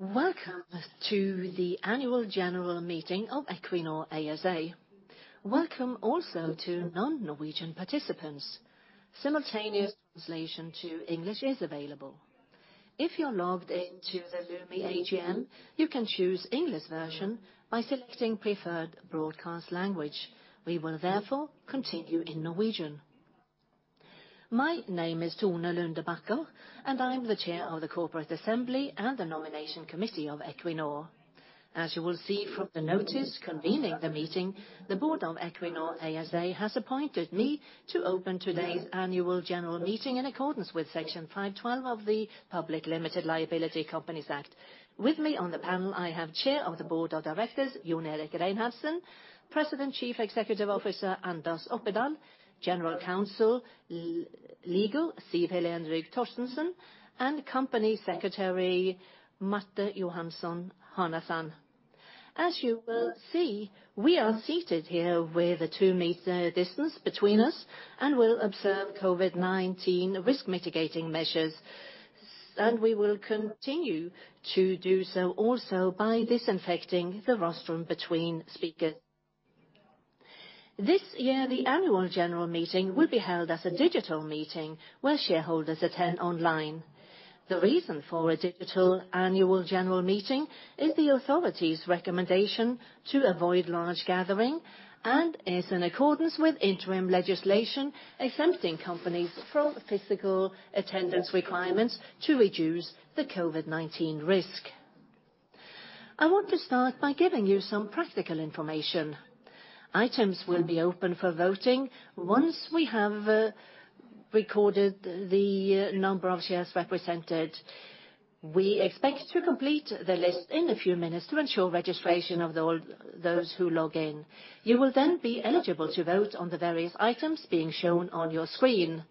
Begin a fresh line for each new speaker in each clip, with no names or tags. Welcome to the Annual General Meeting of Equinor ASA. Welcome also to non-Norwegian participants. Simultaneous translation to English is available. If you're logged into the Lumi AGM, you can choose English version by selecting preferred broadcast language. We will therefore continue in Norwegian. My name is Tone Lunde Bakker, and I'm the Chair of the Corporate Assembly and the Nomination Committee of Equinor. As you will see from the notice convening the meeting, the board of Equinor ASA has appointed me to open today's annual general meeting in accordance with Section 512 of the Public Limited Liability Companies Act. With me on the panel, I have Chair of the Board of Directors, Jon Erik Reinhardsen, President Chief Executive Officer, Anders Opedal, General Counsel Legal, Siv Helen Rygh Torstensen, and Company Secretary, Marte Johanson Hanasand. As you will see, we are seated here with a two-meter distance between us and will observe COVID-19 risk mitigating measures, and we will continue to do so also by disinfecting the rostrum between speakers. This year, the annual general meeting will be held as a digital meeting where shareholders attend online. The reason for a digital annual general meeting is the authority's recommendation to avoid large gathering and is in accordance with interim legislation exempting companies from physical attendance requirements to reduce the COVID-19 risk. I want to start by giving you some practical information. Items will be open for voting once we have recorded the number of shares represented. We expect to complete the list in a few minutes to ensure registration of all those who log in. You will then be eligible to vote on the various items being shown on your screen,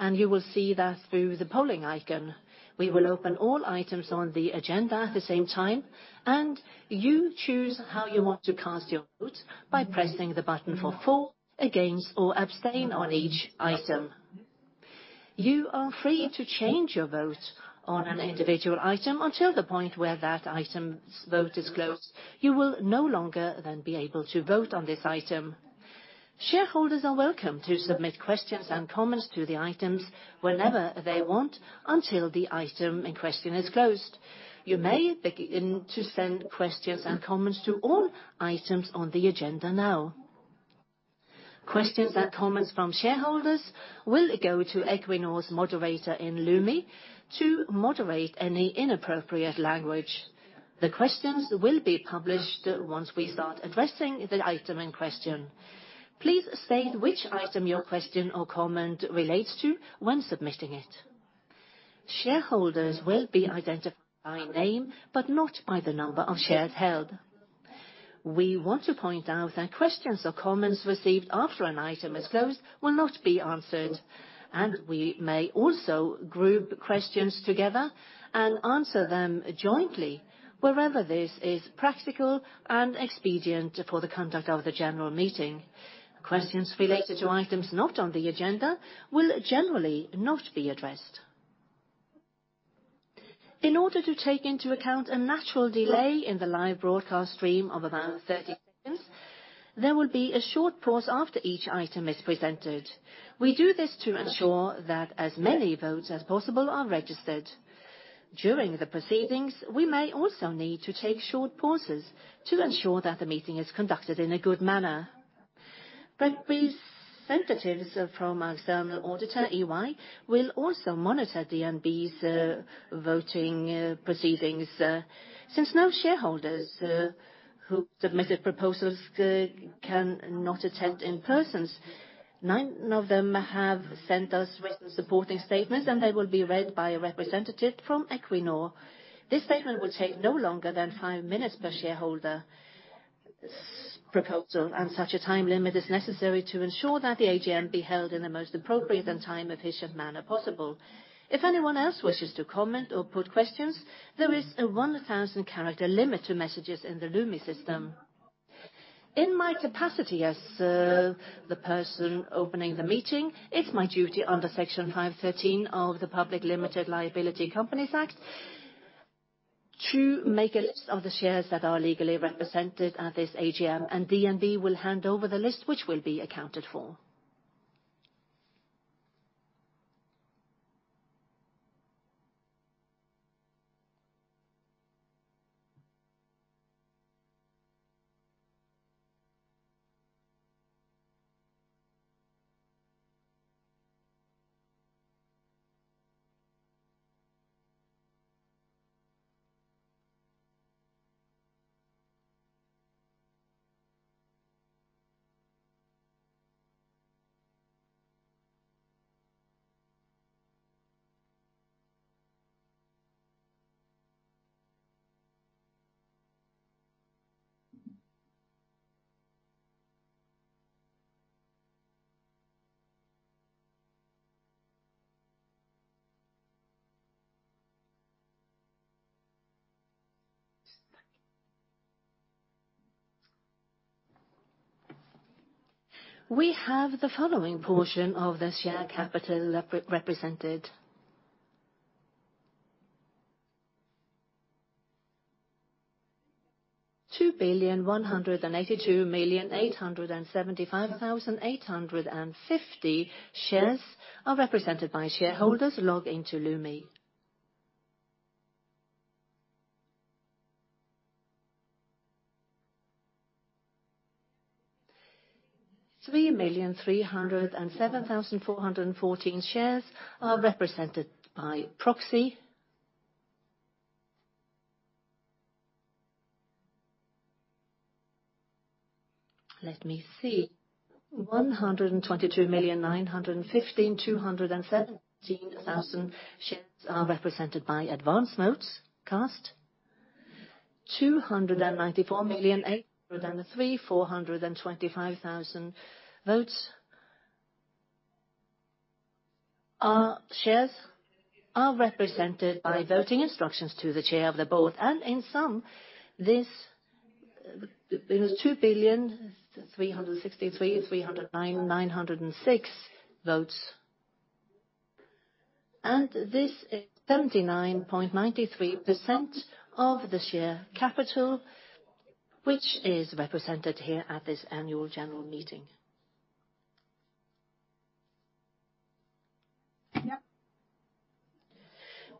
and you will see that through the polling icon. We will open all items on the agenda at the same time, and you choose how you want to cast your vote by pressing the button for, against, or abstain on each item. You are free to change your vote on an individual item until the point where that item's vote is closed. You will no longer then be able to vote on this item. Shareholders are welcome to submit questions and comments to the items whenever they want until the item in question is closed. You may begin to send questions and comments to all items on the agenda now. Questions and comments from shareholders will go to Equinor's moderator in Lumi to moderate any inappropriate language. The questions will be published once we start addressing the item in question. Please state which item your question or comment relates to when submitting it. Shareholders will be identified by name, but not by the number of shares held. We want to point out that questions or comments received after an item is closed will not be answered, and we may also group questions together and answer them jointly wherever this is practical and expedient for the conduct of the general meeting. Questions related to items not on the agenda will generally not be addressed. In order to take into account a natural delay in the live broadcast stream of about 30 seconds, there will be a short pause after each item is presented. We do this to ensure that as many votes as possible are registered. During the proceedings, we may also need to take short pauses to ensure that the meeting is conducted in a good manner. Representatives from our external auditor, EY, will also monitor DNB's voting proceedings. Since no shareholders who submitted proposals cannot attend in persons, nine of them have sent us written supporting statements, and they will be read by a representative from Equinor. This statement will take no longer than five minutes per shareholder proposal, and such a time limit is necessary to ensure that the AGM be held in the most appropriate and time-efficient manner possible. If anyone else wishes to comment or put questions, there is a 1,000-character limit to messages in the Lumi system. In my capacity as the person opening the meeting, it is my duty under Section 513 of the Public Limited Liability Companies Act to make a list of the shares that are legally represented at this AGM, and DNB will hand over the list, which will be accounted for. We have the following portion of the share capital represented. 2,182,875,850 shares are represented by shareholders logged into Lumi. 3,307,414 shares are represented by proxy. Let me see. 122,915,217 shares are represented by advance votes cast. 294,803,425 shares are represented by voting instructions to the Chair of the Board. In sum, this is 2,363,309,906 votes. This is 79.93% of the share capital, which is represented here at this annual general meeting.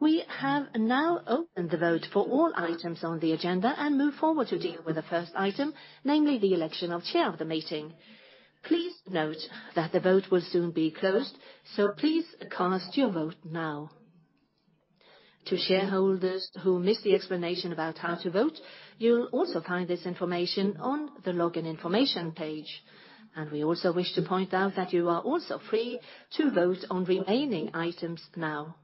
We have now opened the vote for all items on the agenda and move forward to deal with the first item, namely the election of chair of the meeting. Please note that the vote will soon be closed, so please cast your vote now. To shareholders who missed the explanation about how to vote, you will also find this information on the login information page. We also wish to point out that you are also free to vote on remaining items now.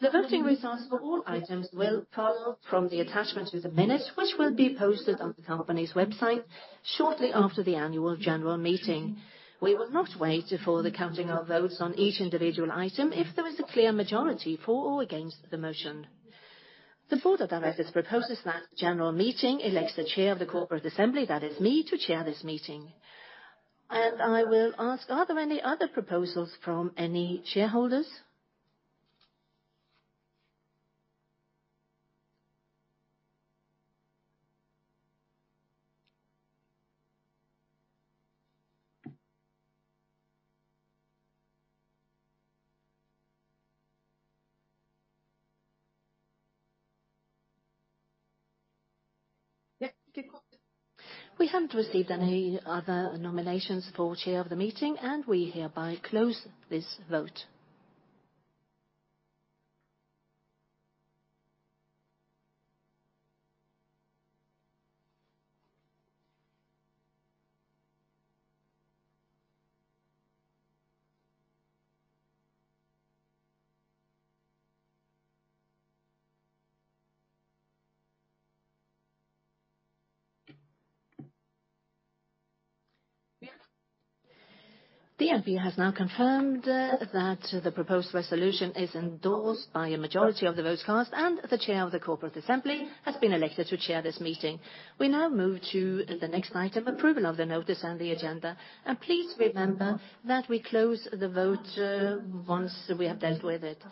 The voting results for all items will follow from the attachment to the minute, which will be posted on the company's website shortly after the annual general meeting. We will not wait for the counting of votes on each individual item if there is a clear majority for or against the motion. The Board of Directors proposes that the general meeting elects the Chair of the Corporate Assembly, that is me, to chair this meeting. I will ask, are there any other proposals from any shareholders? We haven't received any other nominations for chair of the meeting, and we hereby close this vote. DNB has now confirmed that the proposed resolution is endorsed by a majority of the votes cast, and the Chair of the Corporate Assembly has been elected to chair this meeting. We now move to the next item, approval of the notice and the agenda. Please remember that we close the vote once we have dealt with it.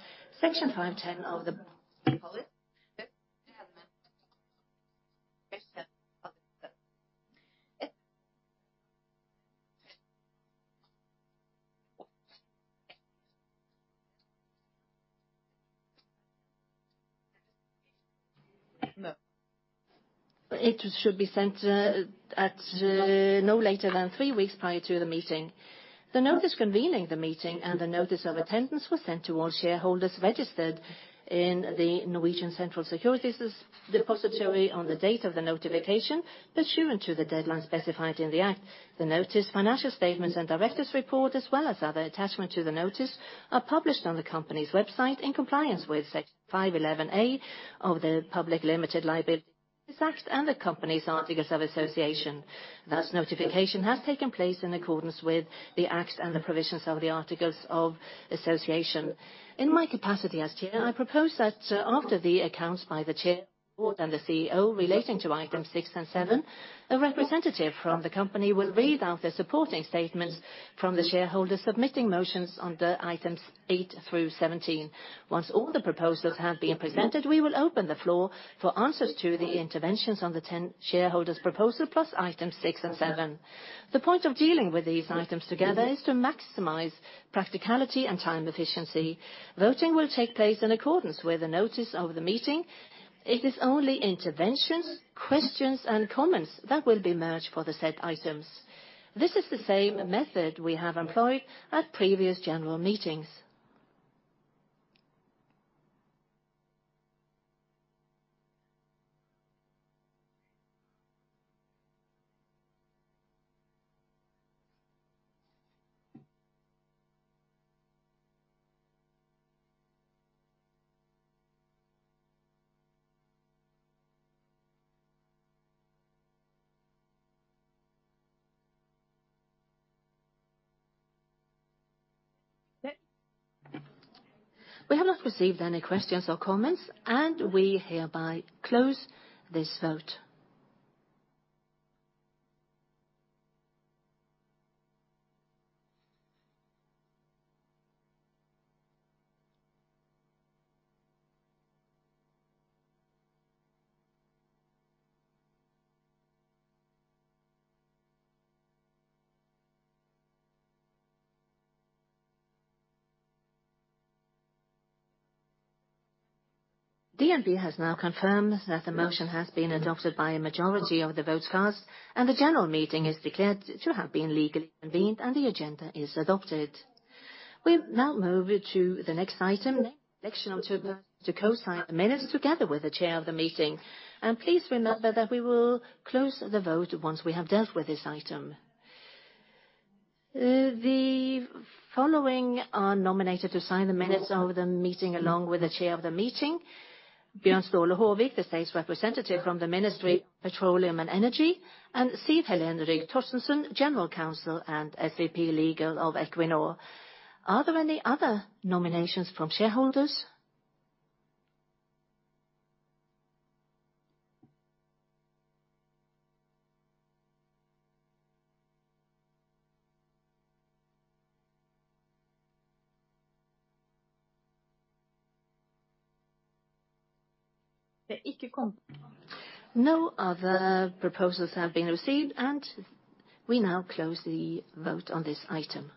It should be sent at no later than three weeks prior to the meeting. The notice convening the meeting and the notice of attendance was sent to all shareholders registered in the Norwegian Central Securities Depository on the date of the notification, pursuant to the deadline specified in the act. The notice, financial statements, and director's report, as well as other attachment to the notice, are published on the company's website in compliance with Section 5.11A of the Public Limited Liability Companies Act and the company's articles of association. Thus, notification has taken place in accordance with the acts and the provisions of the articles of association. In my capacity as chair, I propose that after the accounts by the chair and the CEO relating to items six and seven, a representative from the company will read out the supporting statements from the shareholders submitting motions under items eight through 17. Once all the proposals have been presented, we will open the floor for answers to the interventions on the 10 shareholders' proposal plus items six and seven. The point of dealing with these items together is to maximize practicality and time efficiency. Voting will take place in accordance with the notice of the meeting. It is only interventions, questions, and comments that will be merged for the said items. This is the same method we have employed at previous general meetings. We have not received any questions or comments. We hereby close this vote. DNB has now confirmed that the motion has been adopted by a majority of the votes cast. The general meeting is declared to have been legally convened. The agenda is adopted. We now move to the next item, election to co-sign the minutes together with the chair of the meeting. Please remember that we will close the vote once we have dealt with this item. The following are nominated to sign the minutes of the meeting along with the chair of the meeting, Bjørn Ståle Haavik, the State's Representative from the Ministry of Petroleum and Energy, and Siv Helen Rygh Torstensen, General Counsel and SVP Legal of Equinor. Are there any other nominations from shareholders? No other proposals have been received, and we now close the vote on this item.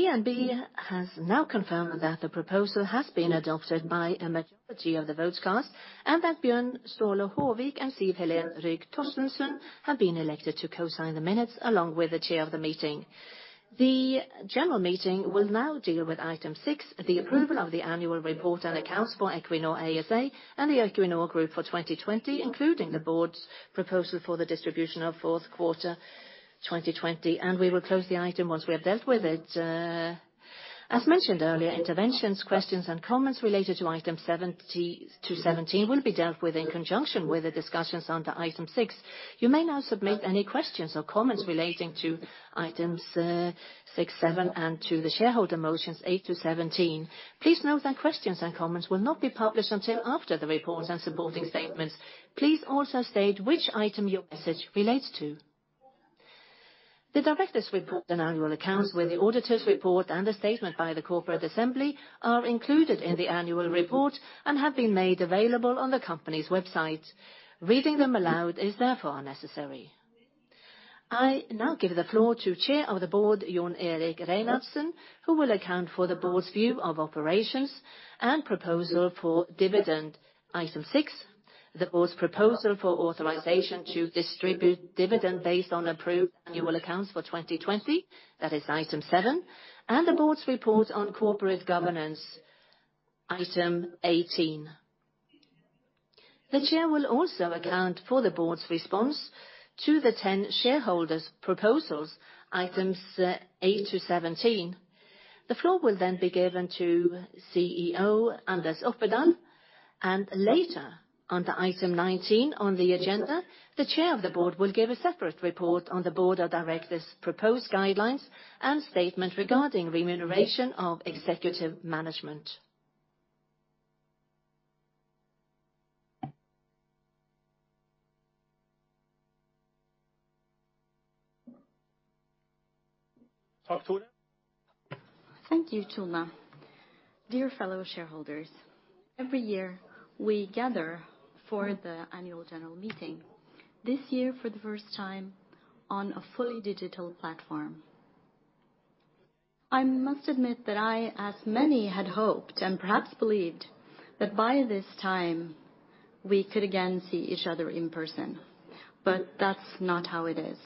DNB has now confirmed that the proposal has been adopted by a majority of the votes cast, and that Bjørn Ståle Haavik and Siv Helen Rygh Torstensen have been elected to co-sign the minutes along with the chair of the meeting. The general meeting will now deal with item six, the approval of the annual report and accounts for Equinor ASA and the Equinor Group for 2020, including the board's proposal for the distribution of fourth quarter 2020. We will close the item once we have dealt with it. As mentioned earlier, interventions, questions, and comments related to item seven to 17 will be dealt with in conjunction with the discussions under item six. You may now submit any questions or comments relating to items six, seven, and to the shareholder motions eight to 17. Please note that questions and comments will not be published until after the report and supporting statements. Please also state which item your message relates to. The director's report and annual accounts with the auditor's report and a statement by the corporate assembly are included in the annual report and have been made available on the company's website. Reading them aloud is therefore unnecessary. I now give the floor to Chair of the Board, Jon Erik Reinhardsen, who will account for the board's view of operations and proposal for dividend item six, the board's proposal for authorization to distribute dividend based on approved annual accounts for 2020, that is item seven, and the board's report on corporate governance, item 18. The chair will also account for the board's response to the 10 shareholders' proposals, items 8 to 17. The floor will be given to CEO Anders Opedal. Later, under item 19 on the agenda, the chair of the board will give a separate report on the board of directors' proposed guidelines and statement regarding remuneration of executive management.
Thank you, Tone Lunde Bakker. Dear fellow shareholders, every year we gather for the annual general meeting. This year, for the first time, on a fully digital platform. I must admit that I, as many, had hoped and perhaps believed that by this time we could again see each other in person. That's not how it is.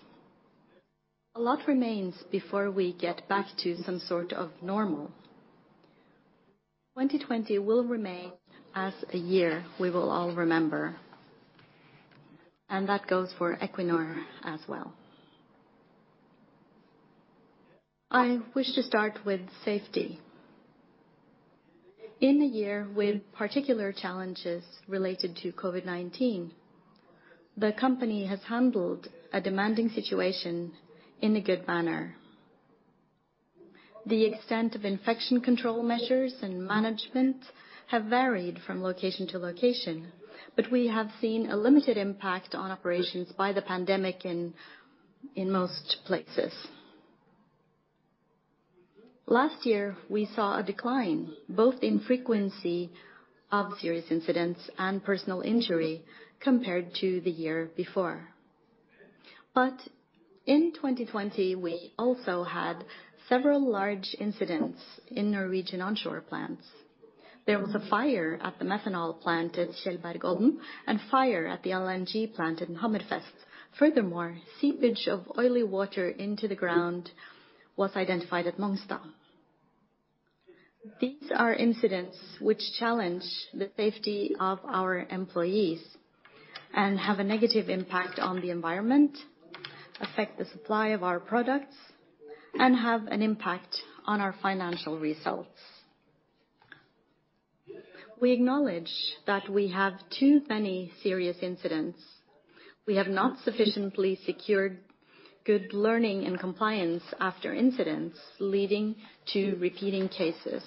A lot remains before we get back to some sort of normal. 2020 will remain as a year we will all remember, and that goes for Equinor as well. I wish to start with safety. In a year with particular challenges related to COVID-19, the company has handled a demanding situation in a good manner. The extent of infection control measures and management have varied from location to location, but we have seen a limited impact on operations by the pandemic in most places. Last year, we saw a decline both in frequency of serious incidents and personal injury compared to the year before. In 2020, we also had several large incidents in Norwegian onshore plants. There was a fire at the methanol plant at Tjeldbergodden, and fire at the LNG plant in Hammerfest. Furthermore, seepage of oily water into the ground was identified at Mongstad. These are incidents which challenge the safety of our employees and have a negative impact on the environment, affect the supply of our products, and have an impact on our financial results. We acknowledge that we have too many serious incidents. We have not sufficiently secured good learning and compliance after incidents, leading to repeating cases.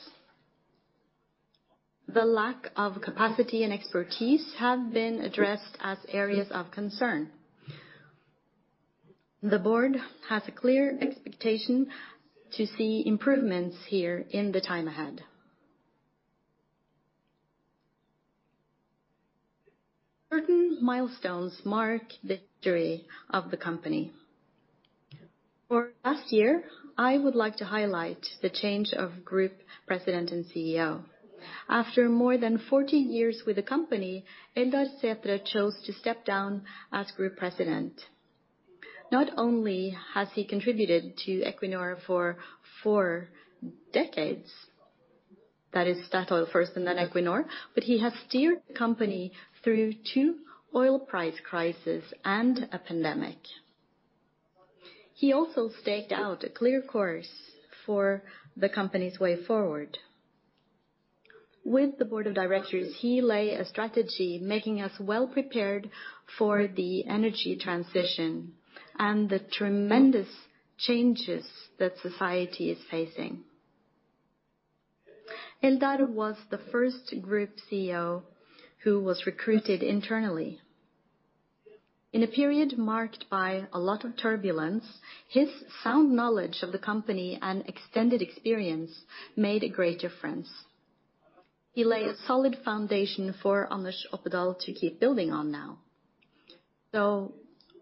The lack of capacity and expertise have been addressed as areas of concern. The board has a clear expectation to see improvements here in the time ahead. Certain milestones mark the journey of the company. For last year, I would like to highlight the change of Group President and CEO. After more than 14 years with the company, Eldar Sætre chose to step down as Group President. Not only has he contributed to Equinor for four decades, that is Statoil first and then Equinor, but he has steered the company through two oil price crisis and a pandemic. He also staked out a clear course for the company's way forward. With the board of directors, he lay a strategy making us well prepared for the energy transition and the tremendous changes that society is facing. Eldar was the first Group CEO who was recruited internally. In a period marked by a lot of turbulence, his sound knowledge of the company and extended experience made a great difference. He lay a solid foundation for Anders Opedal to keep building on now.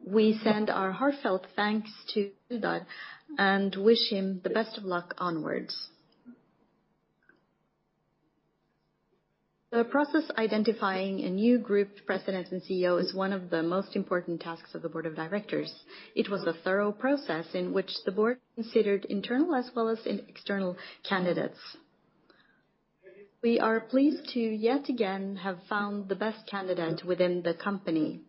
We send our heartfelt thanks to Eldar and wish him the best of luck onwards. The process identifying a new group president and CEO is one of the most important tasks of the Board of Directors. It was a thorough process in which the Board considered internal as well as external candidates. We are pleased to yet again have found the best candidate within the company.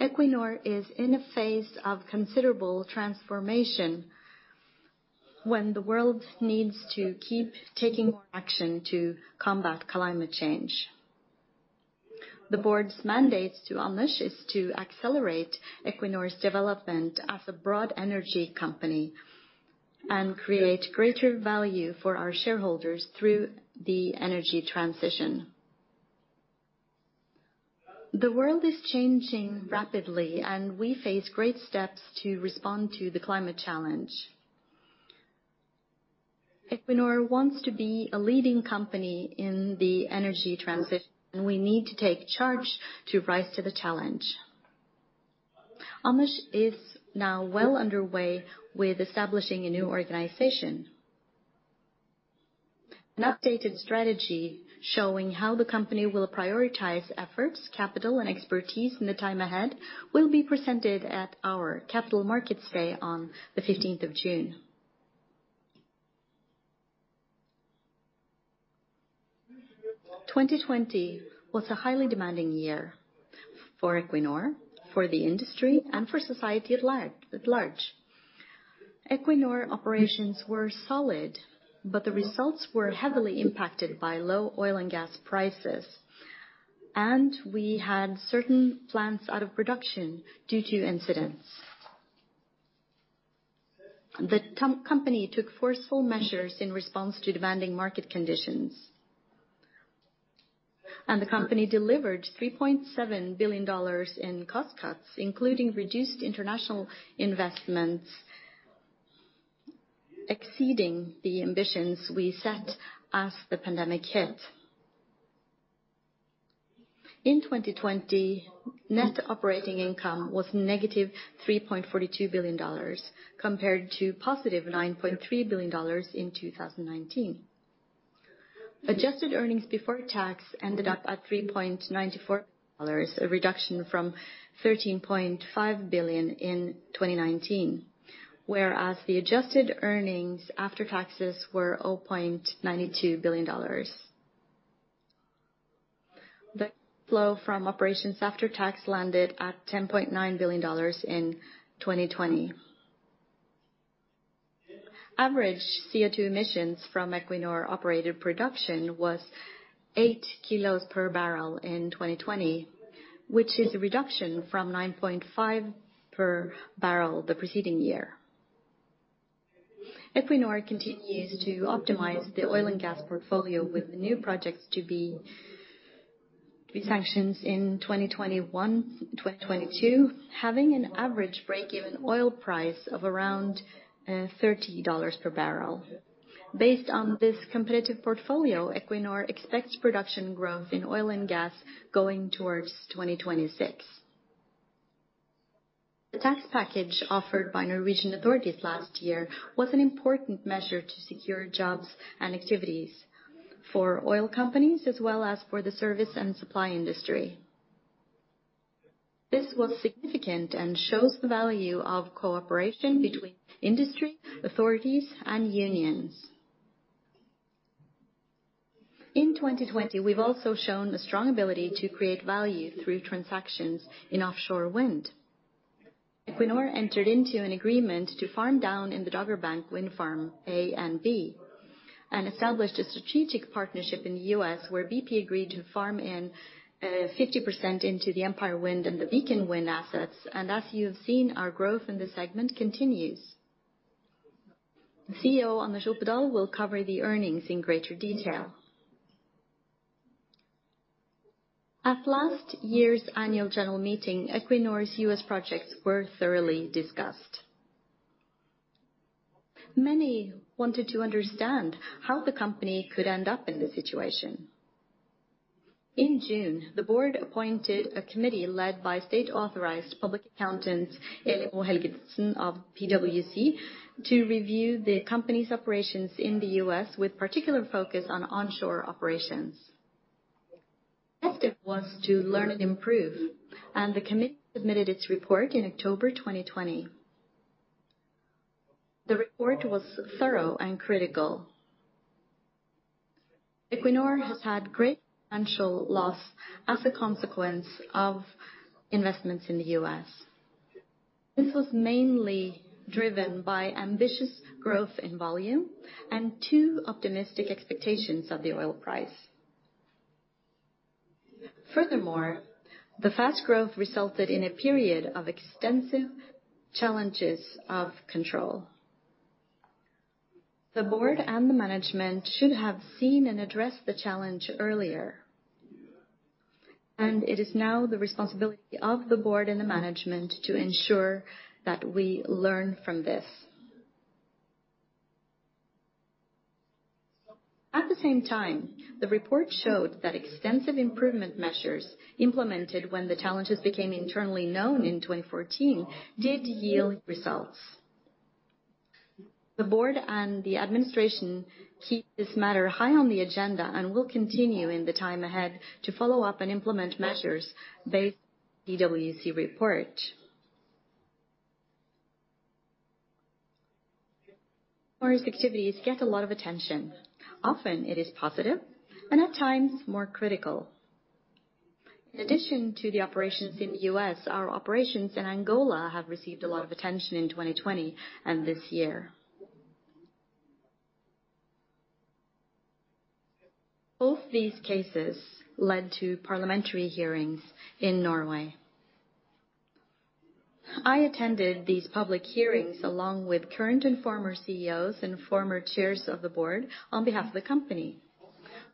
Equinor is in a phase of considerable transformation when the world needs to keep taking more action to combat climate change. The Board's mandates to Anders is to accelerate Equinor's development as a broad energy company and create greater value for our shareholders through the energy transition. The world is changing rapidly, we face great steps to respond to the climate challenge. Equinor wants to be a leading company in the energy transition. We need to take charge to rise to the challenge. Anders is now well underway with establishing a new organization. An updated strategy showing how the company will prioritize efforts, capital, and expertise in the time ahead will be presented at our Capital Markets Day on the 15th of June. 2020 was a highly demanding year for Equinor, for the industry, and for society at large. Equinor operations were solid. The results were heavily impacted by low oil and gas prices, and we had certain plants out of production due to incidents. The company took forceful measures in response to demanding market conditions. The company delivered $3.7 billion in cost cuts, including reduced international investments, exceeding the ambitions we set as the pandemic hit. In 2020, net operating income was negative $3.42 billion, compared to positive $9.3 billion in 2019. Adjusted earnings before tax ended up at $3.94 billion, a reduction from $13.5 billion in 2019, whereas the adjusted earnings after taxes were $0.92 billion. The flow from operations after tax landed at $10.9 billion in 2020. Average CO2 emissions from Equinor-operated production was eight kilos per barrel in 2020, which is a reduction from 9.5 per barrel the preceding year. Equinor continues to optimize the oil and gas portfolio with the new projects to be sanctions in 2021, 2022, having an average break-even oil price of around $30 per barrel. Based on this competitive portfolio, Equinor expects production growth in oil and gas going towards 2026. The tax package offered by Norwegian authorities last year was an important measure to secure jobs and activities for oil companies as well as for the service and supply industry. This was significant and shows the value of cooperation between industry, authorities, and unions. In 2020, we've also shown a strong ability to create value through transactions in offshore wind. Equinor entered into an agreement to farm down in the Dogger Bank wind farm A and B, established a strategic partnership in the U.S. where BP agreed to farm in 50% into the Empire Wind and the Beacon Wind assets. As you have seen, our growth in this segment continues. The CEO, Anders Opedal, will cover the earnings in greater detail. At last year's annual general meeting, Equinor's U.S. projects were thoroughly discussed. Many wanted to understand how the company could end up in this situation. In June, the board appointed a committee led by State-Authorized Public Accountant, Geir Julsvoll of PwC, to review the company's operations in the U.S., with particular focus on onshore operations. The objective was to learn and improve. The committee submitted its report in October 2020. The report was thorough and critical. Equinor has had great financial loss as a consequence of investments in the U.S. This was mainly driven by ambitious growth in volume and too optimistic expectations of the oil price. Furthermore, the fast growth resulted in a period of extensive challenges of control. The board and the management should have seen and addressed the challenge earlier. It is now the responsibility of the board and the management to ensure that we learn from this. At the same time, the report showed that extensive improvement measures implemented when the challenges became internally known in 2014, did yield results. The board and the administration keep this matter high on the agenda and will continue in the time ahead to follow up and implement measures based on the PwC report. Equinor's activities get a lot of attention. Often it is positive, and at times more critical. In addition to the operations in the U.S., our operations in Angola have received a lot of attention in 2020 and this year. Both these cases led to parliamentary hearings in Norway. I attended these public hearings along with current and former CEOs and former chairs of the board on behalf of the company.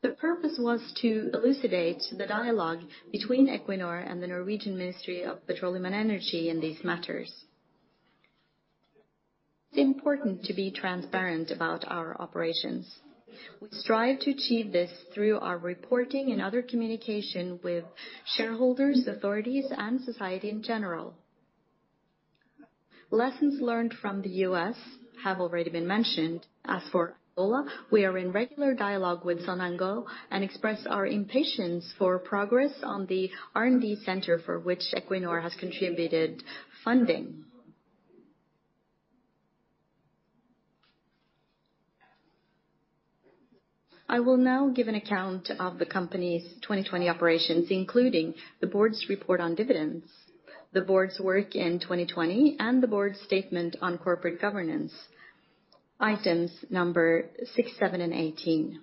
The purpose was to elucidate the dialogue between Equinor and the Norwegian Ministry of Petroleum and Energy in these matters. It's important to be transparent about our operations. We strive to achieve this through our reporting and other communication with shareholders, authorities, and society in general. Lessons learned from the U.S. have already been mentioned. For Angola, we are in regular dialogue with Sonangol and express our impatience for progress on the R&D center for which Equinor has contributed funding. I will now give an account of the company's 2020 operations, including the board's report on dividends, the board's work in 2020, and the board's statement on corporate governance. Items number six, seven, and 18.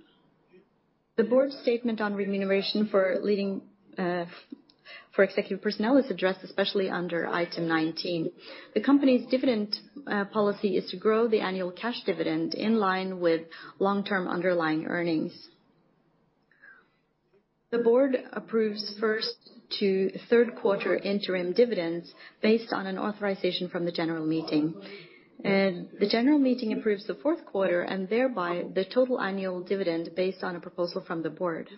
The board's statement on remuneration for executive personnel is addressed especially under item 19. The company's dividend policy is to grow the annual cash dividend in line with long-term underlying earnings. The board approves first to third quarter interim dividends based on an authorization from the general meeting. The general meeting approves the fourth quarter and thereby the total annual dividend based on a proposal from the board.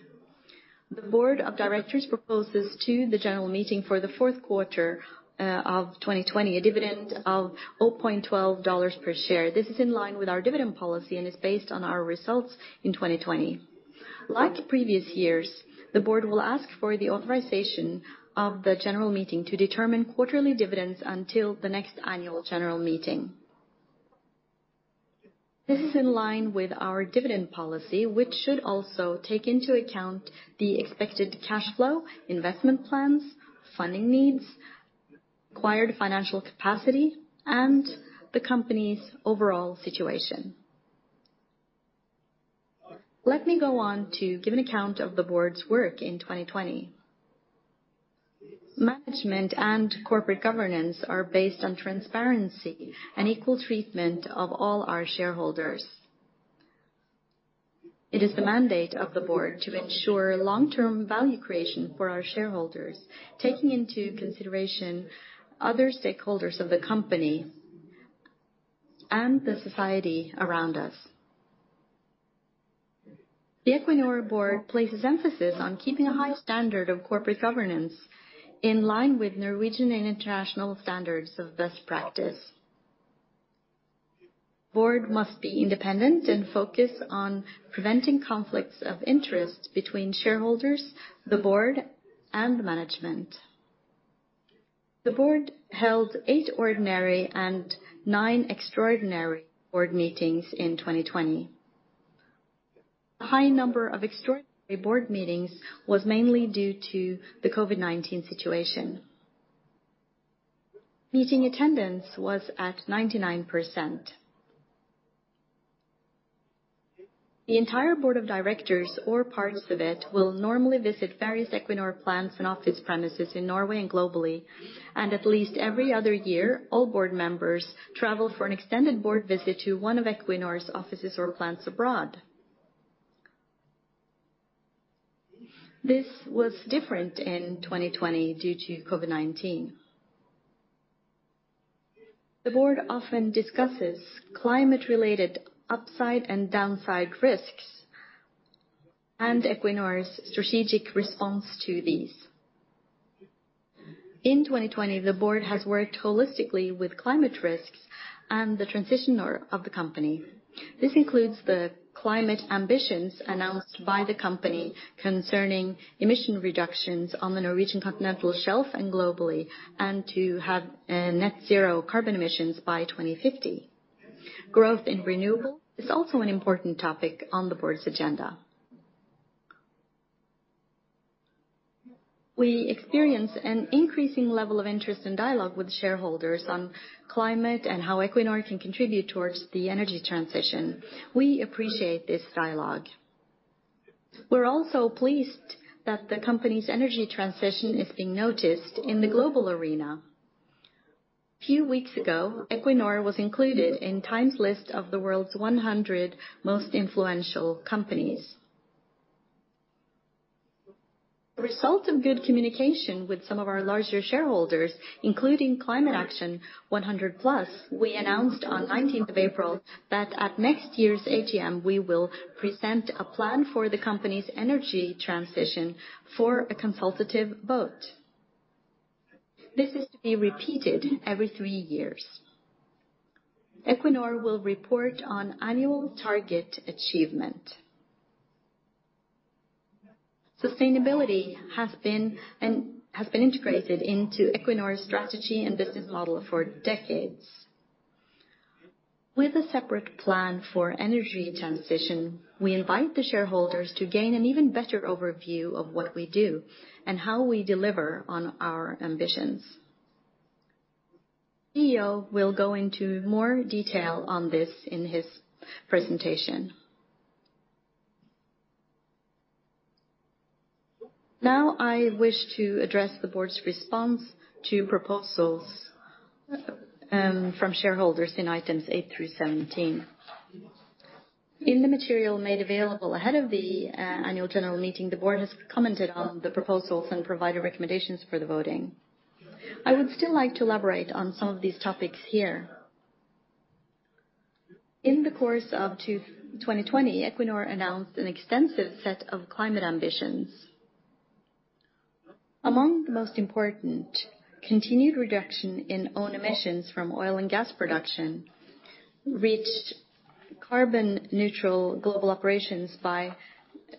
The board of directors proposes to the general meeting for the fourth quarter of 2020, a dividend of $0.12 per share. This is in line with our dividend policy and is based on our results in 2020. Like previous years, the board will ask for the authorization of the general meeting to determine quarterly dividends until the next annual general meeting. This is in line with our dividend policy, which should also take into account the expected cash flow, investment plans, funding needs, acquired financial capacity, and the company's overall situation. Let me go on to give an account of the board's work in 2020. Management and corporate governance are based on transparency and equal treatment of all our shareholders. It is the mandate of the board to ensure long-term value creation for our shareholders, taking into consideration other stakeholders of the company and the society around us. The Equinor board places emphasis on keeping a high standard of corporate governance in line with Norwegian and international standards of best practice. Board must be independent and focus on preventing conflicts of interest between shareholders, the board, and management. The board held eight ordinary and nine extraordinary board meetings in 2020. The high number of extraordinary board meetings was mainly due to the COVID-19 situation. Meeting attendance was at 99%. The entire board of directors or parts of it will normally visit various Equinor plants and office premises in Norway and globally, and at least every other year, all board members travel for an extended board visit to one of Equinor's offices or plants abroad. This was different in 2020 due to COVID-19. The board often discusses climate-related upside and downside risks, and Equinor's strategic response to these. In 2020, the board has worked holistically with climate risks and the transition of the company. This includes the climate ambitions announced by the company concerning emission reductions on the Norwegian Continental Shelf and globally, and to have net zero carbon emissions by 2050. Growth in renewable is also an important topic on the board's agenda. We experience an increasing level of interest in dialogue with shareholders on climate and how Equinor can contribute towards the energy transition. We appreciate this dialogue. We're also pleased that the company's energy transition is being noticed in the global arena. Few weeks ago, Equinor was included in TIME's list of the world's 100 most influential companies. A result of good communication with some of our larger shareholders, including Climate Action 100+, we announced on 19th of April that at next year's AGM, we will present a plan for the company's energy transition for a consultative vote. This is to be repeated every three years. Equinor will report on annual target achievement. Sustainability has been integrated into Equinor's strategy and business model for decades. With a separate plan for energy transition, we invite the shareholders to gain an even better overview of what we do and how we deliver on our ambitions. CEO will go into more detail on this in his presentation. Now, I wish to address the board's response to proposals from shareholders in items eight through 17. In the material made available ahead of the annual general meeting, the board has commented on the proposals and provided recommendations for the voting. I would still like to elaborate on some of these topics here. In the course of 2020, Equinor announced an extensive set of climate ambitions. Among the most important, continued reduction in own emissions from oil and gas production, reach carbon neutral global operations by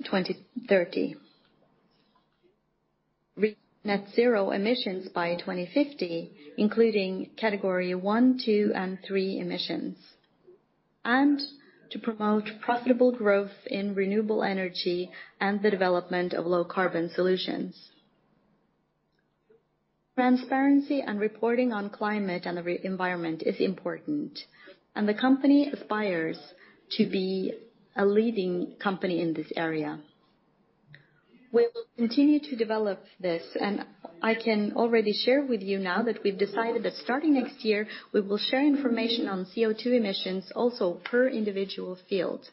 2030. Reach net zero emissions by 2050, including category one, two, and three emissions, and to promote profitable growth in renewable energy and the development of low-carbon solutions. Transparency and reporting on climate and the environment is important, and the company aspires to be a leading company in this area. We will continue to develop this, and I can already share with you now that we've decided that starting next year, we will share information on CO2 emissions also per individual field.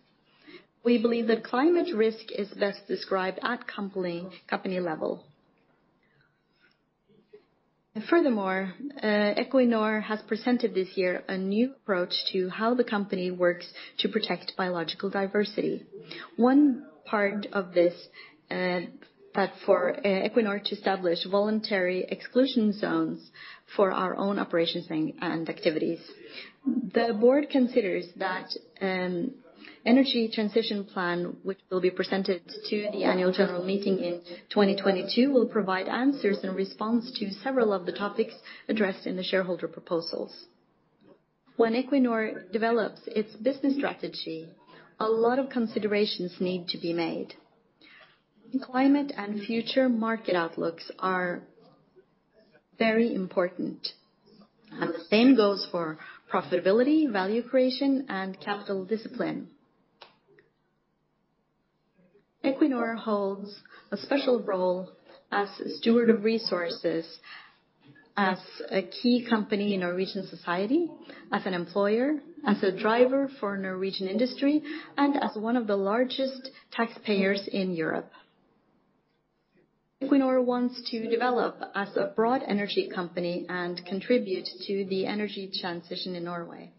We believe that climate risk is best described at company level. Furthermore, Equinor has presented this year a new approach to how the company works to protect biological diversity. One part of this, that for Equinor to establish voluntary exclusion zones for our own operations and activities. The board considers that energy transition plan, which will be presented to the annual general meeting in 2022, will provide answers and response to several of the topics addressed in the shareholder proposals. When Equinor develops its business strategy, a lot of considerations need to be made. The climate and future market outlooks are very important, and the same goes for profitability, value creation, and capital discipline. Equinor holds a special role as a steward of resources, as a key company in our regional society, as an employer, as a driver for Norwegian industry, and as one of the largest taxpayers in Europe. Equinor wants to develop as a broad energy company and contribute to the energy transition in Norway.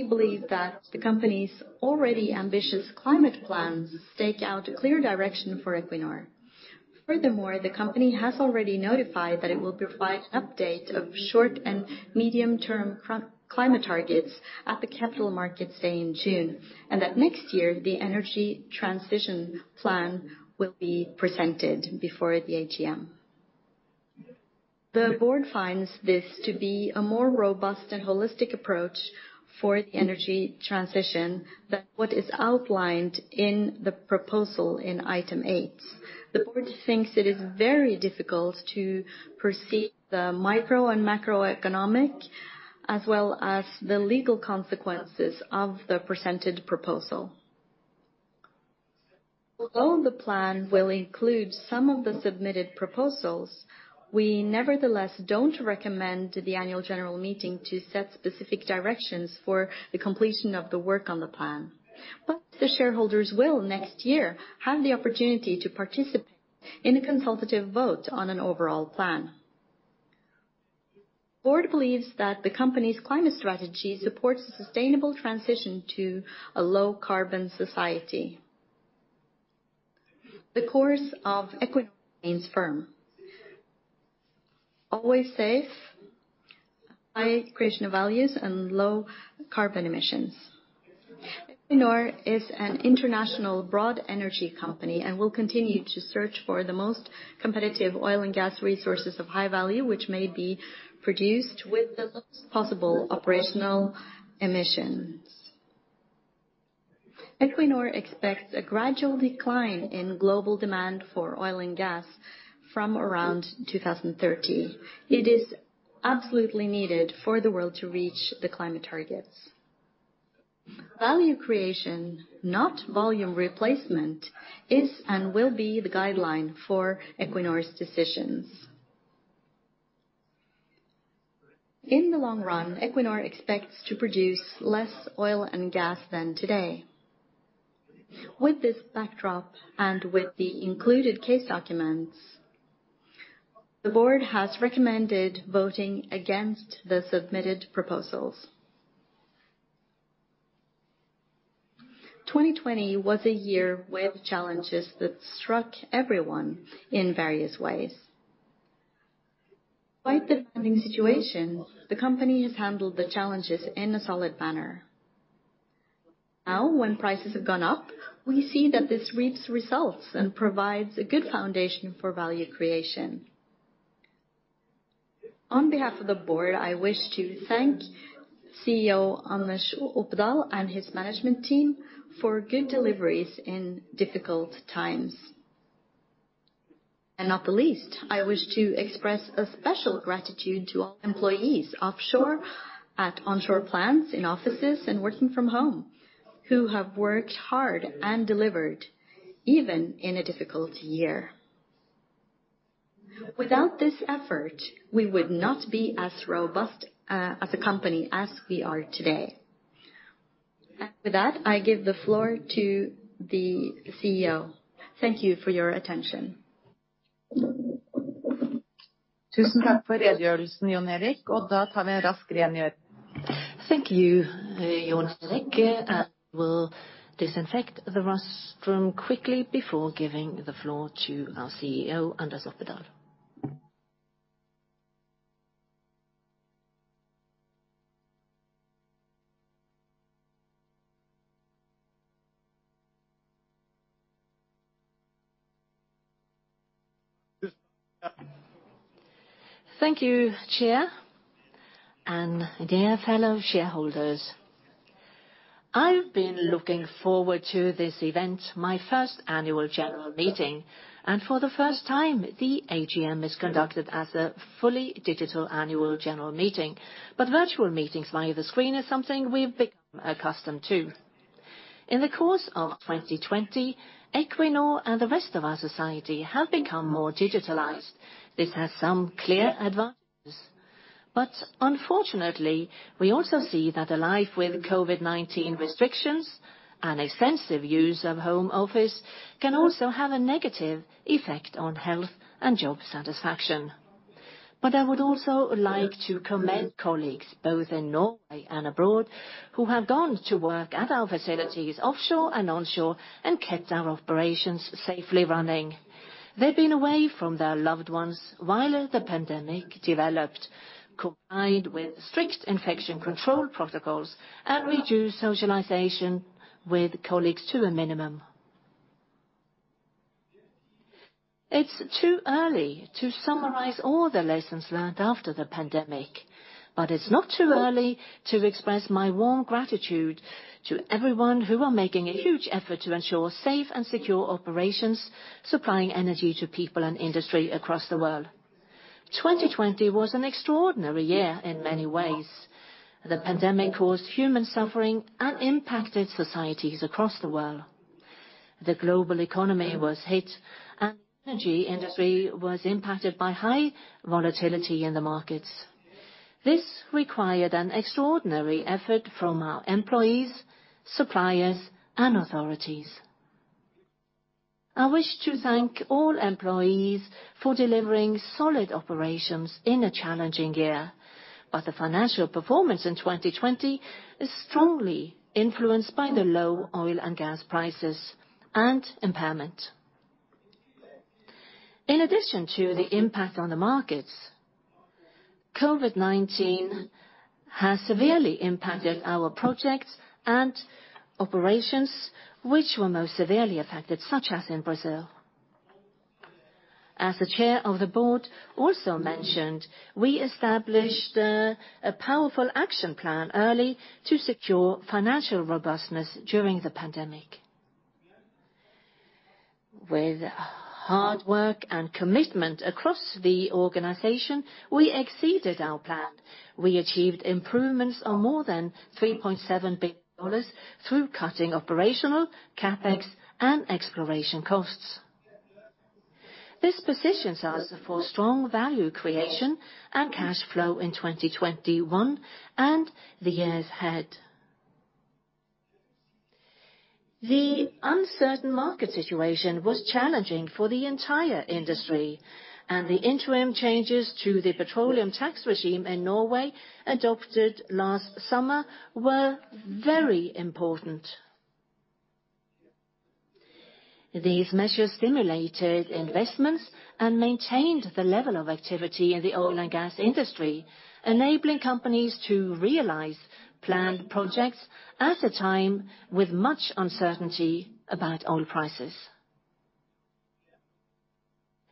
We believe that the company's already ambitious climate plans stake out a clear direction for Equinor. The company has already notified that it will provide an update of short and medium-term climate targets at the Capital Markets Day in June, and that next year the energy transition plan will be presented before the AGM. The Board finds this to be a more robust and holistic approach for the energy transition than what is outlined in the proposal in item eight. The board thinks it is very difficult to perceive the micro and macroeconomic, as well as the legal consequences of the presented proposal. Although the plan will include some of the submitted proposals, we nevertheless do not recommend the Annual General Meeting to set specific directions for the completion of the work on the plan. The shareholders will, next year, have the opportunity to participate in a consultative vote on an overall plan. The board believes that the company's climate strategy supports a sustainable transition to a low-carbon society. The course of Equinor remains firm. Always safe, high creation of values, and low carbon emissions. Equinor is an international broad energy company and will continue to search for the most competitive oil and gas resources of high value, which may be produced with the lowest possible operational emissions. Equinor expects a gradual decline in global demand for oil and gas from around 2030. It is absolutely needed for the world to reach the climate targets. Value creation, not volume replacement, is and will be the guideline for Equinor's decisions. In the long run, Equinor expects to produce less oil and gas than today. With this backdrop, and with the included case documents, the board has recommended voting against the submitted proposals. 2020 was a year with challenges that struck everyone in various ways. Despite the demanding situation, the company has handled the challenges in a solid manner. Now, when prices have gone up, we see that this reaps results and provides a good foundation for value creation. On behalf of the board, I wish to thank CEO Anders Opedal and his management team for good deliveries in difficult times. Not the least, I wish to express a special gratitude to all employees offshore, at onshore plants, in offices, and working from home, who have worked hard and delivered even in a difficult year. Without this effort, we would not be as robust as a company as we are today. With that, I give the floor to the CEO. Thank you for your attention.
Thank you, Jon Erik. I will disinfect the rostrum quickly before giving the floor to our CEO Anders Opedal.
Thank you, Chair, and dear fellow shareholders. I've been looking forward to this event, my first annual general meeting. For the first time, the AGM is conducted as a fully digital annual general meeting. Virtual meetings via the screen is something we've become accustomed to. In the course of 2020, Equinor and the rest of our society have become more digitalized. This has some clear advantages, but unfortunately, we also see that a life with COVID-19 restrictions and extensive use of home office can also have a negative effect on health and job satisfaction. I would also like to commend colleagues both in Norway and abroad who have gone to work at our facilities offshore and onshore and kept our operations safely running. They've been away from their loved ones while the pandemic developed, combined with strict infection control protocols and reduced socialization with colleagues to a minimum. It's too early to summarize all the lessons learned after the pandemic, but it's not too early to express my warm gratitude to everyone who are making a huge effort to ensure safe and secure operations, supplying energy to people and industry across the world. 2020 was an extraordinary year in many ways. The pandemic caused human suffering and impacted societies across the world. The global economy was hit, and the energy industry was impacted by high volatility in the markets. This required an extraordinary effort from our employees, suppliers, and authorities. I wish to thank all employees for delivering solid operations in a challenging year. The financial performance in 2020 is strongly influenced by the low oil and gas prices and impairment. In addition to the impact on the markets, COVID-19 has severely impacted our projects and operations, which were most severely affected, such as in Brazil. As the chair of the board also mentioned, we established a powerful action plan early to secure financial robustness during the pandemic. With hard work and commitment across the organization, we exceeded our plan. We achieved improvements of more than $3.7 billion through cutting operational, CapEx, and exploration costs. This positions us for strong value creation and cash flow in 2021 and the years ahead. The uncertain market situation was challenging for the entire industry. The interim changes to the petroleum tax regime in Norway adopted last summer were very important. These measures stimulated investments and maintained the level of activity in the oil and gas industry, enabling companies to realize planned projects at a time with much uncertainty about oil prices.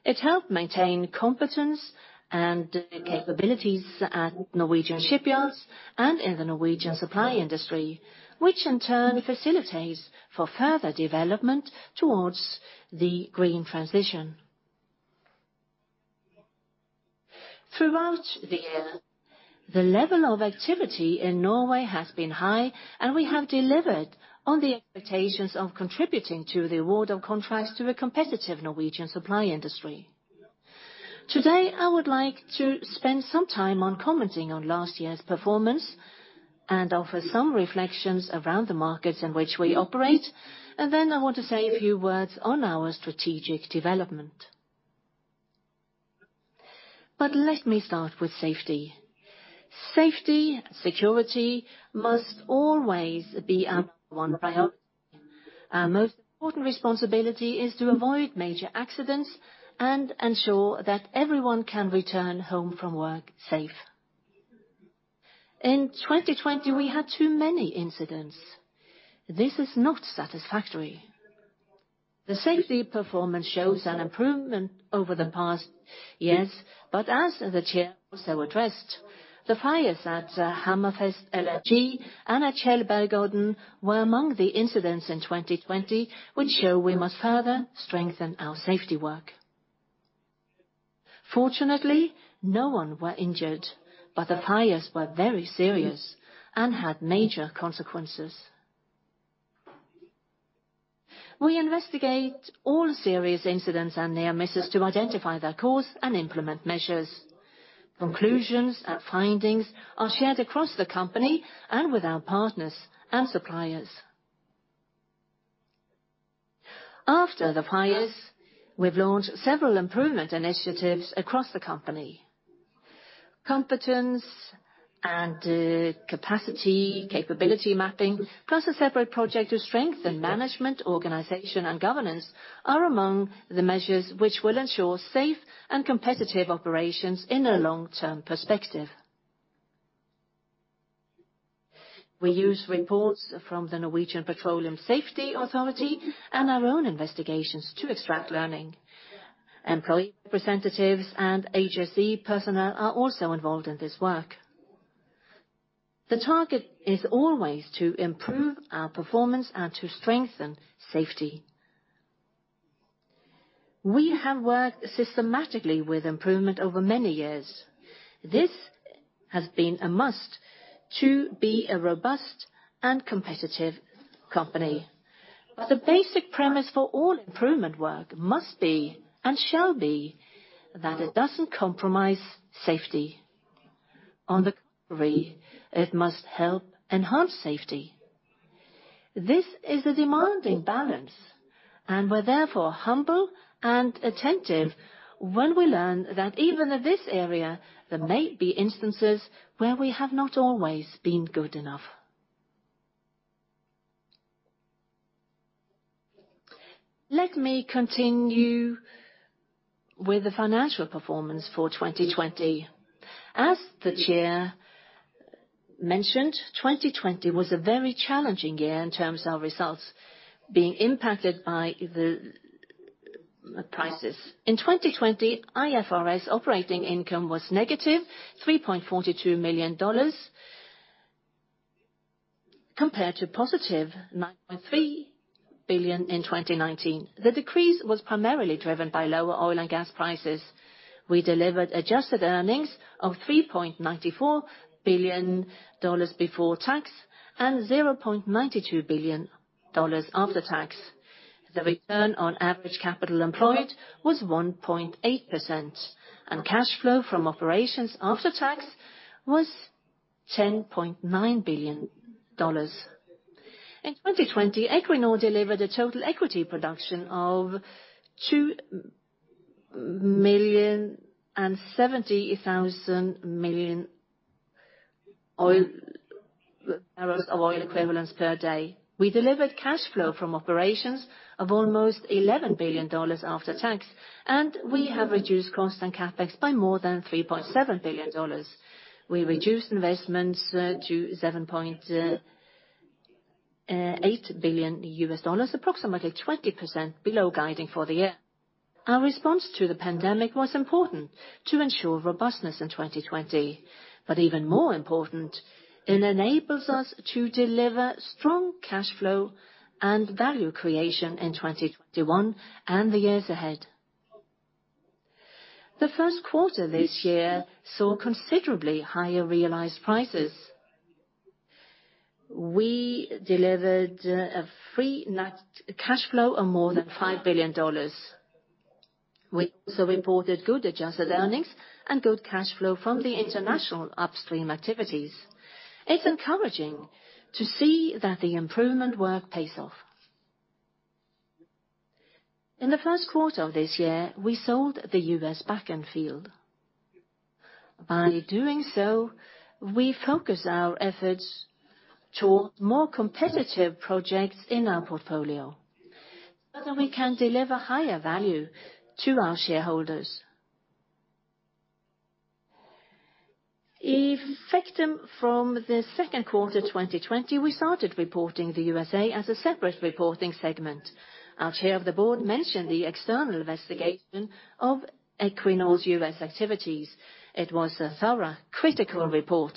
It helped maintain competence and capabilities at Norwegian shipyards and in the Norwegian supply industry, which in turn facilitates for further development towards the green transition. Throughout the year, the level of activity in Norway has been high, and we have delivered on the expectations of contributing to the award of contracts to a competitive Norwegian supply industry. Today, I would like to spend some time on commenting on last year's performance and offer some reflections around the markets in which we operate, and then I want to say a few words on our strategic development. Let me start with safety. Safety, security, must always be our number one priority. Our most important responsibility is to avoid major accidents and ensure that everyone can return home from work safe. In 2020, we had too many incidents. This is not satisfactory. The safety performance shows an improvement over the past years, but as the chair also addressed, the fires at Hammerfest LNG and at Tjeldbergodden were among the incidents in 2020 which show we must further strengthen our safety work. Fortunately, no one was injured, but the fires were very serious and had major consequences. We investigate all serious incidents and near misses to identify their cause and implement measures. Conclusions and findings are shared across the company and with our partners and suppliers. After the fires, we've launched several improvement initiatives across the company. Competence and capacity, capability mapping, plus a separate project to strengthen management, organization, and governance are among the measures which will ensure safe and competitive operations in a long-term perspective. We use reports from the Petroleum Safety Authority Norway and our own investigations to extract learning. Employee representatives and HSE personnel are also involved in this work. The target is always to improve our performance and to strengthen safety. We have worked systematically with improvement over many years. This has been a must to be a robust and competitive company. The basic premise for all improvement work must be, and shall be, that it doesn't compromise safety. On the contrary, it must help enhance safety. This is a demanding balance, we're therefore humble and attentive when we learn that even in this area, there may be instances where we have not always been good enough. Let me continue with the financial performance for 2020. As the chair mentioned, 2020 was a very challenging year in terms of results, being impacted by the prices. In 2020, IFRS operating income was negative $3.42 billion, compared to positive $9.3 billion in 2019. The decrease was primarily driven by lower oil and gas prices. We delivered adjusted earnings of $3.94 billion before tax and $0.92 billion after tax. The return on average capital employed was 1.8%, and cash flow from operations after tax was $10.9 billion. In 2020, Equinor delivered a total equity production of 2.07 million barrels of oil equivalent per day. We delivered cash flow from operations of almost $11 billion after tax, and we have reduced costs and CapEx by more than $3.7 billion. We reduced investments to $7.8 billion, approximately 20% below guiding for the year. Our response to the pandemic was important to ensure robustness in 2020. Even more important, it enables us to deliver strong cash flow and value creation in 2021 and the years ahead. The first quarter this year saw considerably higher realized prices. We delivered a free net cash flow of more than $5 billion. We also reported good-adjusted earnings and good cash flow from the international upstream activities. It's encouraging to see that the improvement work pays off. In the first quarter of this year, we sold the U.S. Bakken field. By doing so, we focus our efforts towards more competitive projects in our portfolio, so that we can deliver higher value to our shareholders. Effective from the second quarter 2020, we started reporting the U.S.A. as a separate reporting segment. Our chair of the board mentioned the external investigation of Equinor's U.S. activities. It was a thorough, critical report,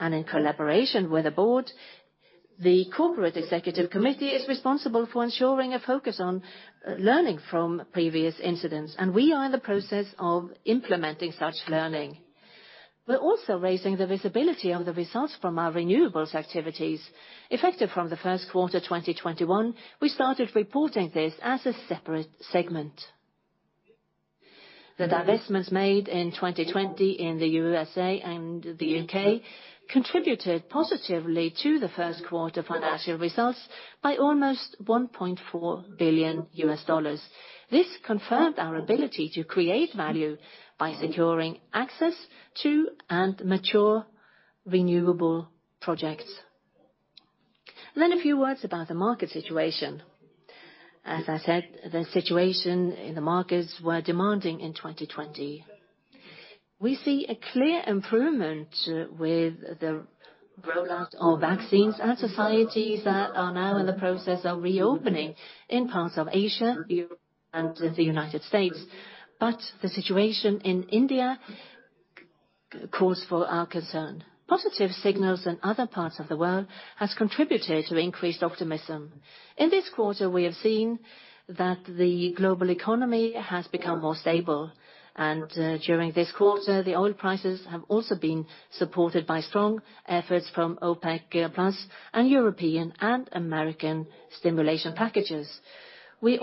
and in collaboration with the board, the Corporate Executive Committee is responsible for ensuring a focus on learning from previous incidents, and we are in the process of implementing such learning. We're also raising the visibility of the results from our renewables activities. Effective from the first quarter 2021, we started reporting this as a separate segment. The divestments made in 2020 in the U.S.A. and the U.K. contributed positively to the first quarter financial results by almost $1.4 billion. This confirmed our ability to create value by securing access to and mature renewable projects. A few words about the market situation. As I said, the situation in the markets were demanding in 2020. We see a clear improvement with the rollout of vaccines and societies that are now in the process of reopening in parts of Asia, Europe, and the United States. The situation in India calls for our concern. Positive signals in other parts of the world has contributed to increased optimism. In this quarter, we have seen that the global economy has become more stable, and during this quarter, the oil prices have also been supported by strong efforts from OPEC+ and European and U.S. stimulation packages. There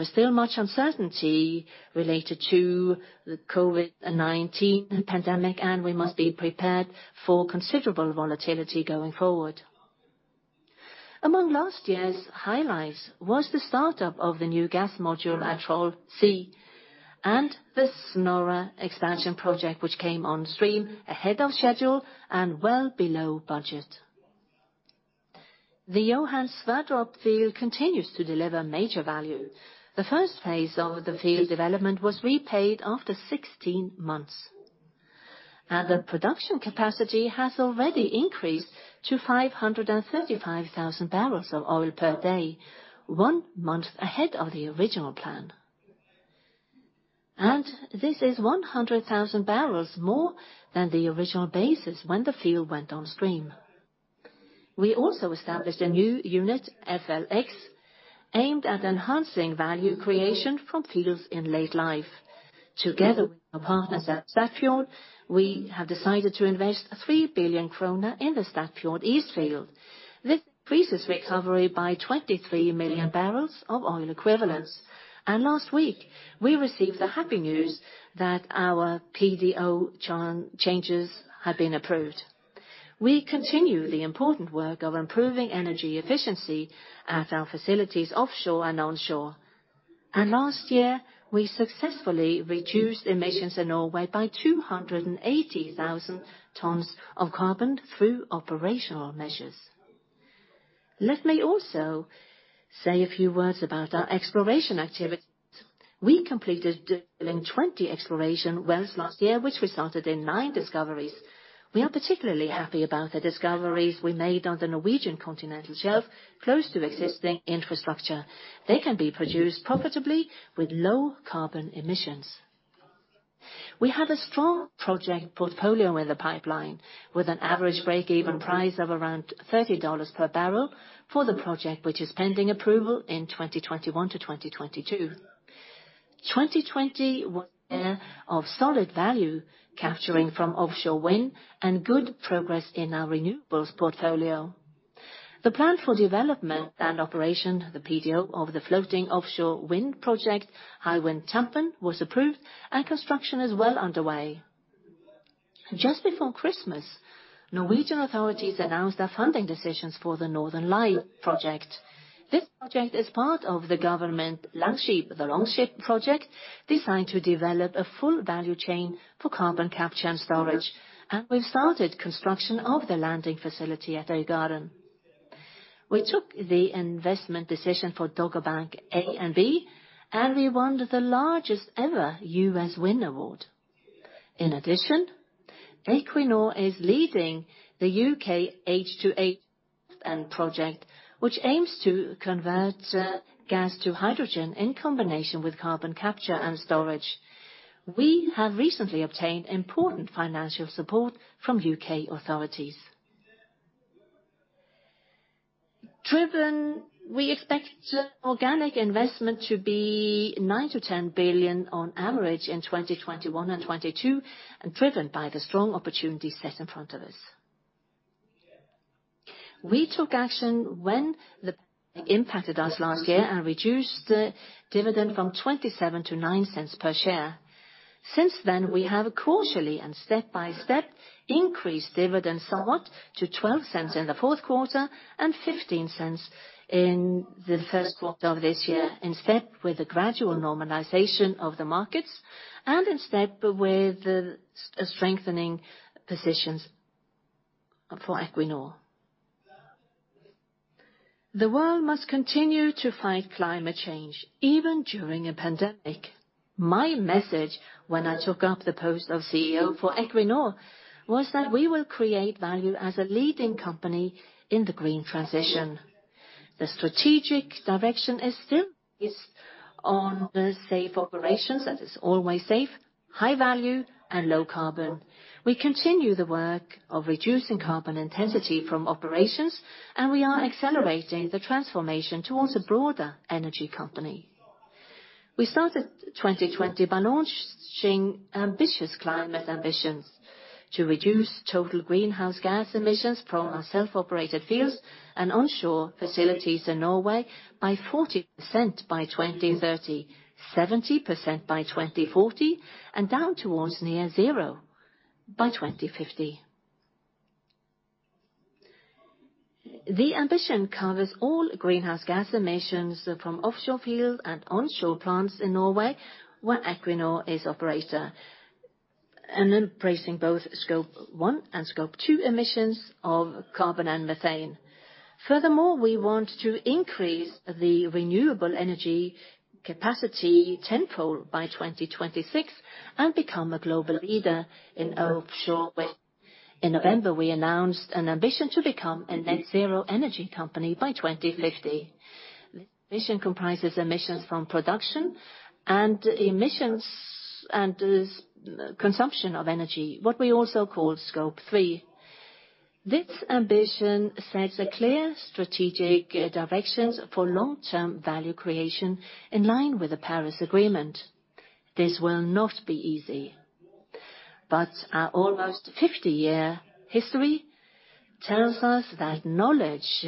is still much uncertainty related to the COVID-19 pandemic, and we must be prepared for considerable volatility going forward. Among last year's highlights was the startup of the new gas module at Troll C and the Snorre expansion project, which came on stream ahead of schedule and well below budget. The Johan Sverdrup field continues to deliver major value. The first phase of the field development was repaid after 16 months. The production capacity has already increased to 535,000 barrels of oil per day, one month ahead of the original plan. This is 100,000 barrels more than the original basis when the field went on stream. We also established a new unit, FLX, aimed at enhancing value creation from fields in late life. Together with our partners at Statfjord, we have decided to invest 3 billion kroner in the Statfjord East field. This increases recovery by 23 million barrels of oil equivalent. Last week, we received the happy news that our PDO changes have been approved. We continue the important work of improving energy efficiency at our facilities offshore and onshore. Last year, we successfully reduced emissions in Norway by 280,000 tons of carbon through operational measures. Let me also say a few words about our exploration activities. We completed drilling 20 exploration wells last year, which resulted in nine discoveries. We are particularly happy about the discoveries we made on the Norwegian Continental Shelf, close to existing infrastructure. They can be produced profitably with low carbon emissions. We have a strong project portfolio in the pipeline with an average break-even price of around $30 per barrel for the project, which is pending approval in 2021 to 2022. 2020 was a year of solid value capturing from offshore wind and good progress in our renewables portfolio. The plan for development and operation, the PDO, of the floating offshore wind project, Hywind Tampen, was approved and construction is well underway. Just before Christmas, Norwegian authorities announced their funding decisions for the Northern Lights project. This project is part of the government Longship, the Longship project, designed to develop a full value chain for carbon capture and storage. We've started construction of the landing facility at Øygarden. We took the investment decision for Dogger Bank A and B. We won the largest ever U.S. wind award. In addition, Equinor is leading the U.K. H2H project, which aims to convert gas to hydrogen in combination with carbon capture and storage. We have recently obtained important financial support from U.K. authorities. We expect organic investment to be $9 billion-$10 billion on average in 2021 and 2022, driven by the strong opportunities set in front of us. We took action when the pandemic impacted us last year and reduced the dividend from $0.27 to $0.09 per share. Since then, we have cautiously and step by step increased dividends somewhat to $0.12 in the fourth quarter and $0.15 in the first quarter of this year. In step with the gradual normalization of the markets and in step with the strengthening positions for Equinor. The world must continue to fight climate change, even during a pandemic. My message when I took up the post of CEO for Equinor was that we will create value as a leading company in the green transition. The strategic direction is still based on the safe operations, that is always safe, high value, and low carbon. We continue the work of reducing carbon intensity from operations. We are accelerating the transformation towards a broader energy company. We started 2020 by launching ambitious climate ambitions to reduce total greenhouse gas emissions from our self-operated fields and onshore facilities in Norway by 40% by 2030, 70% by 2040, and down towards near zero by 2050. The ambition covers all greenhouse gas emissions from offshore fields and onshore plants in Norway where Equinor is operator, and embracing both Scope 1 and Scope 2 emissions of carbon and methane. Furthermore, we want to increase the renewable energy capacity tenfold by 2026 and become a global leader in offshore wind. In November, we announced an ambition to become a net zero energy company by 2050. This ambition comprises emissions from production and emissions and consumption of energy, what we also call Scope 3. This ambition sets a clear strategic direction for long-term value creation in line with the Paris Agreement. This will not be easy, but our almost 50-year history tells us that knowledge,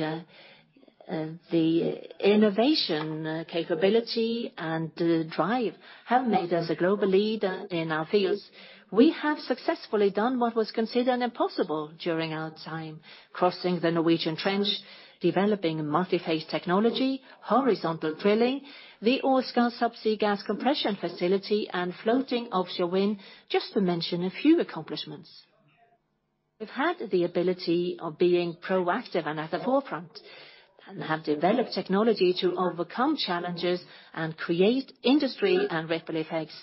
the innovation capability, and the drive have made us a global leader in our fields. We have successfully done what was considered impossible during our time, crossing the Norwegian Trench, developing multi-phase technology, horizontal drilling, the Åsgard subsea gas compression facility, and floating offshore wind, just to mention a few accomplishments. We've had the ability of being proactive and at the forefront and have developed technology to overcome challenges and create industry and ripple effects.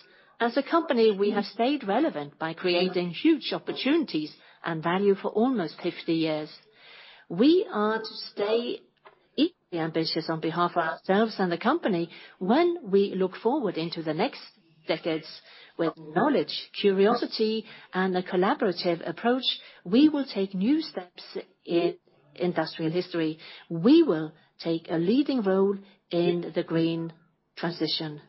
As a company, we have stayed relevant by creating huge opportunities and value for almost 50 years. We are to stay equally ambitious on behalf of ourselves and the company when we look forward into the next decades. With knowledge, curiosity, and a collaborative approach, we will take new steps in industrial history. We will take a leading role in the green transition.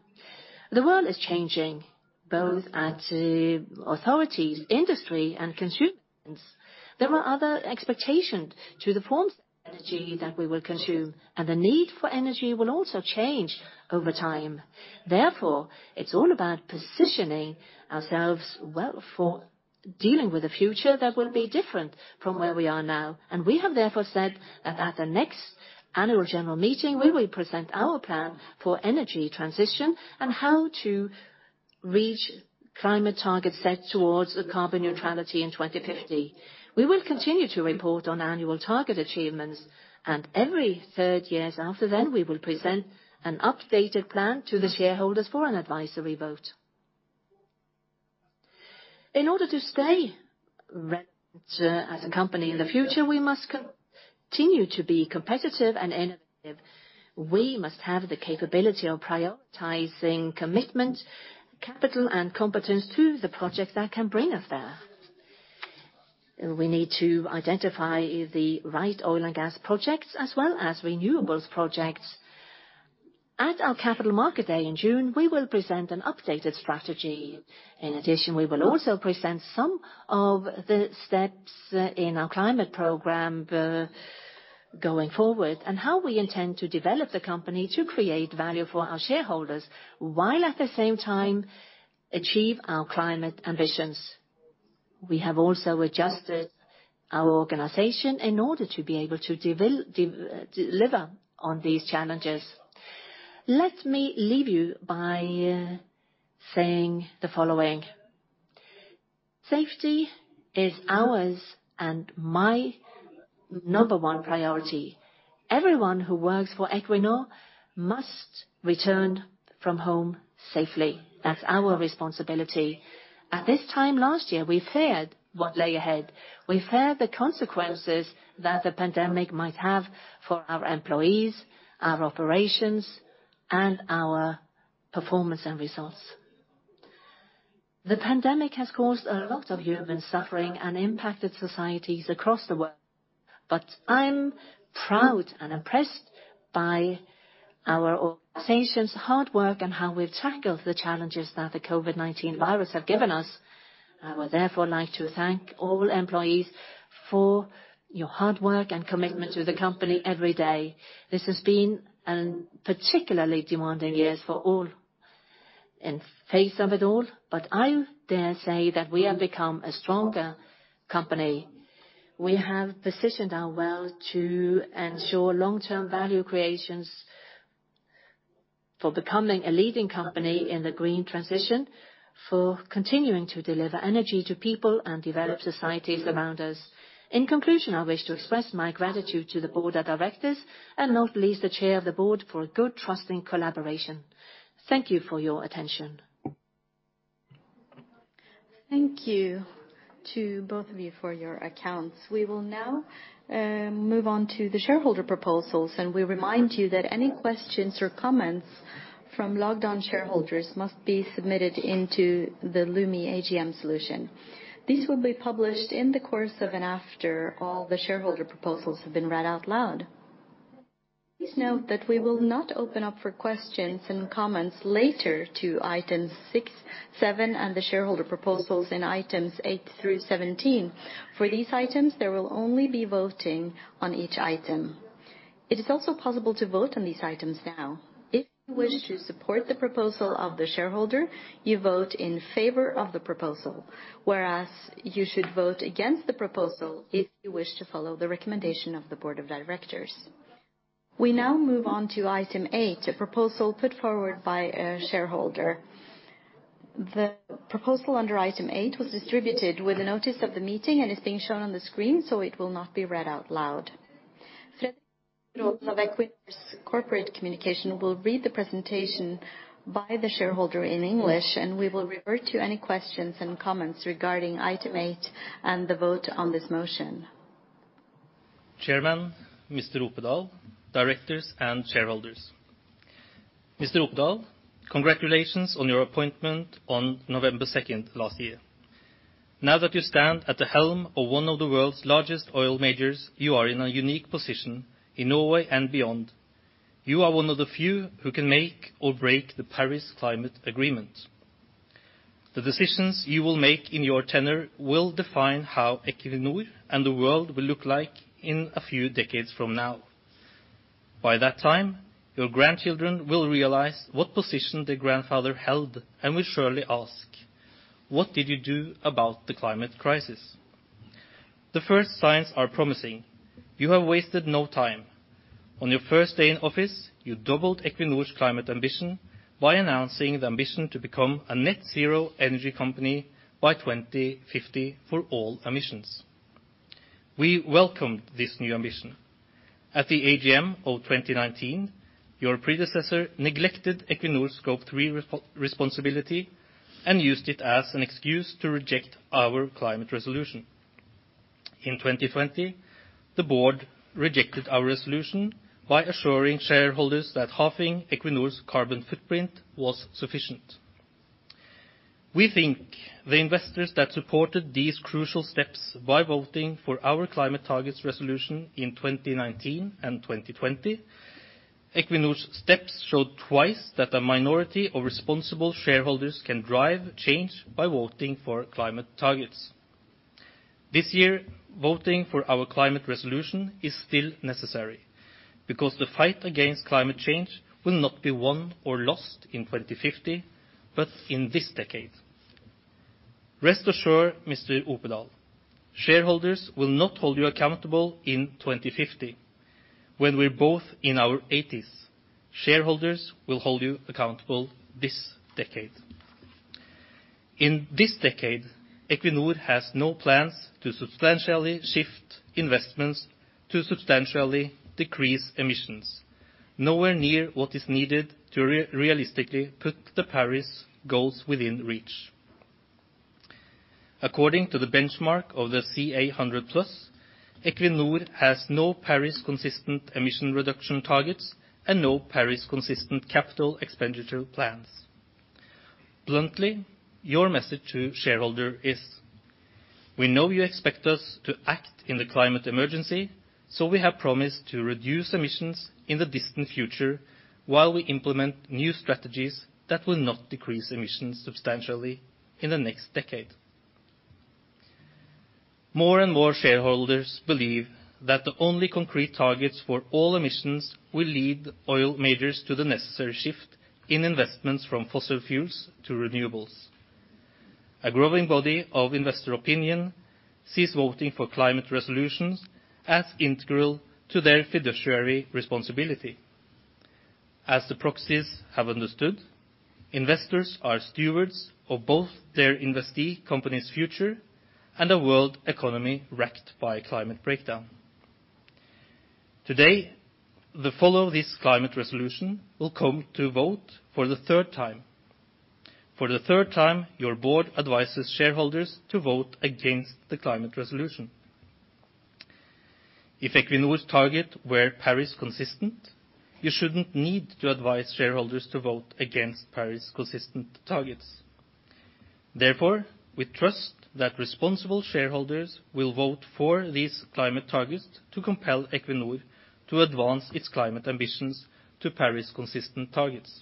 The world is changing, both at authorities, industry, and consumers. There are other expectations to the forms of energy that we will consume, and the need for energy will also change over time. Therefore, it's all about positioning ourselves well for dealing with a future that will be different from where we are now. We have therefore said that at the next annual general meeting, we will present our plan for energy transition and how to reach climate targets set towards the carbon neutrality in 2050. We will continue to report on annual target achievements, and every third year after then, we will present an updated plan to the shareholders for an advisory vote. In order to stay a company in the future, we must continue to be competitive and innovative. We must have the capability of prioritizing commitment, capital, and competence to the projects that can bring us there. We need to identify the right oil and gas projects, as well as renewables projects. At our Capital Markets Day in June, we will present an updated strategy. In addition, we will also present some of the steps in our climate program going forward, and how we intend to develop the company to create value for our shareholders, while at the same time achieve our climate ambitions. We have also adjusted our organization in order to be able to deliver on these challenges. Let me leave you by saying the following. Safety is ours and my number one priority. Everyone who works for Equinor must return from home safely. That's our responsibility. At this time last year, we feared what lay ahead. We feared the consequences that the pandemic might have for our employees, our operations, and our performance and results. The pandemic has caused a lot of human suffering and impacted societies across the world. I'm proud and impressed by our organization's hard work and how we've tackled the challenges that the COVID-19 virus have given us. I would therefore like to thank all employees for your hard work and commitment to the company every day. This has been a particularly demanding years for all. In face of it all, I dare say that we have become a stronger company. We have positioned ourselves to ensure long-term value creations for becoming a leading company in the green transition, for continuing to deliver energy to people, and develop societies around us. In conclusion, I wish to express my gratitude to the board of directors, and not least the chair of the board, for a good, trusting collaboration. Thank you for your attention.
Thank you to both of you for your accounts. We will now move on to the shareholder proposals, and we remind you that any questions or comments from logged-on shareholders must be submitted into the Lumi AGM solution. This will be published in the course of and after all the shareholder proposals have been read out loud. Please note that we will not open up for questions and comments later to items six, seven, and the shareholder proposals in items eight through 17. For these items, there will only be voting on each item. It is also possible to vote on these items now. If you wish to support the proposal of the shareholder, you vote in favor of the proposal. Whereas you should vote against the proposal if you wish to follow the recommendation of the board of directors. We now move on to item eight, a proposal put forward by a shareholder. The proposal under item eight was distributed with the notice of the meeting and is being shown on the screen, so it will not be read out loud. Fredrik Grøslie of Equinor's corporate communication will read the presentation by the shareholder in English, and we will revert to any questions and comments regarding item eight and the vote on this motion.
Chairman, Mr. Opedal, directors, and shareholders. Mr. Opedal, congratulations on your appointment on November 2nd last year. Now that you stand at the helm of one of the world's largest oil majors, you are in a unique position in Norway and beyond. You are one of the few who can make or break the Paris Climate Agreement. The decisions you will make in your tenure will define how Equinor and the world will look like in a few decades from now. By that time, your grandchildren will realize what position their grandfather held and will surely ask, "What did you do about the climate crisis?" The first signs are promising. You have wasted no time. On your first day in office, you doubled Equinor's climate ambition by announcing the ambition to become a net zero energy company by 2050 for all emissions. We welcomed this new ambition. At the AGM of 2019, your predecessor neglected Equinor Scope 3 responsibility and used it as an excuse to reject our climate resolution. In 2020, the board rejected our resolution by assuring shareholders that halving Equinor's carbon footprint was sufficient. We thank the investors that supported these crucial steps by voting for our climate targets resolution in 2019 and 2020. Equinor's steps showed twice that a minority of responsible shareholders can drive change by voting for climate targets. This year, voting for our climate resolution is still necessary because the fight against climate change will not be won or lost in 2050, but in this decade. Rest assured, Mr. Opedal, shareholders will not hold you accountable in 2050 when we're both in our 80s. Shareholders will hold you accountable this decade. In this decade, Equinor has no plans to substantially decrease emissions. Nowhere near what is needed to realistically put the Paris goals within reach. According to the benchmark of the CA 100+, Equinor has no Paris consistent emission reduction targets and no Paris consistent capital expenditure plans. Bluntly, your message to shareholder is, we know you expect us to act in the climate emergency, so we have promised to reduce emissions in the distant future while we implement new strategies that will not decrease emissions substantially in the next decade. More and more shareholders believe that the only concrete targets for all emissions will lead oil majors to the necessary shift in investments from fossil fuels to renewables. A growing body of investor opinion sees voting for climate resolutions as integral to their fiduciary responsibility. As the proxies have understood, investors are stewards of both their investee company's future and a world economy wrecked by climate breakdown. Today, the follow of this climate resolution will come to vote for the third time. For the third time, your board advises shareholders to vote against the climate resolution. If Equinor's target were Paris consistent, you shouldn't need to advise shareholders to vote against Paris consistent targets. Therefore, we trust that responsible shareholders will vote for these climate targets to compel Equinor to advance its climate ambitions to Paris consistent targets.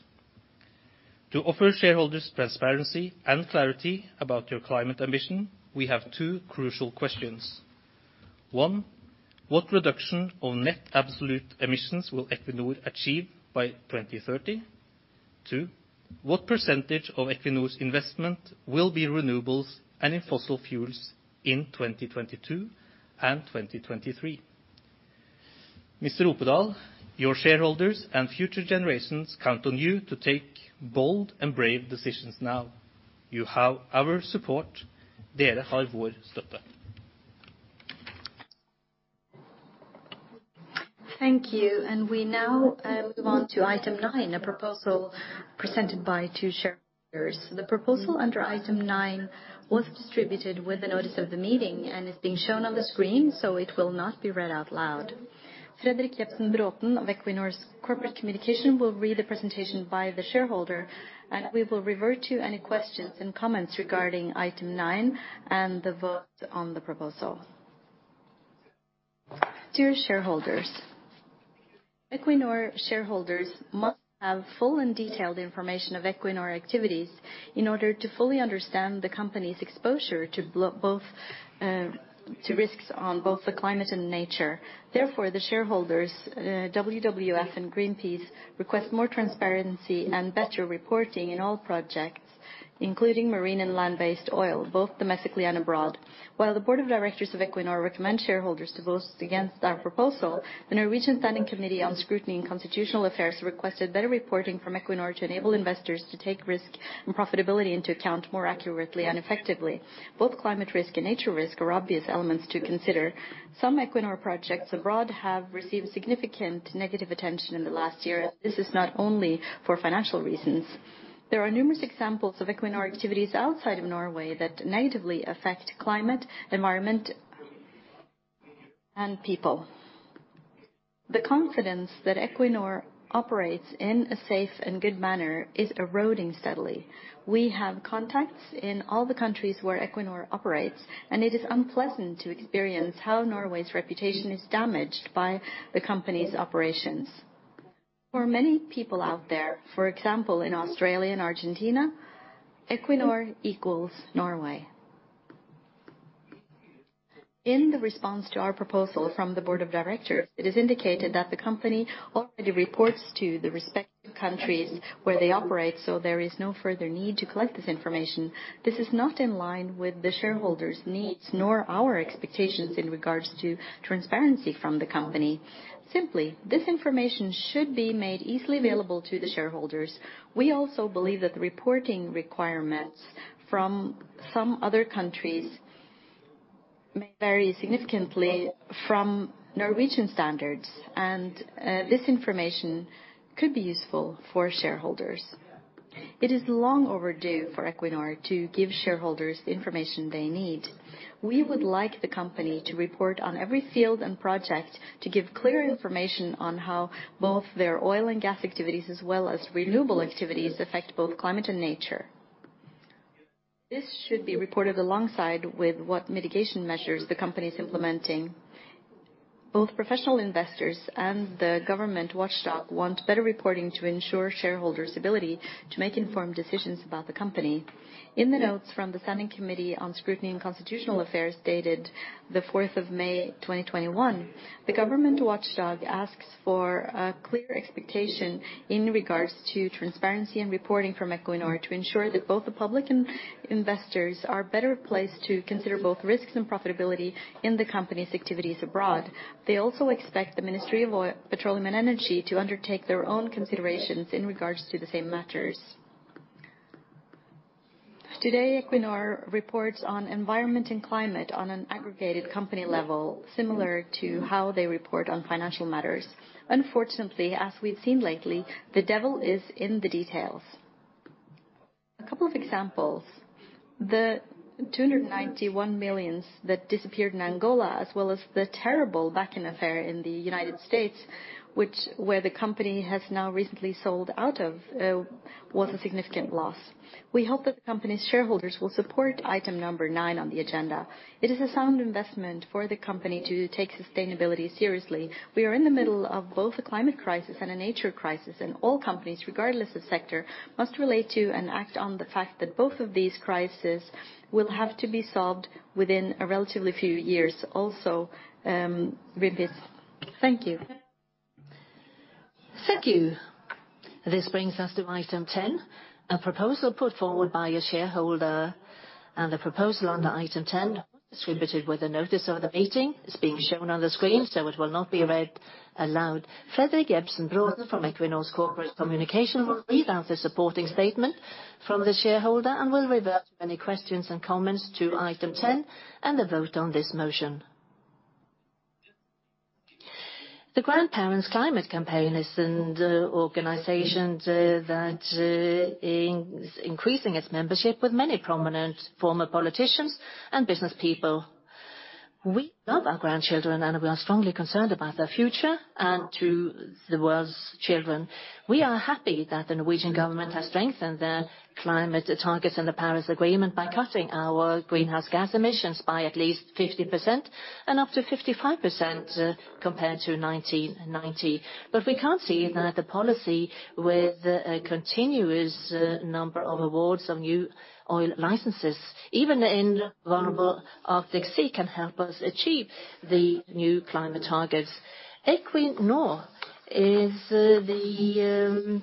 To offer shareholders transparency and clarity about your climate ambition, we have two crucial questions. One, what reduction of net absolute emissions will Equinor achieve by 2030? Two, what percentage of Equinor's investment will be renewables and in fossil fuels in 2022 and 2023? Mr. Opedal, your shareholders and future generations count on you to take bold and brave decisions now. You have our support.
Thank you. We now move on to item nine, a proposal presented by two shareholders. The proposal under item nine was distributed with the notice of the meeting and is being shown on the screen, so it will not be read out loud. Fredrik Jebsen Bråten of Equinor's corporate communication will read the presentation by the shareholder, and we will revert to any questions and comments regarding item nine and the vote on the proposal.
Dear shareholders, Equinor shareholders must have full and detailed information of Equinor activities in order to fully understand the company's exposure to risks on both the climate and nature. Therefore, the shareholders, WWF and Greenpeace, request more transparency and better reporting in all projects, including marine and land-based oil, both domestically and abroad. While the board of directors of Equinor recommend shareholders to vote against our proposal, the Norwegian Standing Committee on Scrutiny and Constitutional Affairs requested better reporting from Equinor to enable investors to take risk and profitability into account more accurately and effectively. Both climate risk and nature risk are obvious elements to consider. Some Equinor projects abroad have received significant negative attention in the last year. This is not only for financial reasons. There are numerous examples of Equinor activities outside of Norway that negatively affect climate, environment, and people. The confidence that Equinor operates in a safe and good manner is eroding steadily. We have contacts in all the countries where Equinor operates, and it is unpleasant to experience how Norway's reputation is damaged by the company's operations. For many people out there, for example, in Australia and Argentina, Equinor equals Norway. In the response to our proposal from the board of directors, it is indicated that the company already reports to the respective countries where they operate. There is no further need to collect this information. This is not in line with the shareholders' needs, nor our expectations in regards to transparency from the company. Simply, this information should be made easily available to the shareholders. We also believe that the reporting requirements from some other countries may vary significantly from Norwegian standards. This information could be useful for shareholders. It is long overdue for Equinor to give shareholders the information they need. We would like the company to report on every field and project to give clear information on how both their oil and gas activities, as well as renewable activities, affect both climate and nature. This should be reported alongside with what mitigation measures the company is implementing. Both professional investors and the government watchdog want better reporting to ensure shareholders' ability to make informed decisions about the company. In the notes from the Standing Committee on Scrutiny and Constitutional Affairs dated the 4th of May 2021, the government watchdog asks for a clear expectation in regards to transparency and reporting from Equinor to ensure that both the public and investors are better placed to consider both risks and profitability in the company's activities abroad. They also expect the Ministry of Petroleum and Energy to undertake their own considerations in regards to the same matters. Today, Equinor reports on environment and climate on an aggregated company level, similar to how they report on financial matters. Unfortunately, as we've seen lately, the devil is in the details. A couple of examples. The 291 million that disappeared in Angola, as well as the terrible Bakken affair in the U.S., where the company has now recently sold out of, was a significant loss. We hope that the company's shareholders will support item number nine on the agenda. It is a sound investment for the company to take sustainability seriously. We are in the middle of both a climate crisis and a nature crisis. All companies, regardless of sector, must relate to and act on the fact that both of these crises will have to be solved within a relatively few years. Also, thank you.
Thank you. This brings us to item 10, a proposal put forward by a shareholder. The proposal on the item 10 distributed with the notice of the meeting is being shown on the screen, so it will not be read aloud. Fredrik Jebsen Bråten from Equinor's corporate communication will read out the supporting statement from the shareholder and will revert to any questions and comments to item 10, and the vote on this motion.
The Grandparents Climate Campaign is an organization that is increasing its membership with many prominent former politicians and business people. We love our grandchildren. We are strongly concerned about their future and to the world's children. We are happy that the Norwegian government has strengthened their climate targets in the Paris Agreement by cutting our greenhouse gas emissions by at least 50% and up to 55% compared to 1990. We can't see that the policy with a continuous number of awards on new oil licenses, even in vulnerable Arctic Sea, can help us achieve the new climate targets. Equinor is the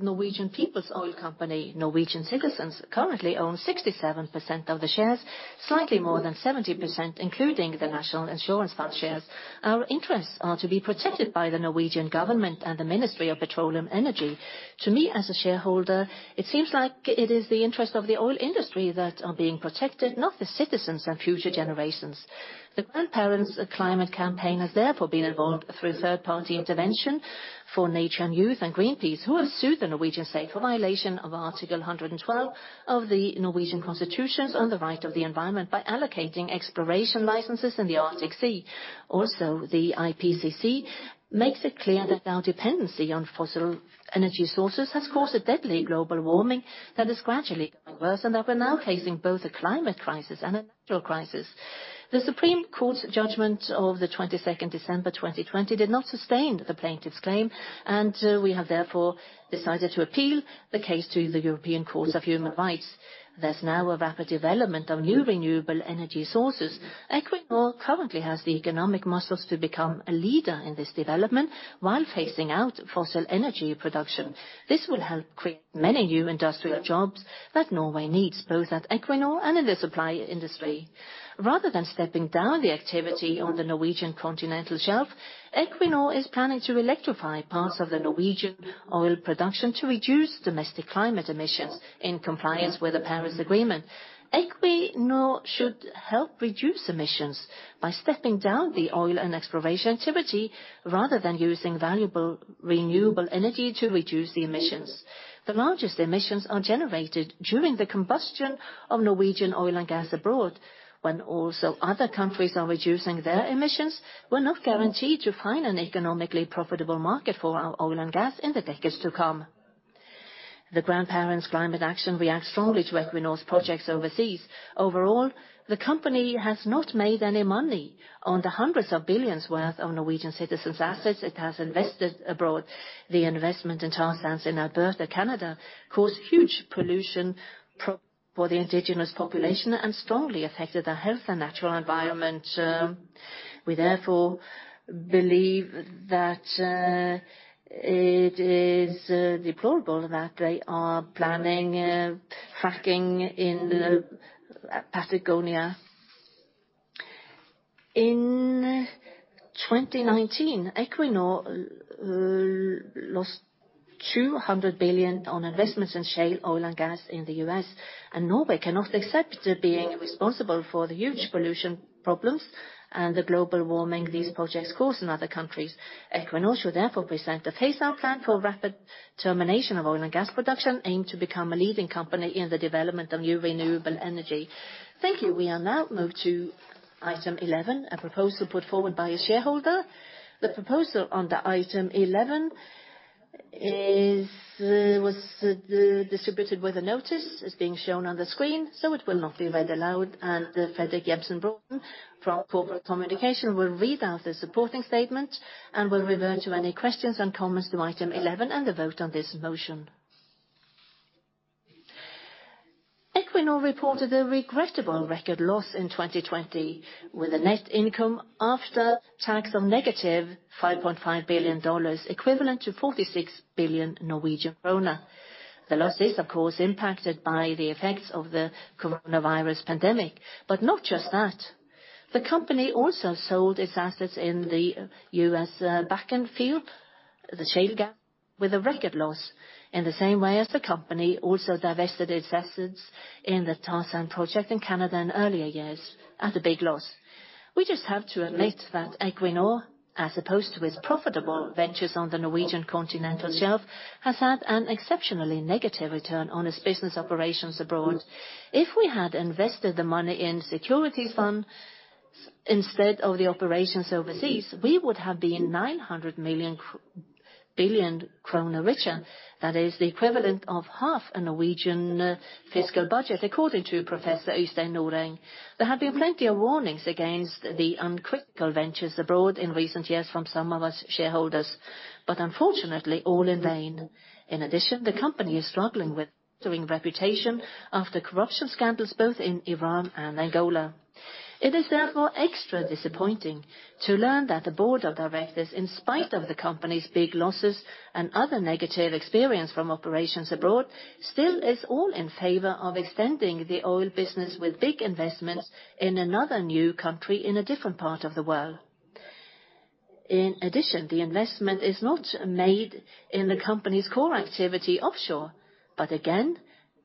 Norwegian people's oil company. Norwegian citizens currently own 67% of the shares, slightly more than 70%, including the National Insurance Fund shares. Our interests are to be protected by the Norwegian government and the Ministry of Petroleum Energy. To me, as a shareholder, it seems like it is the interest of the oil industry that are being protected, not the citizens and future generations. The Grandparents Climate Campaign has therefore been involved through third party intervention for Nature and Youth and Greenpeace, who have sued the Norwegian state for violation of Article 112 of the Norwegian Constitution on the right of the environment by allocating exploration licenses in the Arctic Sea. Also, the IPCC makes it clear that our dependency on fossil energy sources has caused a deadly global warming that is gradually getting worse, and that we're now facing both a climate crisis and a nature crisis. The Supreme Court's judgment of the 22nd December 2020 did not sustain the plaintiff's claim, and we have therefore decided to appeal the case to the European Court of Human Rights. There's now a rapid development of new renewable energy sources. Equinor currently has the economic muscles to become a leader in this development while phasing out fossil energy production. This will help create many new industrial jobs that Norway needs, both at Equinor and in the supply industry. Rather than stepping down the activity on the Norwegian Continental Shelf, Equinor is planning to electrify parts of the Norwegian oil production to reduce domestic climate emissions in compliance with the Paris Agreement. Equinor should help reduce emissions by stepping down the oil and exploration activity rather than using valuable renewable energy to reduce the emissions. The largest emissions are generated during the combustion of Norwegian oil and gas abroad. When also other countries are reducing their emissions, we're not guaranteed to find an economically profitable market for our oil and gas in the decades to come. The Norwegian Grandparents' Climate Campaign reacts strongly to Equinor's projects overseas. Overall, the company has not made any money on the hundreds of billions worth of Norwegian citizens' assets it has invested abroad. The investment in tar sands in Alberta, Canada, caused huge pollution for the indigenous population and strongly affected their health and natural environment. We therefore believe that it is deplorable that they are planning fracking in Patagonia. In 2019, Equinor lost 200 billion on investments in shale, oil, and gas in the U.S. Norway cannot accept being responsible for the huge pollution problems and the global warming these projects cause in other countries. Equinor should therefore present a phase-out plan for rapid termination of oil and gas production, aimed to become a leading company in the development of new renewable energy.
Thank you. We are now moved to item 11, a proposal put forward by a shareholder. The proposal on the item 11 was distributed with a notice, is being shown on the screen, so it will not be read aloud. Fredrik Jebsen Bråten from corporate communication will read out the supporting statement and will revert to any questions and comments to item 11 and the vote on this motion.
Equinor reported a regrettable record loss in 2020, with a net income after tax of negative $5.5 billion, equivalent to 46 billion Norwegian krone. The loss is, of course, impacted by the effects of the coronavirus pandemic, but not just that. The company also sold its assets in the U.S. Bakken field. The shale gas with a record loss, in the same way as the company also divested its assets in the tar sand project in Canada in earlier years at a big loss. We just have to admit that Equinor, as opposed to its profitable ventures on the Norwegian Continental Shelf, has had an exceptionally negative return on its business operations abroad. If we had invested the money in security funds instead of the operations overseas, we would have been 900 billion kroner richer. That is the equivalent of half a Norwegian fiscal budget, according to Professor Øystein Noreng. There have been plenty of warnings against the unethical ventures abroad in recent years from some of us shareholders, but unfortunately all in vain. In addition, the company is struggling with its reputation after corruption scandals both in Iran and Angola. It is therefore extra disappointing to learn that the board of directors, in spite of the company's big losses and other negative experience from operations abroad, still is all in favor of extending the oil business with big investments in another new country in a different part of the world. In addition, the investment is not made in the company's core activity offshore, but again,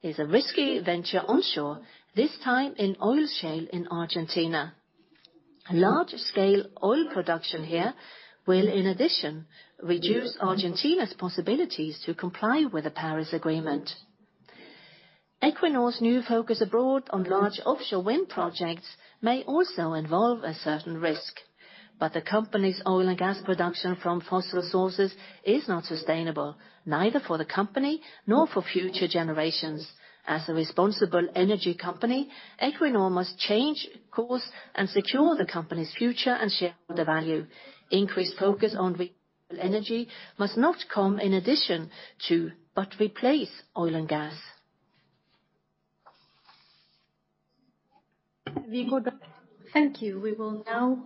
is a risky venture onshore, this time in oil shale in Argentina. Large scale oil production here will, in addition, reduce Argentina's possibilities to comply with the Paris Agreement. Equinor's new focus abroad on large offshore wind projects may also involve a certain risk. The company's oil and gas production from fossil sources is not sustainable, neither for the company nor for future generations. As a responsible energy company, Equinor must change course and secure the company's future and shareholder value. Increased focus on renewable energy must not come in addition to, but replace oil and gas.
Thank you. We will now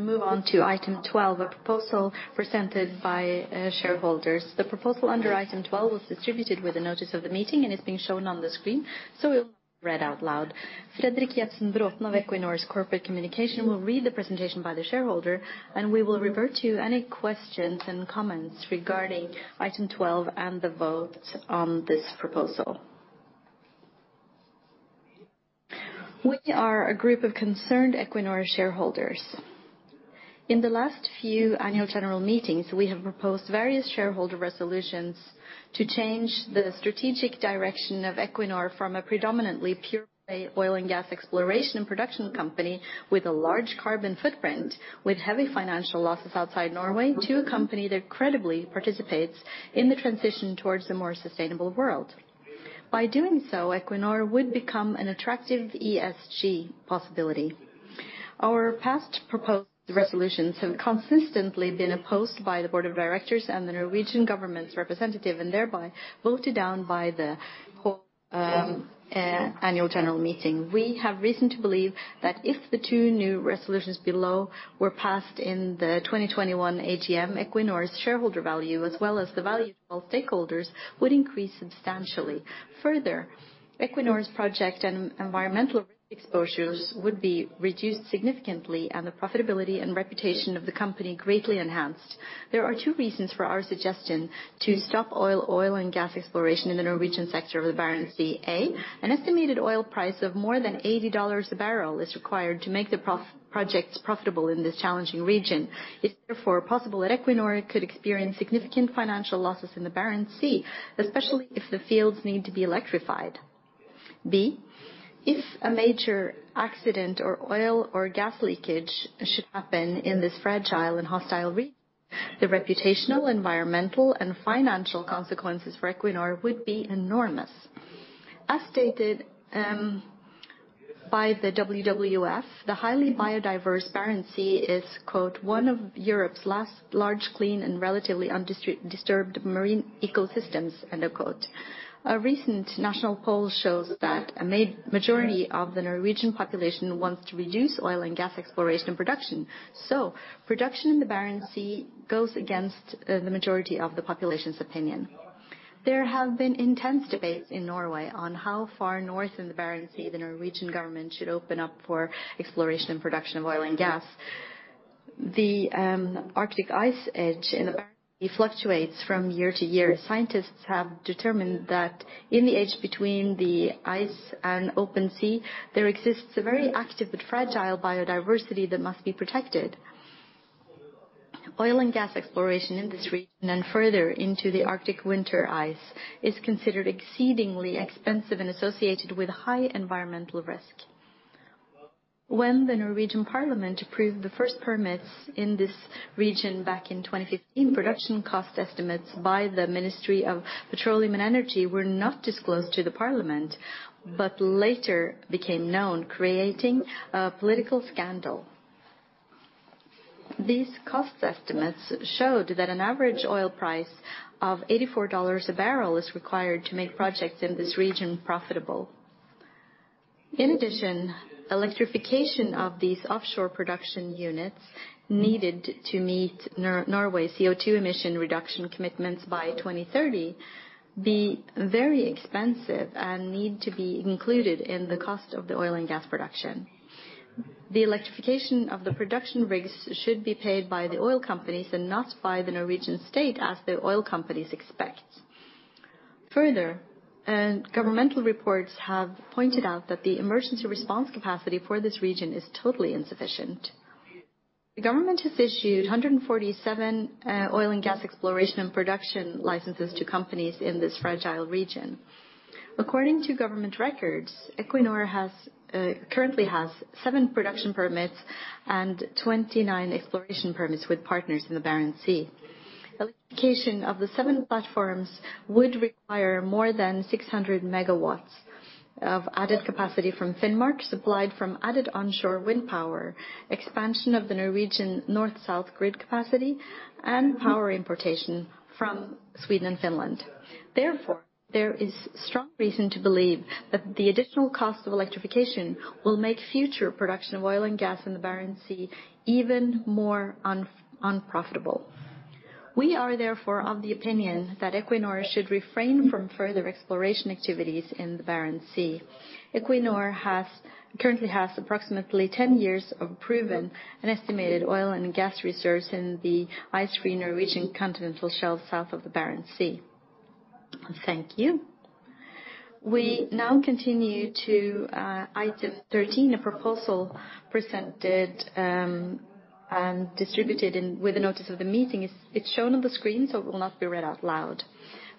move on to item 12, a proposal presented by shareholders. The proposal under item 12 was distributed with the notice of the meeting and is being shown on the screen, so it will not be read out loud. Fredrik Jebsen Bråten of Equinor's corporate communication will read the presentation by the shareholder, and we will revert to any questions and comments regarding item 12 and the vote on this proposal.
We are a group of concerned Equinor shareholders. In the last few annual general meetings, we have proposed various shareholder resolutions to change the strategic direction of Equinor from a predominantly pure oil and gas exploration production company with a large carbon footprint, with heavy financial losses outside Norway, to a company that credibly participates in the transition towards a more sustainable world. By doing so, Equinor would become an attractive ESG possibility. Our past proposed resolutions have consistently been opposed by the board of directors and the Norwegian government's representative, and thereby voted down by the whole annual general meeting. We have reason to believe that if the two new resolutions below were passed in the 2021 AGM, Equinor's shareholder value, as well as the value of stakeholders, would increase substantially. Further, Equinor's project and environmental risk exposures would be reduced significantly and the profitability and reputation of the company greatly enhanced. There are two reasons for our suggestion to stop oil and gas exploration in the Norwegian sector of the Barents Sea. A. An estimated oil price of more than $80 barrel is required to make the projects profitable in this challenging region. It's therefore possible that Equinor could experience significant financial losses in the Barents Sea, especially if the fields need to be electrified. B, if a major accident or oil or gas leakage should happen in this fragile and hostile region, the reputational, environmental, and financial consequences for Equinor would be enormous. As stated by the WWF, the highly biodiverse Barents Sea is, quote, "One of Europe's last large, clean, and relatively undisturbed marine ecosystems," end of quote. A recent national poll shows that a majority of the Norwegian population wants to reduce oil and gas exploration production. Production in the Barents Sea goes against the majority of the population's opinion. There have been intense debates in Norway on how far north in the Barents Sea the Norwegian government should open up for exploration and production of oil and gas. The Arctic ice edge in the Barents Sea fluctuates from year to year. Scientists have determined that in the edge between the ice and open sea, there exists a very active but fragile biodiversity that must be protected. Oil and gas exploration in this region and further into the Arctic winter ice is considered exceedingly expensive and associated with high environmental risk. When the Norwegian Parliament approved the first permits in this region back in 2015, production cost estimates by the Ministry of Petroleum and Energy were not disclosed to the Parliament, but later became known, creating a political scandal. These cost estimates showed that an average oil price of $84 a barrel is required to make projects in this region profitable. In addition, electrification of these offshore production units needed to meet Norway's CO2 emission reduction commitments by 2030. Be very expensive and need to be included in the cost of the oil and gas production. The electrification of the production rigs should be paid by the oil companies and not by the Norwegian state, as the oil companies expect. Governmental reports have pointed out that the emergency response capacity for this region is totally insufficient. The government has issued 147 oil and gas exploration and production licenses to companies in this fragile region. According to government records, Equinor currently has seven production permits and 29 exploration permits with partners in the Barents Sea. Electrification of the seven platforms would require more than 600 MW of added capacity from Finnmark, supplied from added onshore wind power, expansion of the Norwegian north-south grid capacity, and power importation from Sweden and Finland. There is strong reason to believe that the additional cost of electrification will make future production of oil and gas in the Barents Sea even more unprofitable. We are therefore of the opinion that Equinor should refrain from further exploration activities in the Barents Sea. Equinor currently has approximately 10 years of proven and estimated oil and gas reserves in the ice-free Norwegian Continental Shelf south of the Barents Sea.
Thank you. We now continue to item 13, a proposal presented and distributed with the notice of the meeting. It's shown on the screen, so it will not be read out loud.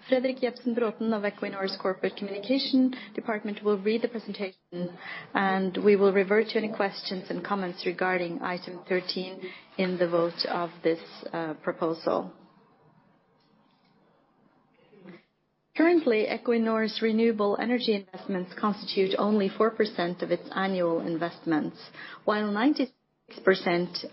Fredrik Jebsen Bråten of Equinor's corporate communication department will read the presentation, and we will revert to any questions and comments regarding item 13 in the vote of this proposal.
Currently, Equinor's renewable energy investments constitute only 4% of its annual investments, while 96%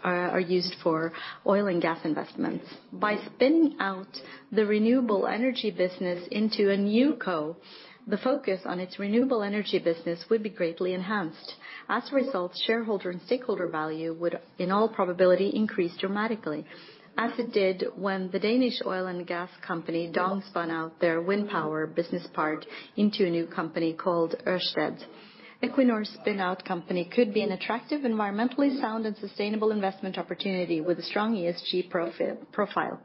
are used for oil and gas investments. By spinning out the renewable energy business into a NewCo, the focus on its renewable energy business would be greatly enhanced. As a result, shareholder and stakeholder value would, in all probability, increase dramatically, as it did when the Danish oil and gas company, DONG, spun out their wind power business part into a new company called Ørsted. Equinor's spin-out company could be an attractive, environmentally sound, and sustainable investment opportunity with a strong ESG profile.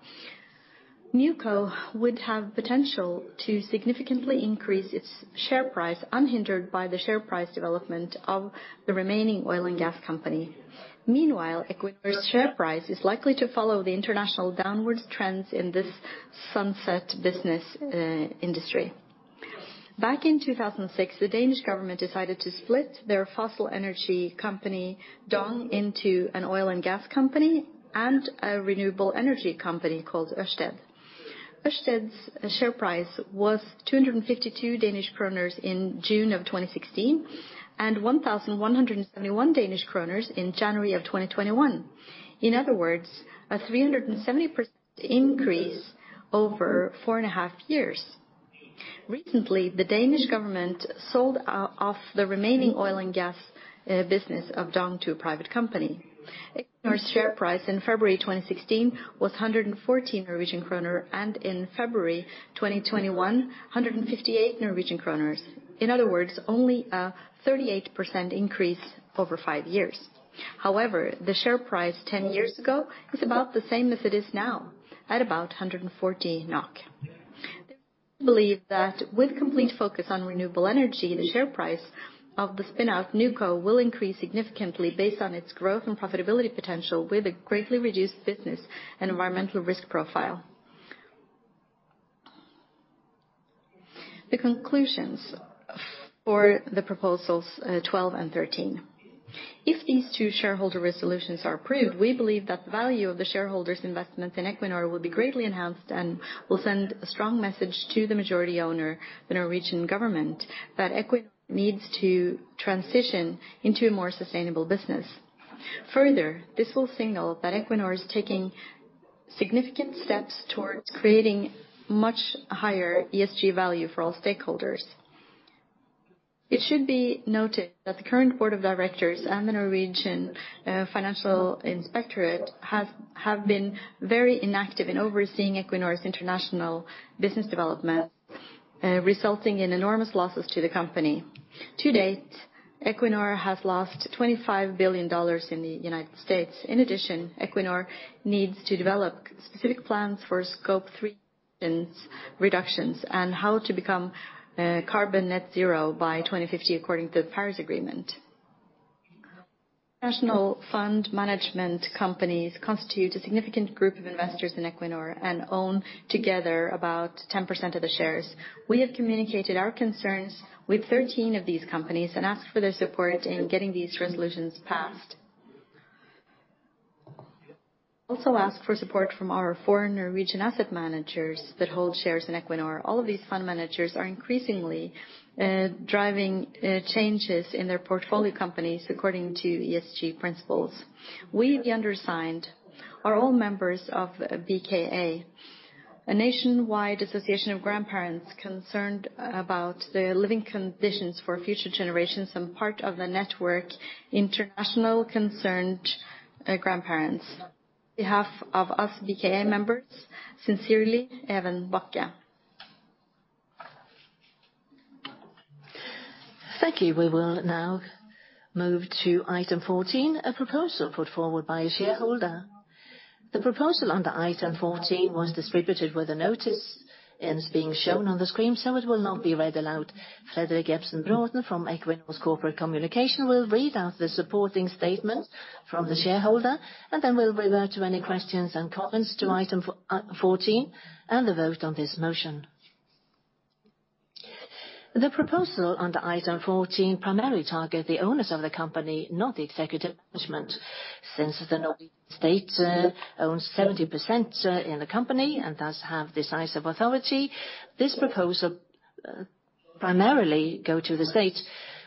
New co would have potential to significantly increase its share price unhindered by the share price development of the remaining oil and gas company. Meanwhile, Equinor's share price is likely to follow the international downwards trends in this sunset business industry. Back in 2006, the Danish government decided to split their fossil energy company, DONG, into an oil and gas company and a renewable energy company called Ørsted. Ørsted's share price was 252 Danish kroner in June of 2016, and 1,171 Danish kroner in January of 2021. In other words, a 370% increase over four and a half years. Recently, the Danish government sold off the remaining oil and gas business of DONG to a private company. Equinor's share price in February 2016 was 114 Norwegian kroner, and in February 2021, 158 Norwegian kroner. In other words, only a 38% increase over five years. However, the share price 10 years ago was about the same as it is now, at about 114 NOK. We believe that with complete focus on renewable energy, the share price of the spin-out NewCo will increase significantly based on its growth and profitability potential with a greatly reduced business and environmental risk profile. The conclusions for the proposals 12 and 13. If these two shareholder resolutions are approved, we believe that the value of the shareholders' investment in Equinor will be greatly enhanced and will send a strong message to the majority owner, the Norwegian government, that Equinor needs to transition into a more sustainable business. Further, this will signal that Equinor is taking significant steps towards creating much higher ESG value for all stakeholders. It should be noted that the current Board of Directors and the Financial Supervisory Authority of Norway have been very inactive in overseeing Equinor's international business development, resulting in enormous losses to the company. To date, Equinor has lost $25 billion in the United States. In addition, Equinor needs to develop specific plans for Scope 3 reductions, and how to become carbon net zero by 2050, according to the Paris Agreement. National fund management companies constitute a significant group of investors in Equinor and own together about 10% of the shares. We have communicated our concerns with 13 of these companies and asked for their support in getting these resolutions passed. We also asked for support from our foreign Norwegian asset managers that hold shares in Equinor. All of these fund managers are increasingly driving changes in their portfolio companies according to ESG principles. We, the undersigned, are all members of BKA, a nationwide association of grandparents concerned about the living conditions for future generations and part of the network International Concerned Grandparents. On behalf of us BKA members, sincerely, Even Bakke.
Thank you. We will now move to item 14, a proposal put forward by a shareholder. The proposal under item 14 was distributed with the notice, and is being shown on the screen, so it will not be read aloud. Fredrik Jebsen Bråten from Equinor's corporate communication will read out the supporting statement from the shareholder, and then we'll revert to any questions and comments to item 14, and the vote on this motion.
The proposal under item 14 primarily target the owners of the company, not the executive management. Since the Norwegian State owns 70% in the company, and thus have decisive authority, this proposal primarily go to the State.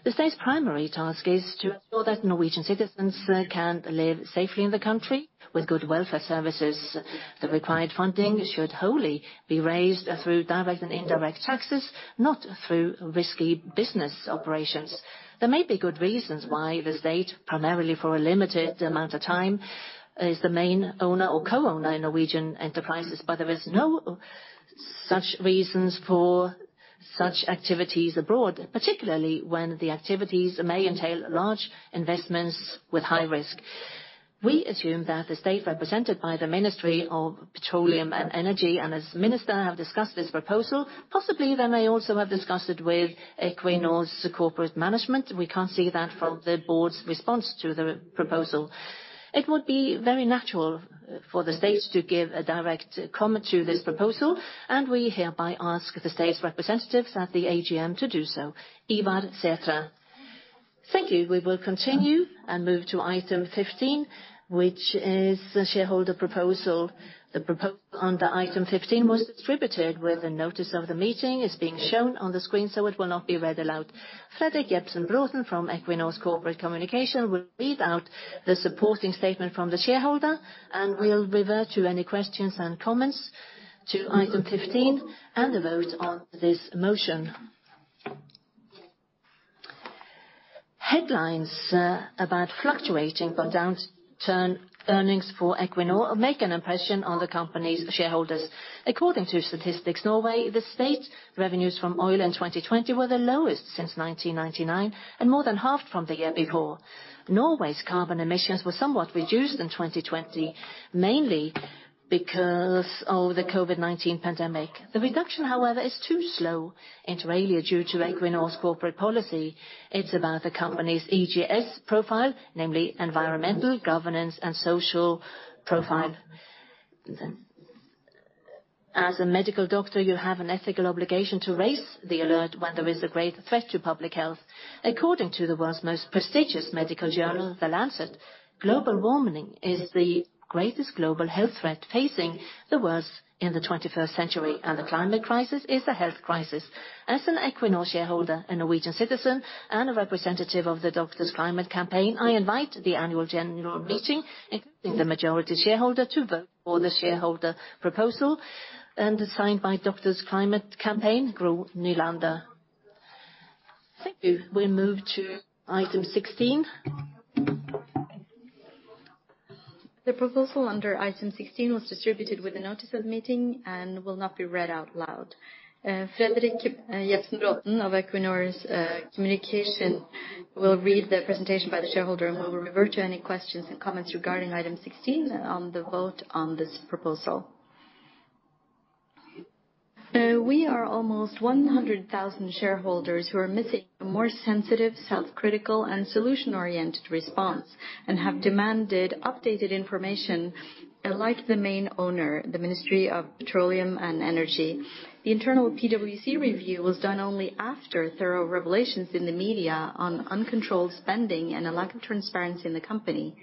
The State's primary task is to ensure that Norwegian citizens can live safely in the country with good welfare services. The required funding should wholly be raised through direct and indirect taxes, not through risky business operations. There may be good reasons why the State, primarily for a limited amount of time, is the main owner or co-owner in Norwegian enterprises, but there is no such reasons for such activities abroad, particularly when the activities may entail large investments with high risk. We assume that the State, represented by the Ministry of Petroleum and Energy, and its minister, have discussed this proposal. Possibly, they may also have discussed it with Equinor's corporate management. We can't see that from the board's response to the proposal. It would be very natural for the State to give a direct comment to this proposal, and we hereby ask the State's representatives at the AGM to do so. Ivar Sætre.
Thank you. We will continue and move to item 15, which is the shareholder proposal. The proposal under item 15 was distributed with the notice of the meeting, is being shown on the screen, so it will not be read aloud. Fredrik Jebsen Bråten from Equinor's corporate communication will read out the supporting statement from the shareholder, and we'll revert to any questions and comments to item 15, and the vote on this motion.
Headlines about fluctuating but downturn earnings for Equinor make an impression on the company's shareholders. According to Statistics Norway, the State's revenues from oil in 2020 were the lowest since 1999, and more than half from the year before. Norway's carbon emissions were somewhat reduced in 2020, mainly because of the COVID-19 pandemic. The reduction, however, is too slow, inter alia, due to Equinor's corporate policy. It's about the company's ESG profile, namely environmental, governance, and social profile. As a medical doctor, you have an ethical obligation to raise the alert when there is a great threat to public health. According to the world's most prestigious medical journal, The Lancet, global warming is the greatest global health threat facing the world in the 21st century, and the climate crisis is a health crisis. As an Equinor shareholder, a Norwegian citizen, and a representative of the Doctors' Climate Campaign, I invite the annual general meeting, including the majority shareholder, to vote for the shareholder proposal, and signed by Doctors' Climate Campaign, Gro Nylander.
Thank you. We move to item 16. The proposal under item 16 was distributed with the notice of the meeting and will not be read out loud. Fredrik Jebsen Bråten of Equinor's communication will read the presentation by the shareholder, and we'll revert to any questions and comments regarding item 16 on the vote on this proposal.
We are almost 100,000 shareholders who are missing a more sensitive, self-critical, and solution-oriented response, and have demanded updated information, like the main owner, the Ministry of Petroleum and Energy. The internal PwC review was done only after thorough revelations in the media on uncontrolled spending and a lack of transparency in the company.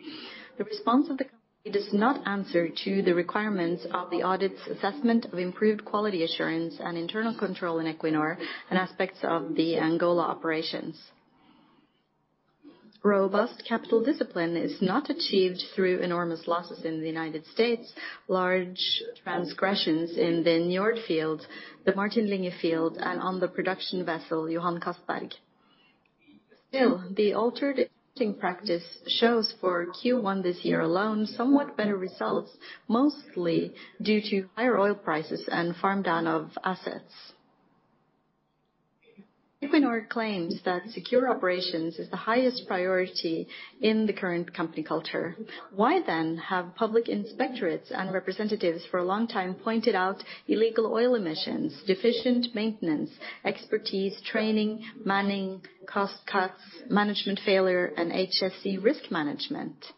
The response of the company does not answer to the requirements of the audit's assessment of improved quality assurance and internal control in Equinor, and aspects of the Angola operations. Robust capital discipline is not achieved through enormous losses in the U.S., large transgressions in the Njord field, the Martin Linge field, and on the production vessel, Johan Castberg. Still, the altered investing practice shows for Q1 this year alone, somewhat better results, mostly due to higher oil prices and farm-down of assets. Equinor claims that secure operations is the highest priority in the current company culture. Why then have public inspectorates and representatives, for a long time, pointed out illegal oil emissions, deficient maintenance, expertise, training, manning, cost cuts, management failure, and HSE risk management?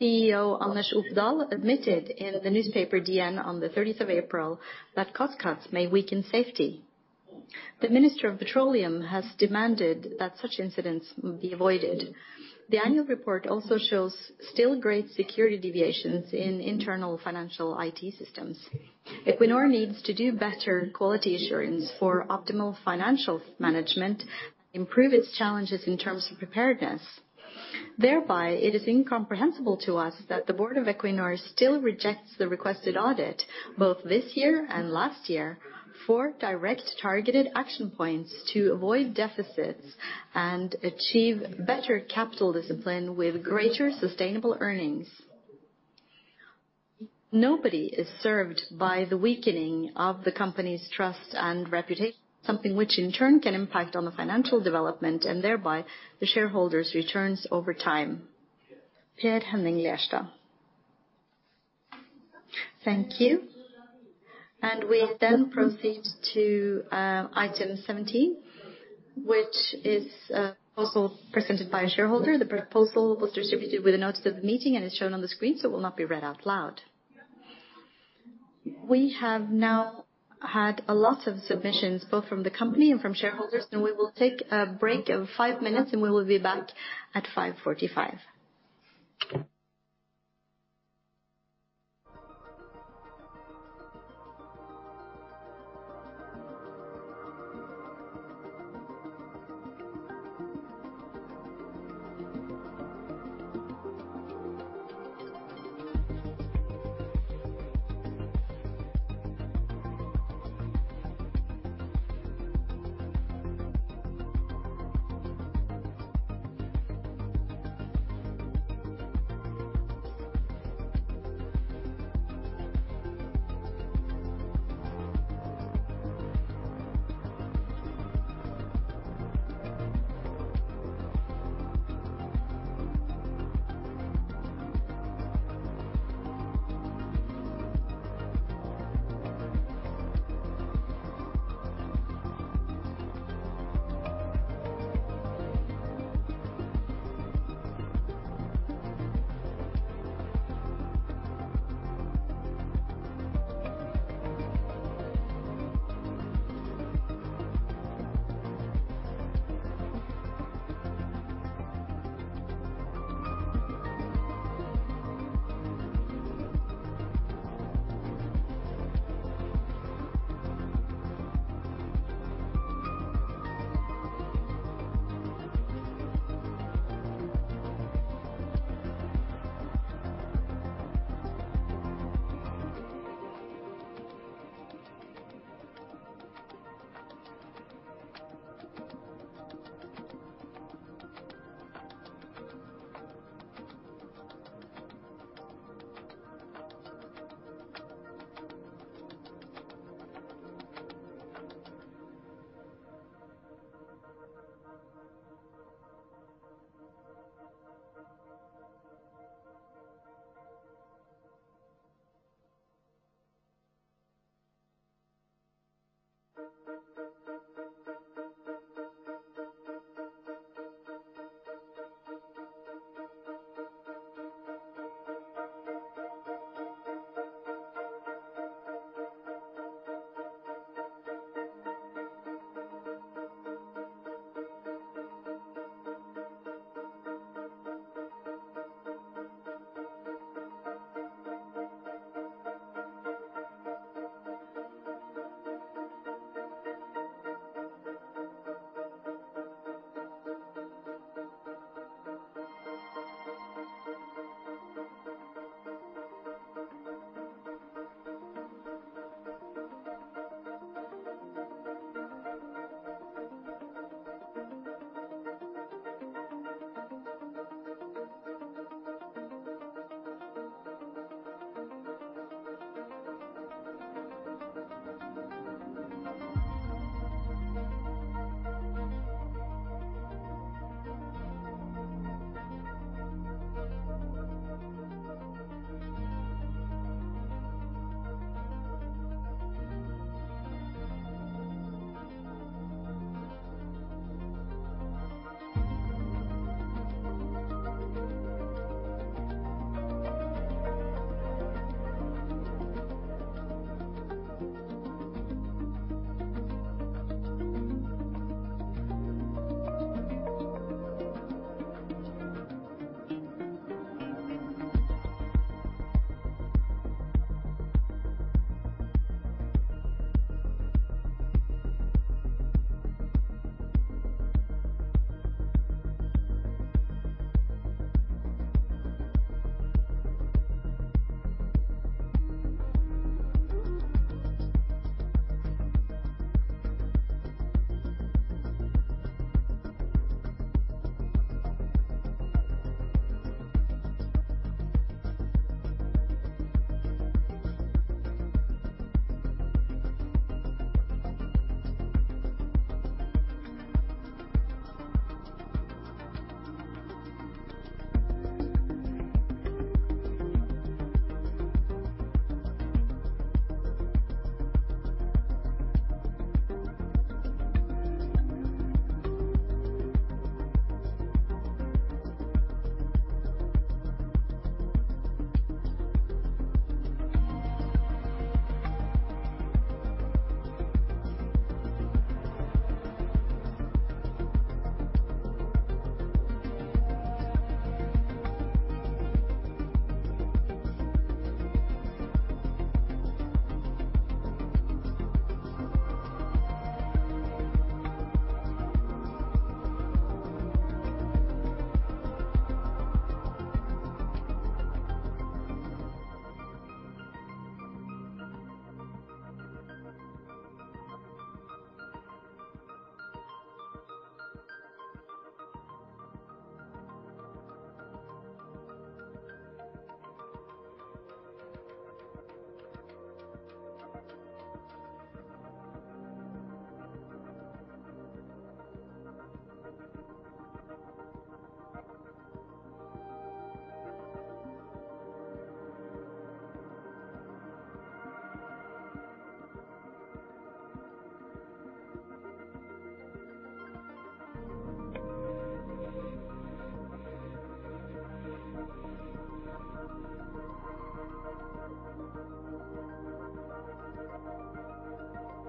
CEO Anders Opedal admitted in the newspaper DN on the 30th of April that cost cuts may weaken safety. The Minister of Petroleum has demanded that such incidents be avoided. The annual report also shows still great security deviations in internal financial IT systems. Equinor needs to do better quality assurance for optimal financial management, improve its challenges in terms of preparedness. It is incomprehensible to us that the board of Equinor still rejects the requested audit, both this year and last year, for direct targeted action points to avoid deficits and achieve better capital discipline with greater sustainable earnings. Nobody is served by the weakening of the company's trust and reputation, something which in turn can impact on the financial development and thereby the shareholders' returns over time. Per-Henning Lerstad.
Thank you. We then proceed to item 17, which is also presented by a shareholder. The proposal was distributed with a notice of the meeting and is shown on the screen, so it will not be read out loud. We have now had a lot of submissions, both from the company and from shareholders. We will take a break of five minutes and we will be back at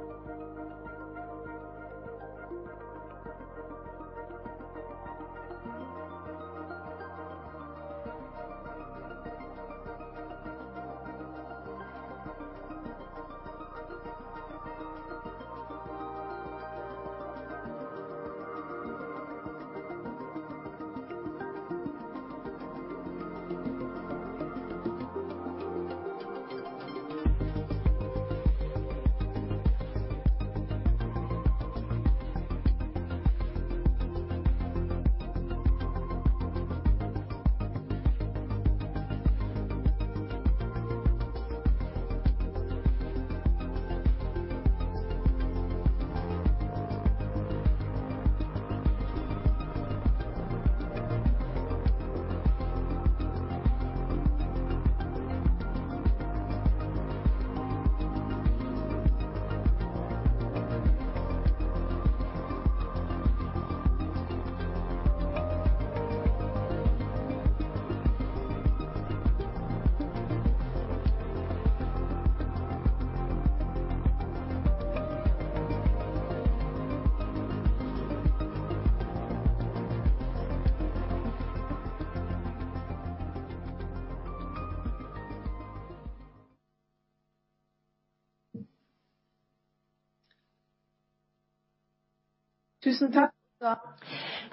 P.M.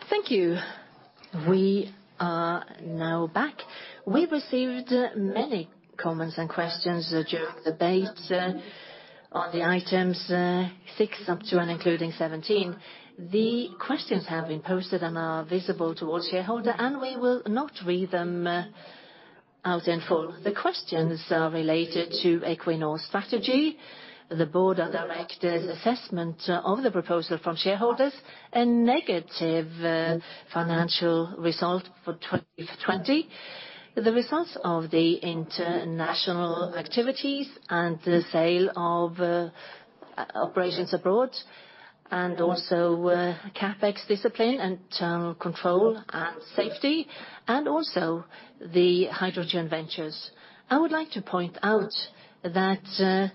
Thank you. We are now back. We received many comments and questions during the debate on the items 6 up to and including 17. The questions have been posted and are visible to all shareholder. We will not read them out in full. The questions are related to Equinor's strategy, the Board of Directors assessment of the proposal from shareholders, a negative financial result for 2020, the results of the international activities, the sale of operations abroad, also CapEx discipline, internal control and safety, also the hydrogen ventures. I would like to point out that,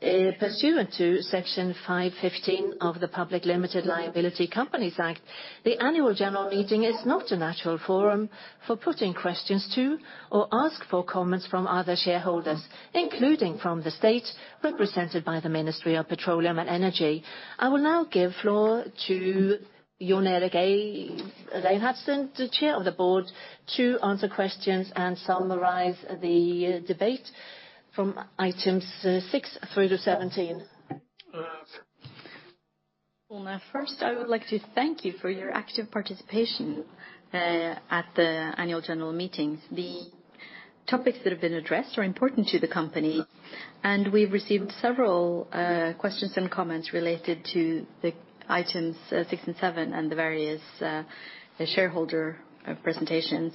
pursuant to Section 515 of the Public Limited Liability Companies Act, the annual general meeting is not a natural forum for putting questions to or ask for comments from other shareholders, including from the state represented by the Ministry of Petroleum and Energy. I will now give floor to Jon Erik Reinhardsen, the Chair of the Board, to answer questions and summarize the debate from items six through to 17.
Well, first I would like to thank you for your active participation at the annual general meetings. The topics that have been addressed are important to the company, and we've received several questions and comments related to the items six and seven and the various shareholder presentations.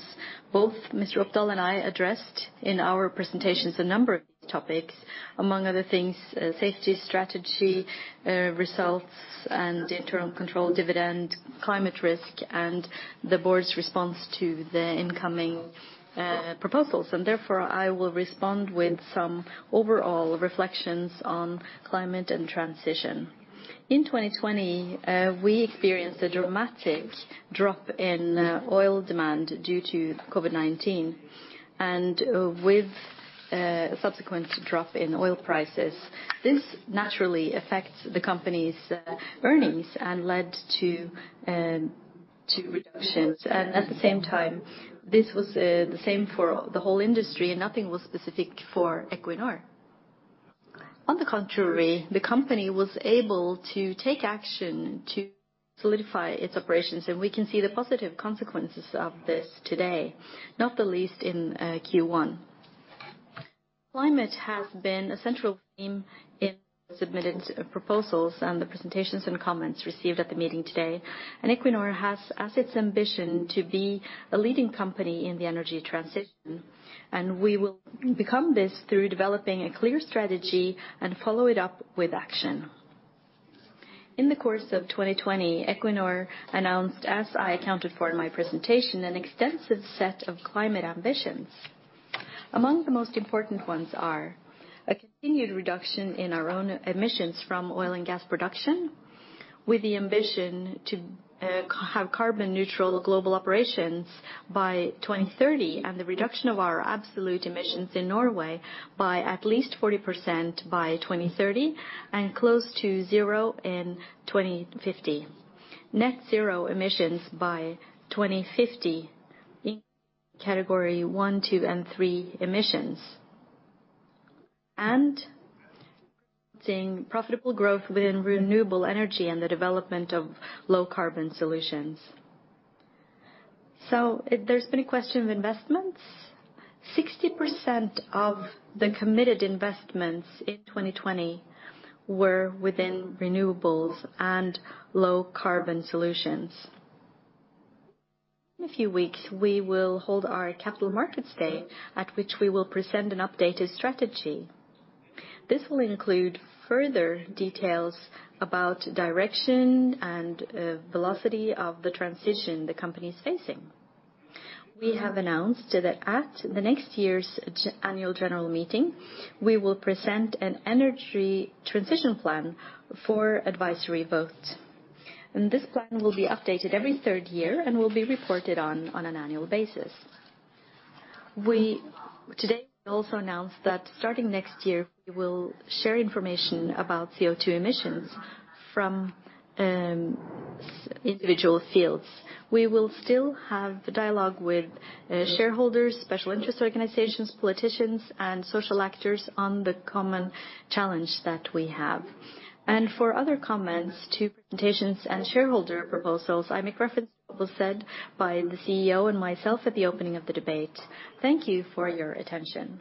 Both Mr. Opedal and I addressed in our presentations a number of topics, among other things, safety, strategy, results, and internal control, dividend, climate risk, and the board's response to the incoming proposals. Therefore, I will respond with some overall reflections on climate and transition. In 2020, we experienced a dramatic drop in oil demand due to COVID-19, and with a subsequent drop in oil prices. At the same time, this was the same for the whole industry and nothing was specific for Equinor. On the contrary, the company was able to take action to solidify its operations, and we can see the positive consequences of this today, not the least in Q1. Climate has been a central theme in submitted proposals and the presentations and comments received at the meeting today. Equinor has as its ambition to be a leading company in the energy transition, and we will become this through developing a clear strategy and follow it up with action. In the course of 2020, Equinor announced, as I accounted for in my presentation, an extensive set of climate ambitions. Among the most important ones are a continued reduction in our own emissions from oil and gas production, with the ambition to have carbon neutral global operations by 2030, and the reduction of our absolute emissions in Norway by at least 40% by 2030, and close to zero in 2050. Net zero emissions by 2050 in category one, two, and three emissions. Seeing profitable growth within renewable energy and the development of low carbon solutions. There's been a question of investments. 60% of the committed investments in 2020 were within renewables and low carbon solutions. In a few weeks, we will hold our Capital Markets Day, at which we will present an updated strategy. This will include further details about direction and velocity of the transition the company is facing. We have announced that at the next year's annual general meeting, we will present an energy transition plan for advisory vote, and this plan will be updated every third year and will be reported on an annual basis. Today, we also announced that starting next year, we will share information about CO2 emissions from individual fields. We will still have dialogue with shareholders, special interest organizations, politicians, and social actors on the common challenge that we have. For other comments to presentations and shareholder proposals, I make reference to what was said by the CEO and myself at the opening of the debate. Thank you for your attention.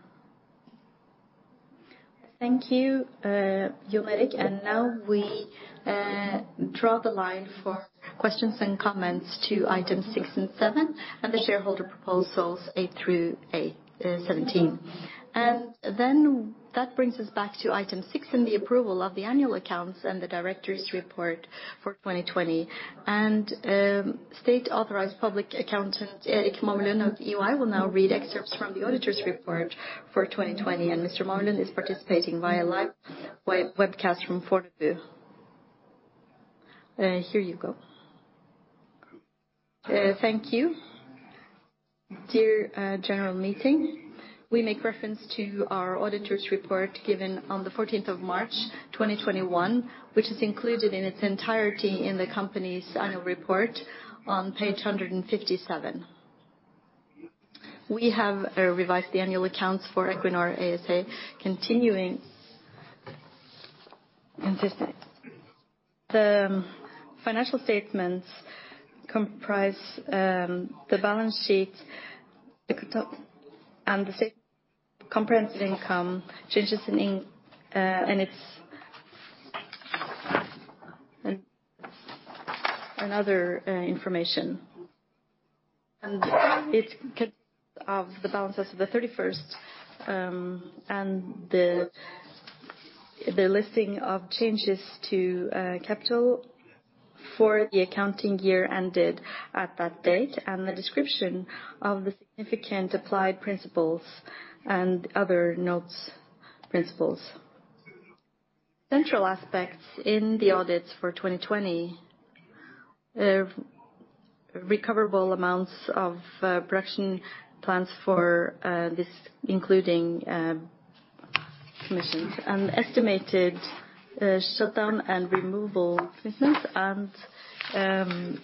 Thank you, Jon Erik Reinhardsen. Now we draw the line for questions and comments to items six and seven, and the shareholder proposals 8 through 17. That brings us back to item six and the approval of the annual accounts and the directors report for 2020. State authorized public accountant, Erik Mamelund of EY, will now read excerpts from the auditors report for 2020, and Mr. Mamelund is participating via live webcast from Fornebu. Here you go.
Thank you. Dear general meeting, we make reference to our auditor's report given on the 14th of March 2021, which is included in its entirety in the company's annual report on page 157. We have revised the annual accounts for Equinor ASA continuing in Section 5.10. The financial statements comprise the balance sheet, the income, and the statement of comprehensive income, changes in and other information. It could have the balance as of the 31st, and the listing of changes to capital for the accounting year ended at that date, and the description of the significant applied principles and other notes. Central aspects in the audits for 2020, recoverable amounts of production plans for this, including decommissioning and estimated shutdown and removal costs and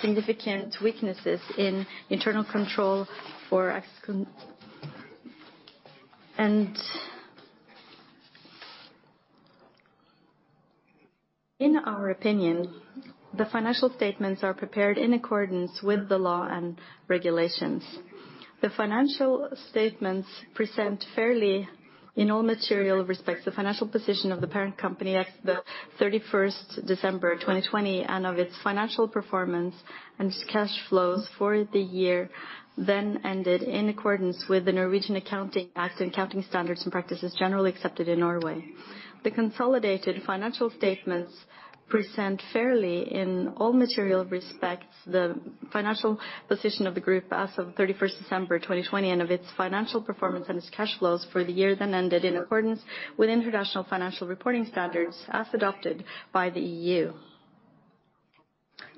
significant weaknesses in internal control for execution. In our opinion, the financial statements are prepared in accordance with the law and regulations. The financial statements present fairly, in all material respects, the financial position of the parent company as the 31st December 2020, and of its financial performance and cash flows for the year then ended in accordance with the Norwegian Accounting Act and accounting standards and practices generally accepted in Norway. The consolidated financial statements present fairly in all material respects the financial position of the group as of 31st December 2020, and of its financial performance and its cash flows for the year then ended in accordance with International Financial Reporting Standards as adopted by the EU.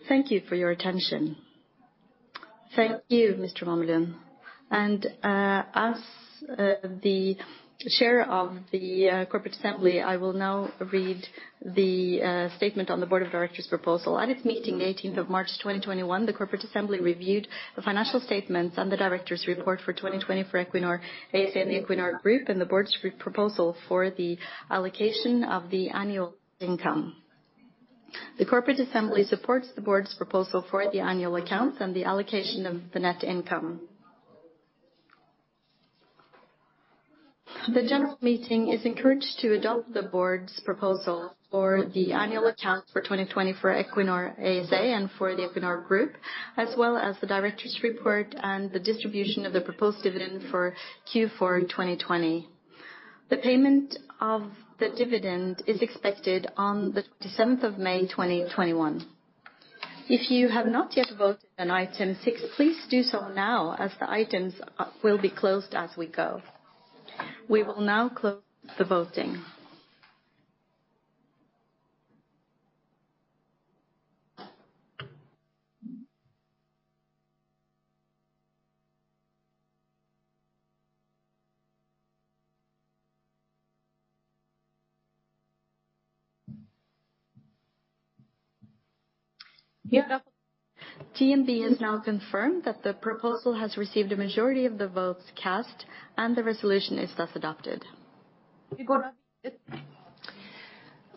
Thank you for your attention.
Thank you, Mr. Mamelund. As the Chair of the Corporate Assembly, I will now read the statement on the Board of Directors proposal. At its meeting the 18th of March 2021, the corporate assembly reviewed the financial statements and the directors report for 2020 for Equinor ASA and the Equinor Group and the board's proposal for the allocation of the annual income. The corporate assembly supports the board's proposal for the annual accounts and the allocation of the net income. The general meeting is encouraged to adopt the board's proposal for the annual accounts for 2020 for Equinor ASA and for the Equinor Group, as well as the directors report and the distribution of the proposed dividend for Q4 in 2020. The payment of the dividend is expected on the 27th of May 2021. If you have not yet voted on item six, please do so now as the items will be closed as we go. We will now close the voting. DNB has now confirmed that the proposal has received a majority of the votes cast, and the resolution is thus adopted.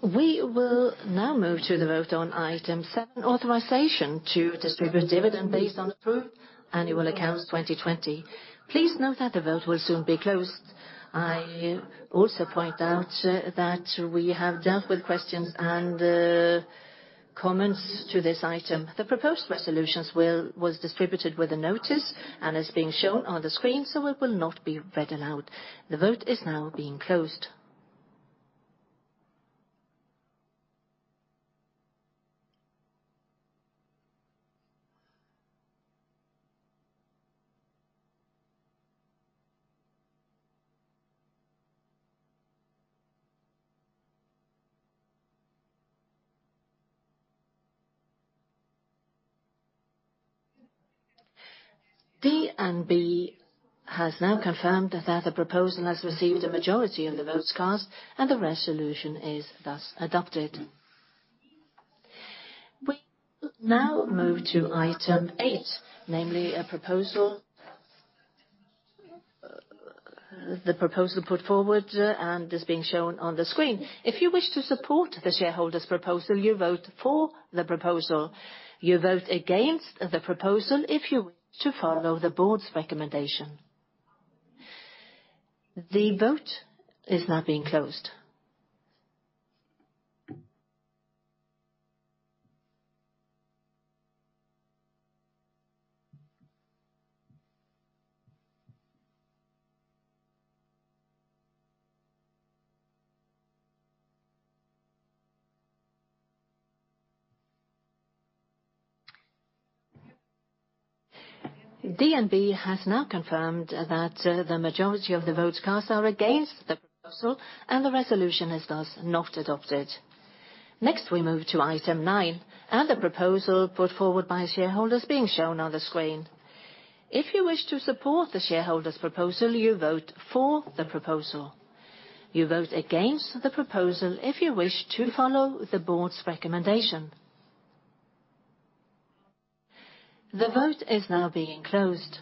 We will now move to the vote on item seven, authorization to distribute dividend based on approved annual accounts 2020. Please note that the vote will soon be closed. I also point out that we have dealt with questions and comments to this item. The proposed resolutions was distributed with a notice and is being shown on the screen, so it will not be read aloud. The vote is now being closed. DNB has now confirmed that the proposal has received a majority of the votes cast, and the resolution is thus adopted. We now move to item eight, namely the proposal put forward and is being shown on the screen. If you wish to support the shareholder's proposal, you vote for the proposal. You vote against the proposal if you wish to follow the board's recommendation. The vote is now being closed. DNB has now confirmed that the majority of the votes cast are against the proposal, and the resolution is thus not adopted. Next, we move to item nine, and the proposal put forward by shareholders being shown on the screen. If you wish to support the shareholder's proposal, you vote for the proposal. You vote against the proposal if you wish to follow the board's recommendation. The vote is now being closed.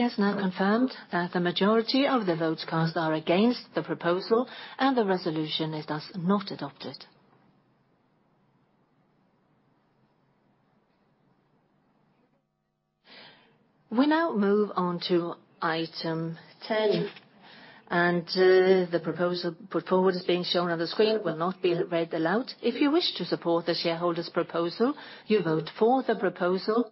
DNB has now confirmed that the majority of the votes cast are against the proposal, and the resolution is thus not adopted. We now move on to item 10, and the proposal put forward is being shown on the screen will not be read aloud. If you wish to support the shareholder's proposal, you vote for the proposal.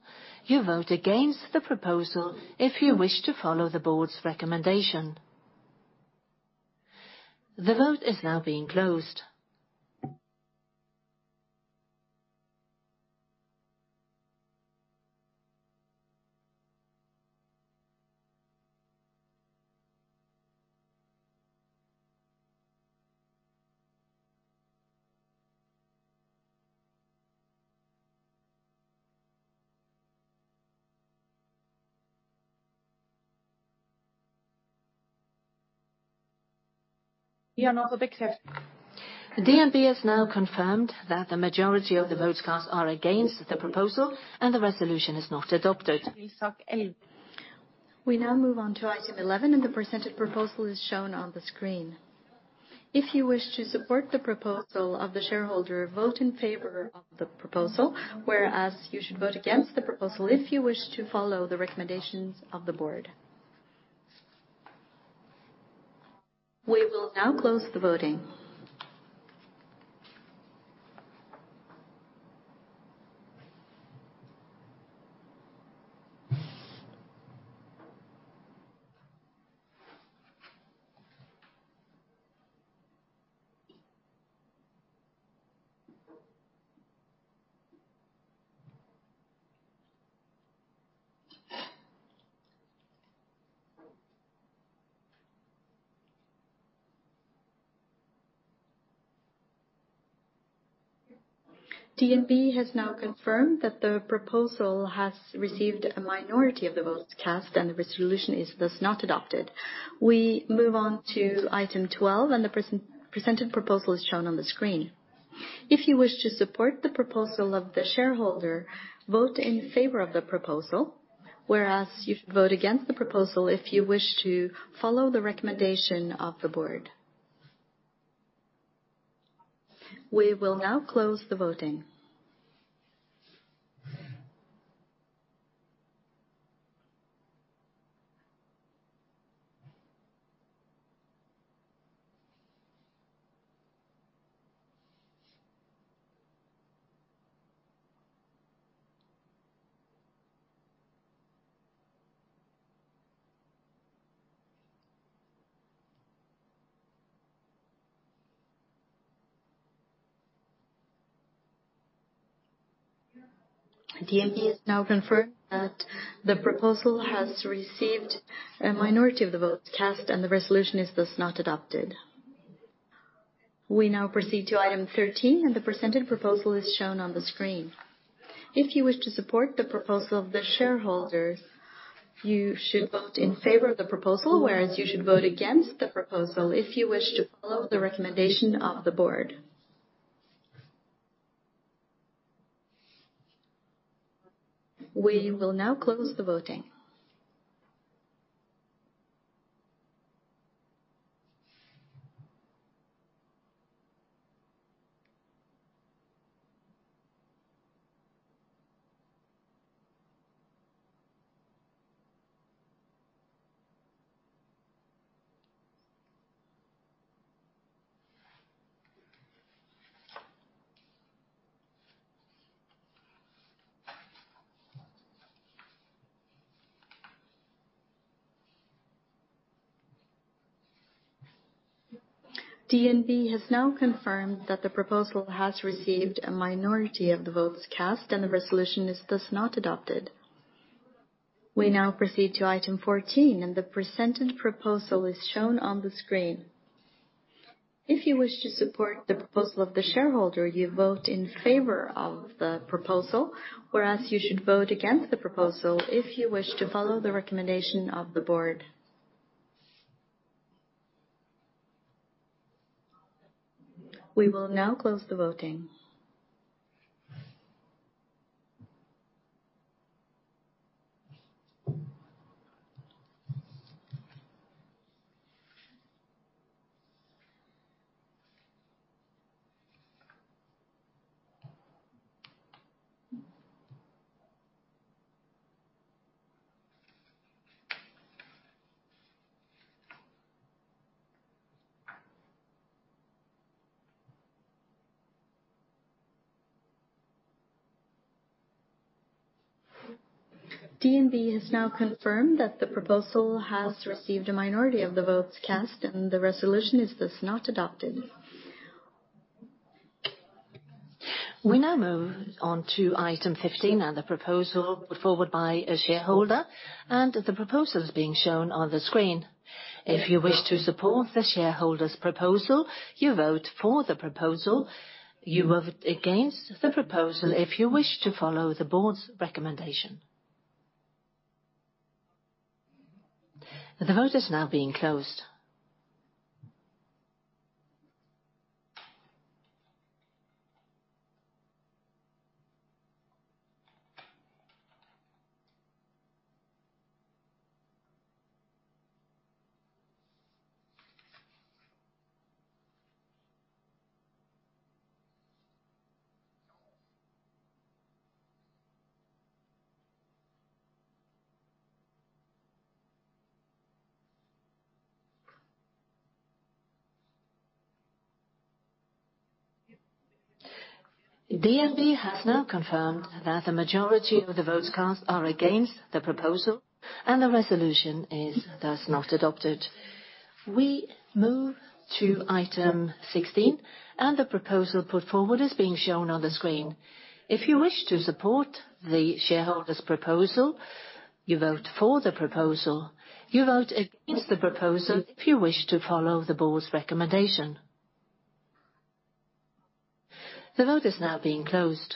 You vote against the proposal if you wish to follow the board's recommendation. The vote is now being closed. DNB has now confirmed that the majority of the votes cast are against the proposal, and the resolution is not adopted. We now move on to item 11, and the presented proposal is shown on the screen. If you wish to support the proposal of the shareholder, vote in favor of the proposal, whereas you should vote against the proposal if you wish to follow the recommendations of the board. We will now close the voting. DNB has now confirmed that the proposal has received a minority of the votes cast, and the resolution is thus not adopted. We move on to item 12, and the presented proposal is shown on the screen. If you wish to support the proposal of the shareholder, vote in favor of the proposal, whereas you should vote against the proposal if you wish to follow the recommendation of the board. We will now close the voting. DNB has now confirmed that the proposal has received a minority of the votes cast, and the resolution is thus not adopted. We now proceed to item 13, and the presented proposal is shown on the screen. If you wish to support the proposal of the shareholders, you should vote in favor of the proposal, whereas you should vote against the proposal if you wish to follow the recommendation of the board. We will now close the voting. DNB has now confirmed that the proposal has received a minority of the votes cast, and the resolution is thus not adopted. We now proceed to item 14 and the presented proposal is shown on the screen. If you wish to support the proposal of the shareholder, you vote in favor of the proposal, whereas you should vote against the proposal if you wish to follow the recommendation of the board. We will now close the voting. DNB has now confirmed that the proposal has received a minority of the votes cast, and the resolution is thus not adopted. We now move on to item 15 and the proposal put forward by a shareholder, and the proposal is being shown on the screen. If you wish to support the shareholder's proposal, you vote for the proposal. You vote against the proposal if you wish to follow the board's recommendation. The vote is now being closed. DNB has now confirmed that the majority of the votes cast are against the proposal, and the resolution is thus not adopted. We move to item 16, and the proposal put forward is being shown on the screen. If you wish to support the shareholder's proposal, you vote for the proposal. You vote against the proposal if you wish to follow the board's recommendation. The vote is now being closed.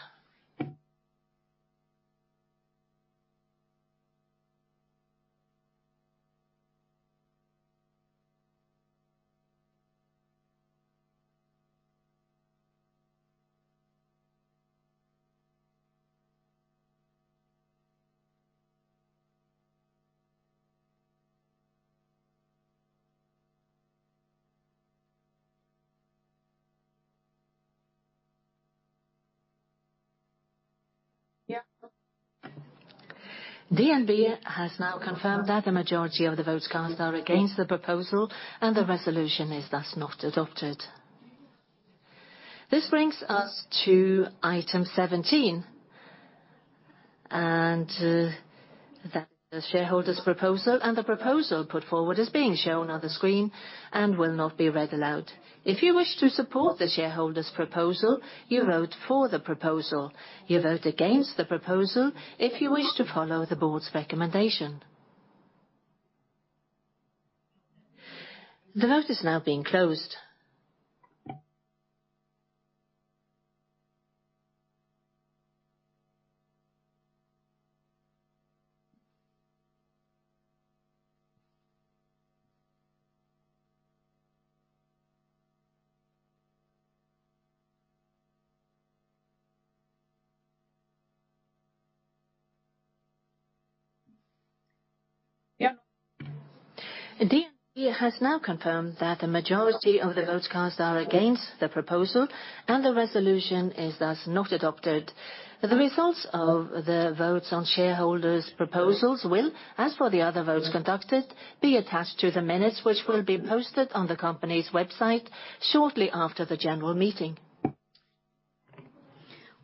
DNB has now confirmed that the majority of the votes cast are against the proposal, and the resolution is thus not adopted. This brings us to item 17, and that's the shareholder's proposal, and the proposal put forward is being shown on the screen and will not be read aloud. If you wish to support the shareholder's proposal, you vote for the proposal. You vote against the proposal if you wish to follow the board's recommendation. The vote is now being closed. DNB has now confirmed that the majority of the votes cast are against the proposal, and the resolution is thus not adopted. The results of the votes on shareholders' proposals will, as for the other votes conducted, be attached to the minutes which will be posted on the company's website shortly after the general meeting.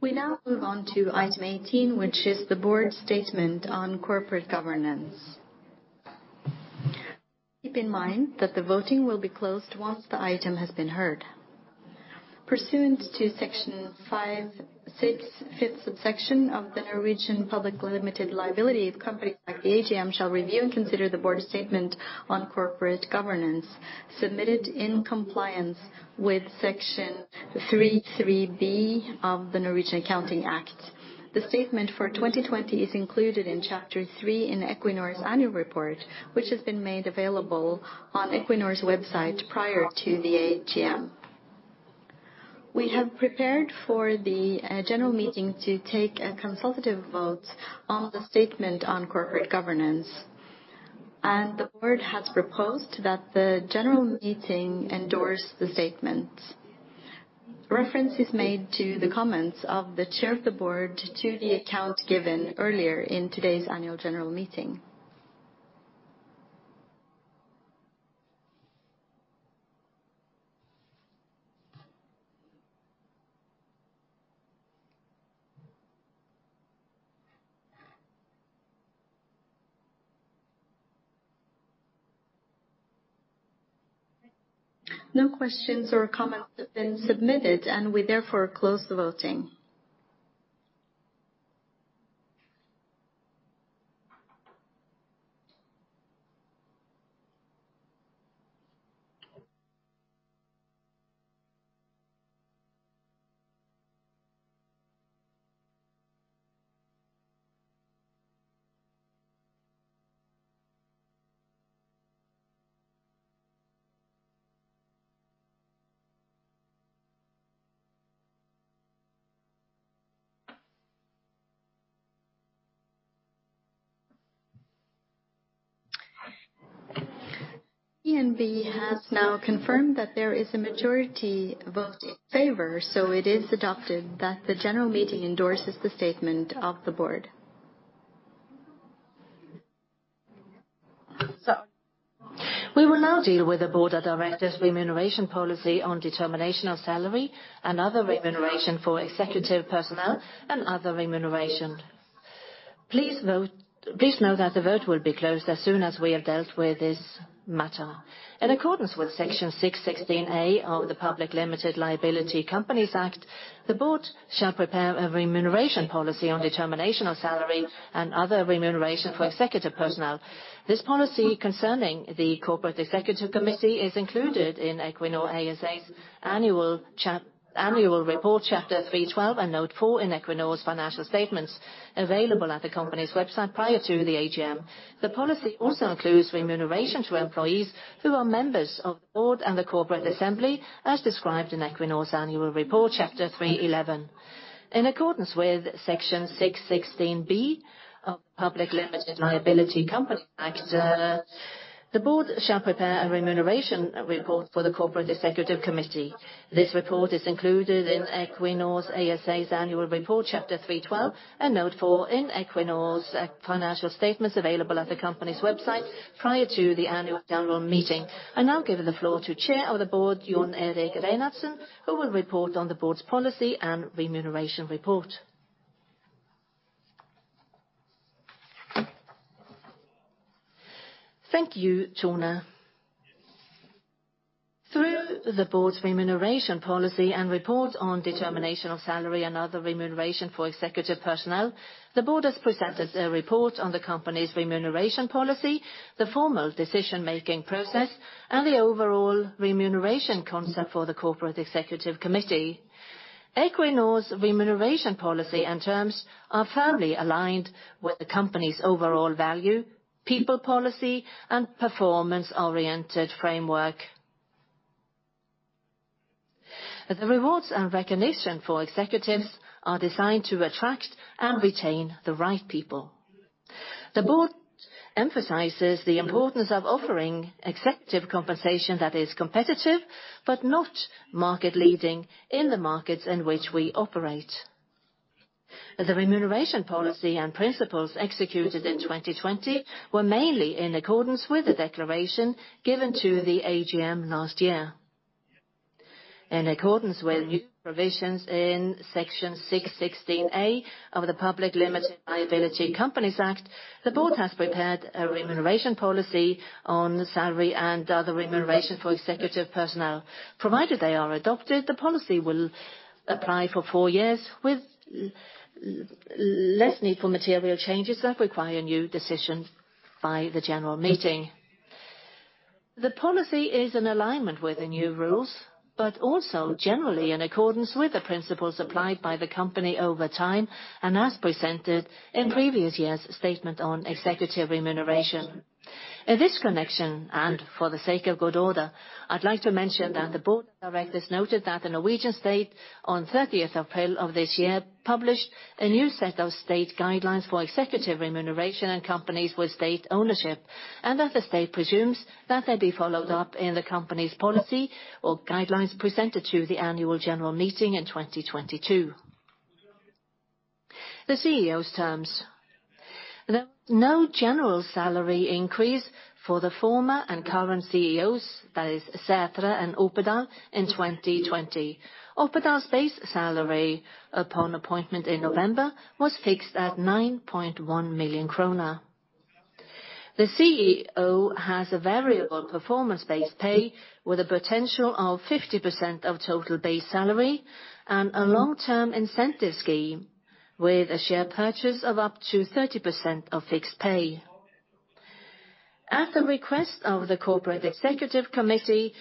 We now move on to item 18, which is the board's statement on corporate governance. Keep in mind that the voting will be closed once the item has been heard. Pursuant to Section 5-6, fifth subsection of the Norwegian Public Limited Liability Companies Act, the AGM shall review and consider the board of statement on corporate governance, submitted in compliance with Section 3-3b of the Norwegian Accounting Act. The statement for 2020 is included in chapter three in Equinor's annual report, which has been made available on Equinor's website prior to the AGM. We have prepared for the general meeting to take a consultative vote on the statement on corporate governance, and the board has proposed that the general meeting endorse the statement. Reference is made to the comments of the chair of the board to the account given earlier in today's annual general meeting. No questions or comments have been submitted, and we therefore close the voting. DNB has now confirmed that there is a majority vote in favor, so it is adopted that the general meeting endorses the statement of the board. We will now deal with the board of directors' remuneration policy on determination of salary and other remuneration for executive personnel and other remuneration. Please note that the vote will be closed as soon as we have dealt with this matter. In accordance with Section 6-16a of the Public Limited Liability Companies Act, the board shall prepare a remuneration policy on determination of salary and other remuneration for executive personnel. This policy concerning the corporate executive committee is included in Equinor ASA's annual report, Chapter 3.12 and Note 4 in Equinor's financial statements, available at the company's website prior to the AGM. The policy also includes remuneration to employees who are members of the board and the corporate assembly, as described in Equinor's annual report, Chapter 3.11. In accordance with Section 6-16b of Public Limited Liability Companies Act, the board shall prepare a remuneration report for the corporate executive committee. This report is included in Equinor ASA's annual report, Chapter 3.12 and Note 4 in Equinor's financial statements available at the company's website prior to the annual general meeting. I now give the floor to Chair of the Board, Jon Erik Reinhardsen, who will report on the board's policy and remuneration report.
Thank you, Tone Lunde Bakker. Through the board's remuneration policy and report on determination of salary and other remuneration for executive personnel, the board has presented a report on the company's remuneration policy, the formal decision-making process, and the overall remuneration concept for the corporate executive committee. Equinor's remuneration policy and terms are firmly aligned with the company's overall value, people policy, and performance-oriented framework. The rewards and recognition for executives are designed to attract and retain the right people. The board emphasizes the importance of offering executive compensation that is competitive, but not market leading in the markets in which we operate. The remuneration policy and principles executed in 2020 were mainly in accordance with the declaration given to the AGM last year. In accordance with new provisions in Section 6-16a of the Public Limited Liability Companies Act, the board has prepared a remuneration policy on salary and other remuneration for executive personnel. Provided they are adopted, the policy will apply for four years with less need for material changes that require new decisions by the general meeting. The policy is in alignment with the new rules, but also generally in accordance with the principles applied by the company over time and as presented in previous years' statement on executive remuneration. In this connection, and for the sake of good order, I'd like to mention that the board of directors noted that the Norwegian State, on 30th of April of this year, published a new set of State guidelines for executive remuneration in companies with State ownership, and that the State presumes that they be followed up in the company's policy or guidelines presented to the Annual General Meeting in 2022. The CEO's terms. There was no general salary increase for the former and current CEOs, that is Sætre and Opedal, in 2020. Opedal's base salary upon appointment in November was fixed at 9.1 million kroner. The CEO has a variable performance-based pay with a potential of 50% of total base salary and a long-term incentive scheme with a share purchase of up to 30% of fixed pay. At the request of the Corporate Executive Committee,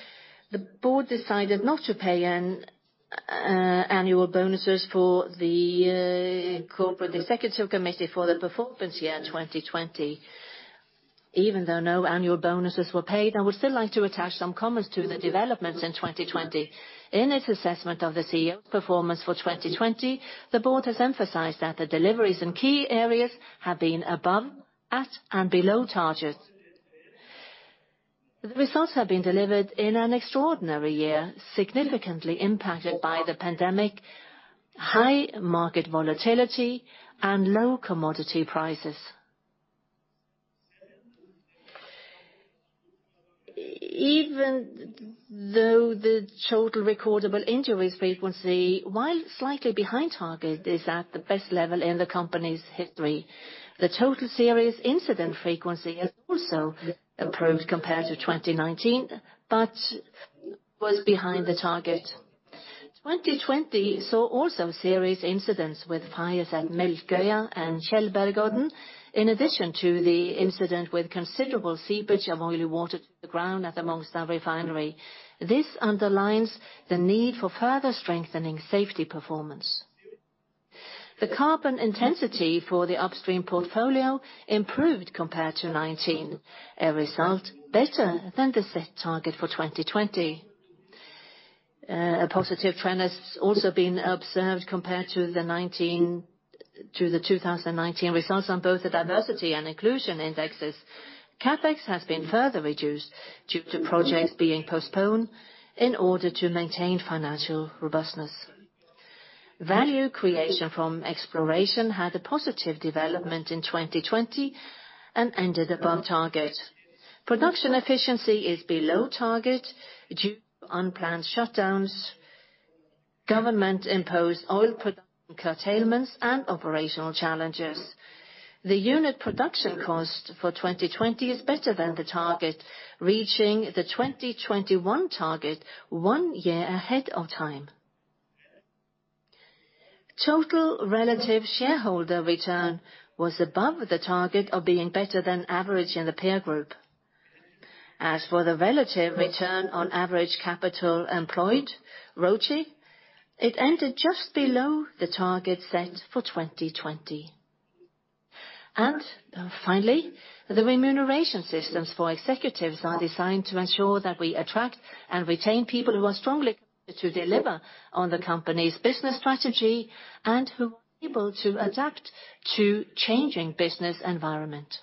the Board decided not to pay annual bonuses for the Corporate Executive Committee for the performance year 2020. Even though no annual bonuses were paid, I would still like to attach some comments to the developments in 2020. In its assessment of the CEO's performance for 2020, the Board has emphasized that the deliveries in key areas have been above, at, and below targets. The results have been delivered in an extraordinary year, significantly impacted by the pandemic, high market volatility, and low commodity prices. Even though the total recordable injuries frequency, while slightly behind target, is at the best level in the company's history. The total serious incident frequency has also improved compared to 2019, but was behind the target. 2020 saw also serious incidents with fires at Melkøya and Tjeldbergodden, in addition to the incident with considerable seepage of oily water to the ground at the Mongstad refinery. This underlines the need for further strengthening safety performance. The carbon intensity for the upstream portfolio improved compared to 2019, a result better than the set target for 2020. A positive trend has also been observed compared to the 2019 results on both the diversity and inclusion indexes. CapEx has been further reduced due to projects being postponed in order to maintain financial robustness. Value creation from exploration had a positive development in 2020, and ended above target. Production efficiency is below target due to unplanned shutdowns, government-imposed oil production curtailments, and operational challenges. The unit production cost for 2020 is better than the target, reaching the 2021 target one year ahead of time. Total relative shareholder return was above the target of being better than average in the peer group. As for the relative return on average capital employed, ROACE, it ended just below the target set for 2020. Finally, the remuneration systems for executives are designed to ensure that we attract and retain people who are strongly equipped to deliver on the company's business strategy and who are able to adapt to changing business environment.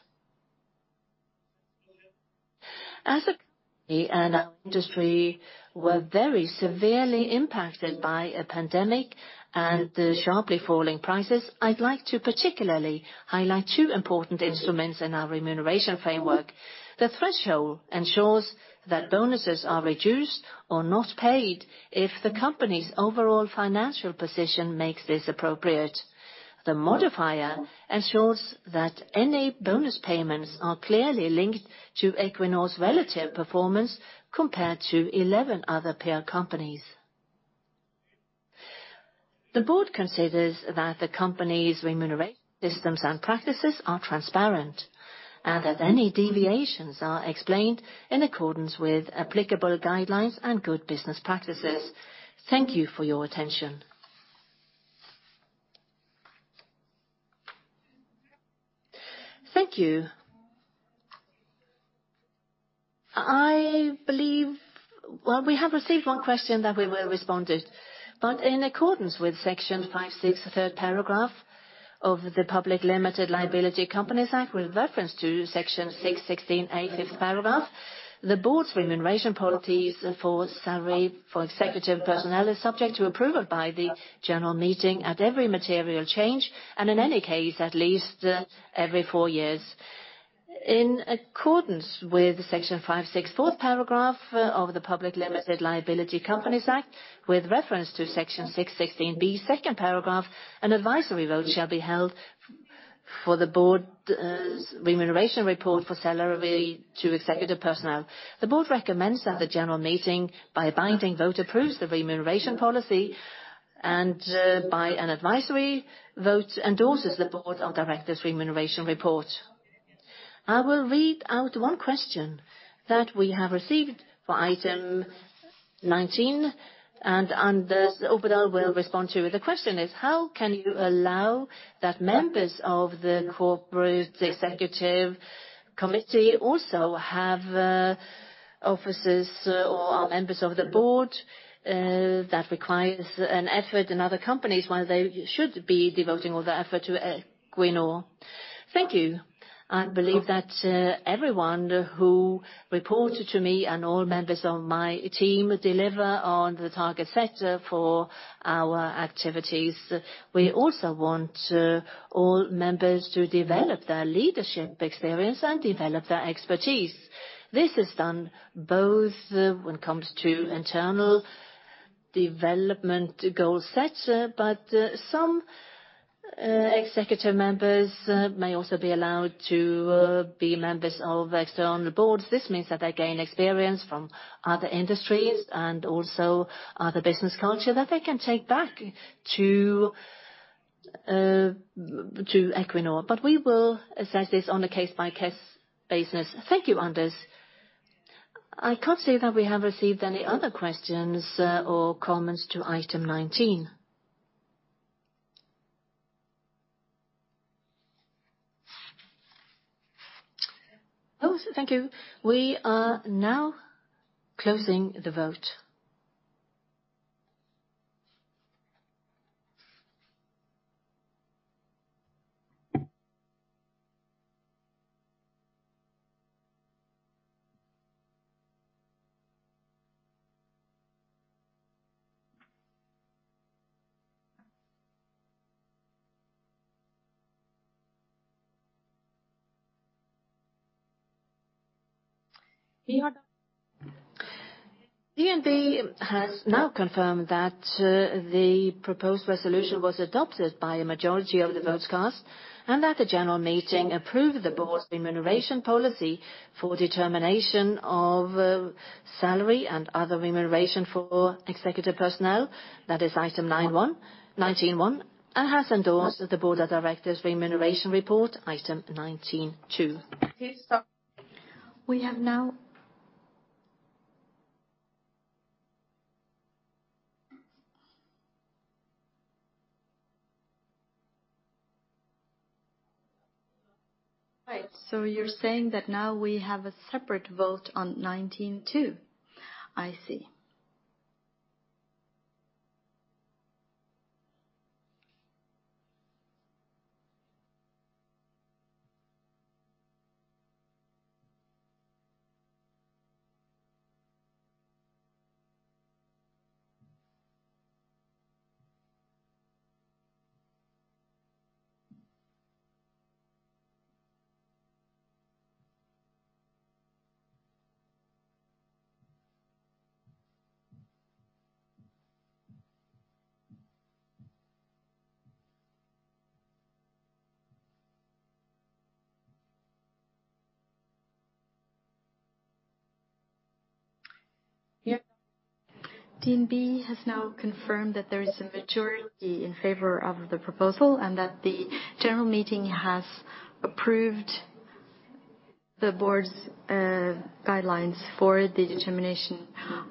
As a company and an industry, we're very severely impacted by a pandemic and the sharply falling prices, I'd like to particularly highlight two important instruments in our remuneration framework. The threshold ensures that bonuses are reduced or not paid if the company's overall financial position makes this appropriate. The modifier ensures that any bonus payments are clearly linked to Equinor's relative performance compared to 11 other peer companies. The board considers that the company's remuneration systems and practices are transparent, and that any deviations are explained in accordance with applicable guidelines and good business practices. Thank you for your attention.
Thank you. We have received one question that will be responded. In accordance with Section 5-6, third paragraph of the Public Limited Liability Companies Act, with reference to Section 6-16a, fifth paragraph, the board's remuneration policies for salary for executive personnel is subject to approval by the general meeting at every material change, and in any case, at least every four years. In accordance with Section 5-6, fourth paragraph of the Public Limited Liability Companies Act, with reference to Section 6-16b, second paragraph, an advisory vote shall be held for the Board's Remuneration Report for salary to executive personnel. The Board recommends that the general meeting, by a binding vote, approves the Remuneration Policy, and by an advisory vote, endorses the Board of Directors' Remuneration Report. I will read out one question that we have received for item 19 and Anders Opedal will respond to it. The question is, how can you allow that members of the Corporate Executive Committee also have offices or are members of the Board? That requires an effort in other companies, while they should be devoting all their effort to Equinor.
Thank you. I believe that everyone who reports to me and all members of my team deliver on the target set for our activities. We also want all members to develop their leadership experience and develop their expertise. This is done both when it comes to internal. Development goal set, some executive members may also be allowed to be members of external boards. This means that they gain experience from other industries and also other business culture that they can take back to Equinor. We will assess this on a case-by-case basis.
Thank you, Anders. I can't see that we have received any other questions or comments to item 19. thank you. We are now closing the vote. DNB has now confirmed that the proposed resolution was adopted by a majority of the votes cast, and that the general meeting approved the board's remuneration policy for determination of salary and other remuneration for executive personnel. That is item 19.1, and has endorsed the Board of Directors Remuneration Report, item 19.2. We have now Right. You're saying that now we have a separate vote on 19.2? I see. DNB has now confirmed that there is a majority in favor of the proposal, and that the general meeting has approved the board's guidelines for the determination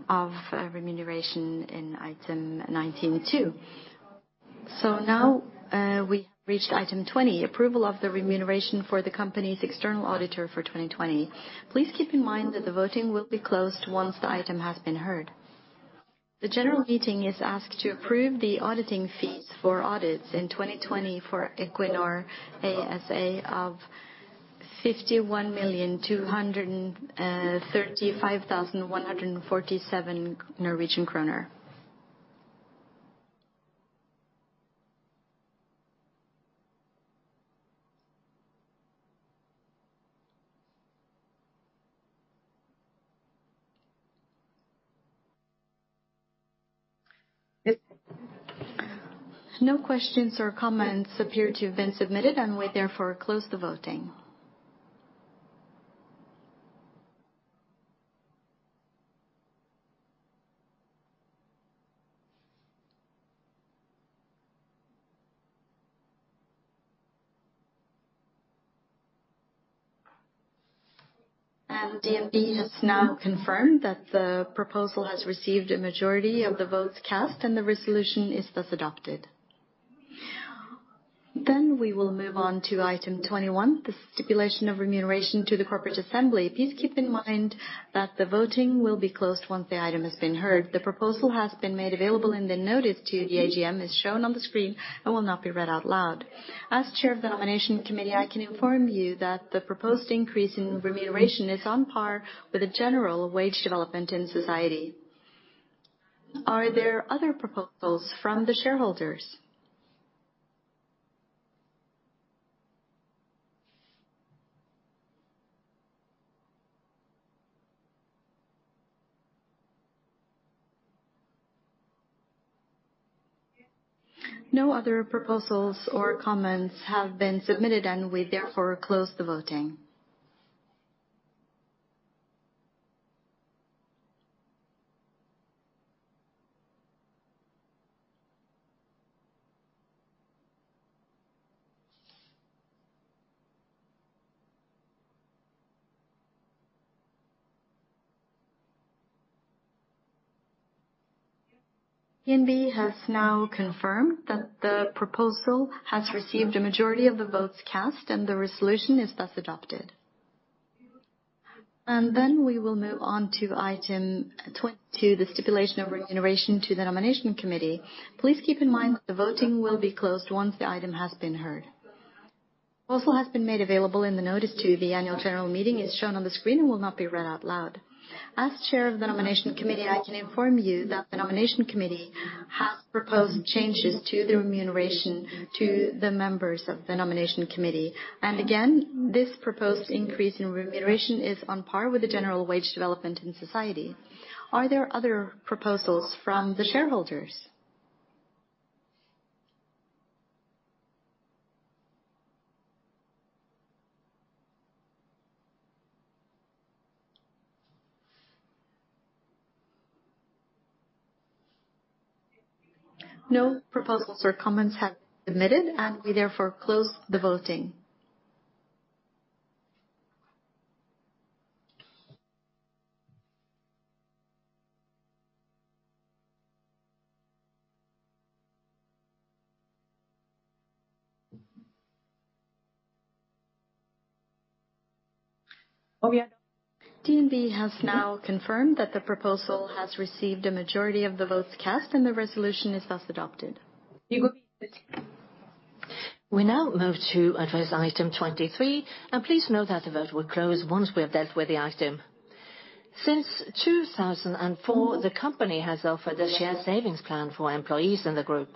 of remuneration in item 19.2. Now, we have reached item 20, approval of the remuneration for the company's external auditor for 2020. Please keep in mind that the voting will be closed once the item has been heard. The general meeting is asked to approve the auditing fees for audits in 2020 for Equinor ASA of 51,235,147 Norwegian kroner. No questions or comments appear to have been submitted. We therefore close the voting. DNB has now confirmed that the proposal has received a majority of the votes cast and the resolution is thus adopted. We will move on to item 21, the stipulation of remuneration to the corporate assembly. Please keep in mind that the voting will be closed once the item has been heard. The proposal has been made available in the notice to the AGM as shown on the screen and will not be read out loud. As chair of the nomination committee, I can inform you that the proposed increase in remuneration is on par with the general wage development in society. Are there other proposals from the shareholders? No other proposals or comments have been submitted, and we therefore close the voting. DNB has now confirmed that the proposal has received a majority of the votes cast and the resolution is thus adopted. We will move on to item 22, the stipulation of remuneration to the nomination committee. Please keep in mind the voting will be closed once the item has been heard. Proposal has been made available in the notice to the annual general meeting, as shown on the screen, and will not be read out loud. As Chair of the Nomination Committee, I can inform you that the Nomination Committee has proposed changes to the remuneration to the members of the Nomination Committee. Again, this proposed increase in remuneration is on par with the general wage development in society. Are there other proposals from the shareholders? No proposals or comments have been submitted, and we therefore close the voting. DNB has now confirmed that the proposal has received a majority of the votes cast and the resolution is thus adopted. We now move to address item 23, and please note that the vote will close once we have dealt with the item. Since 2004, the company has offered a share savings plan for employees in the group.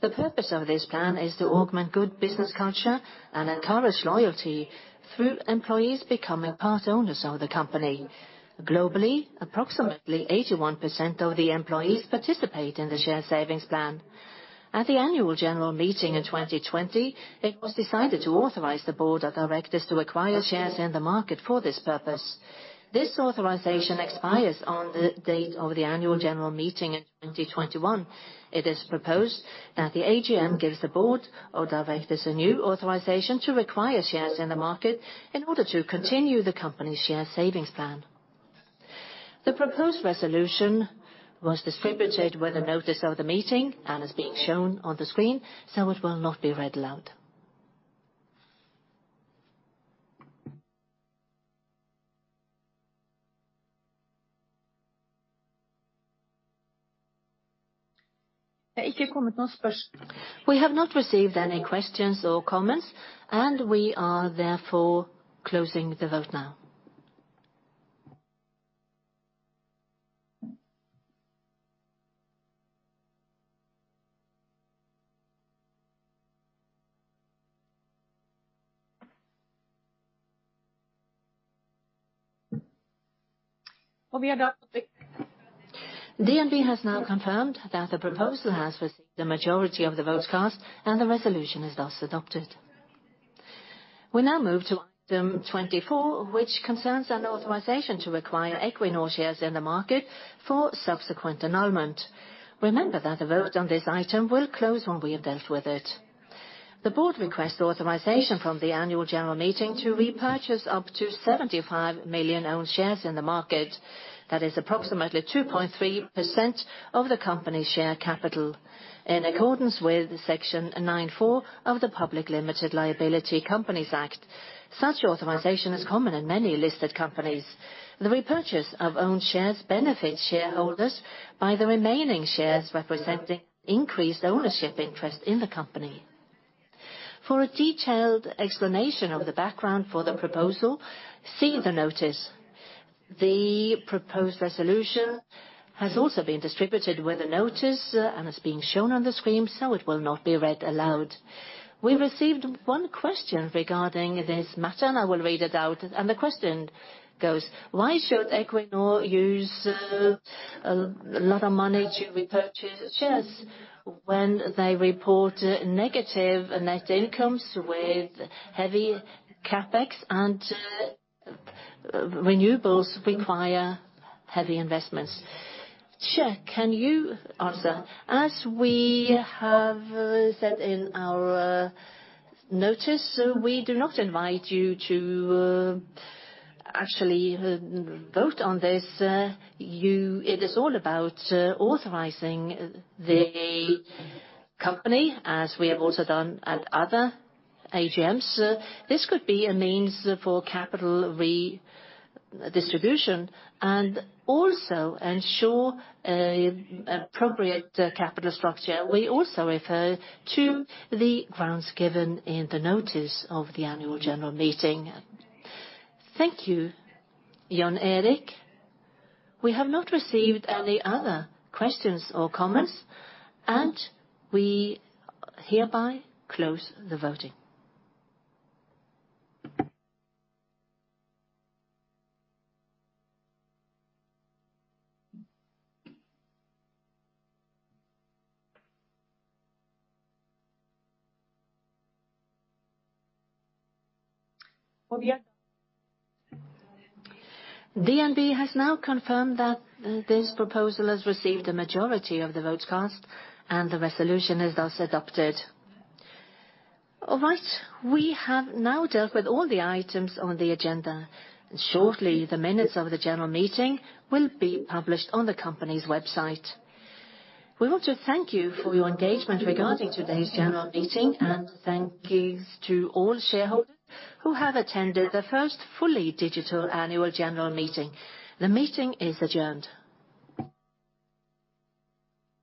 The purpose of this plan is to augment good business culture and encourage loyalty through employees becoming part owners of the company. Globally, approximately 81% of the employees participate in the share savings plan. At the annual general meeting in 2020, it was decided to authorize the board of directors to acquire shares in the market for this purpose. This authorization expires on the date of the annual general meeting in 2021. It is proposed that the AGM gives the board of directors a new authorization to acquire shares in the market in order to continue the company's share savings plan. The proposed resolution was distributed with the notice of the meeting and is being shown on the screen, so it will not be read aloud. We have not received any questions or comments. We are therefore closing the vote now. DNB has now confirmed that the proposal has received the majority of the votes cast and the resolution is thus adopted. We now move to item 24, which concerns an authorization to acquire Equinor shares in the market for subsequent annulment. Remember that the vote on this item will close when we have dealt with it. The board requests authorization from the annual general meeting to repurchase up to 75 million own shares in the market. That is approximately 2.3% of the company share capital. In accordance with Section 9 (4) of the Public Limited Liability Companies Act, such authorization is common in many listed companies. The repurchase of own shares benefits shareholders by the remaining shares representing increased ownership interest in the company. For a detailed explanation of the background for the proposal, see the notice. The proposed resolution has also been distributed with the notice and is being shown on the screen, so it will not be read aloud. We received one question regarding this matter, and I will read it out. The question goes, "Why should Equinor use a lot of money to repurchase shares when they report negative net incomes with heavy CapEx and renewables require heavy investments?"Sure. Can you answer? As we have said in our notice, we do not invite you to actually vote on this.
It is all about authorizing the company, as we have also done at other AGMs. This could be a means for capital redistribution and also ensure appropriate capital structure. We also refer to the grounds given in the notice of the annual general meeting.
Thank you, Jon Erik. We have not received any other questions or comments, and we hereby close the voting. DNB has now confirmed that this proposal has received a majority of the votes cast and the resolution is thus adopted. All right. We have now dealt with all the items on the agenda. Shortly the minutes of the general meeting will be published on the company's website. We want to thank you for your engagement regarding today's general meeting and thank you to all shareholders who have attended the first fully digital annual general meeting. The meeting is adjourned.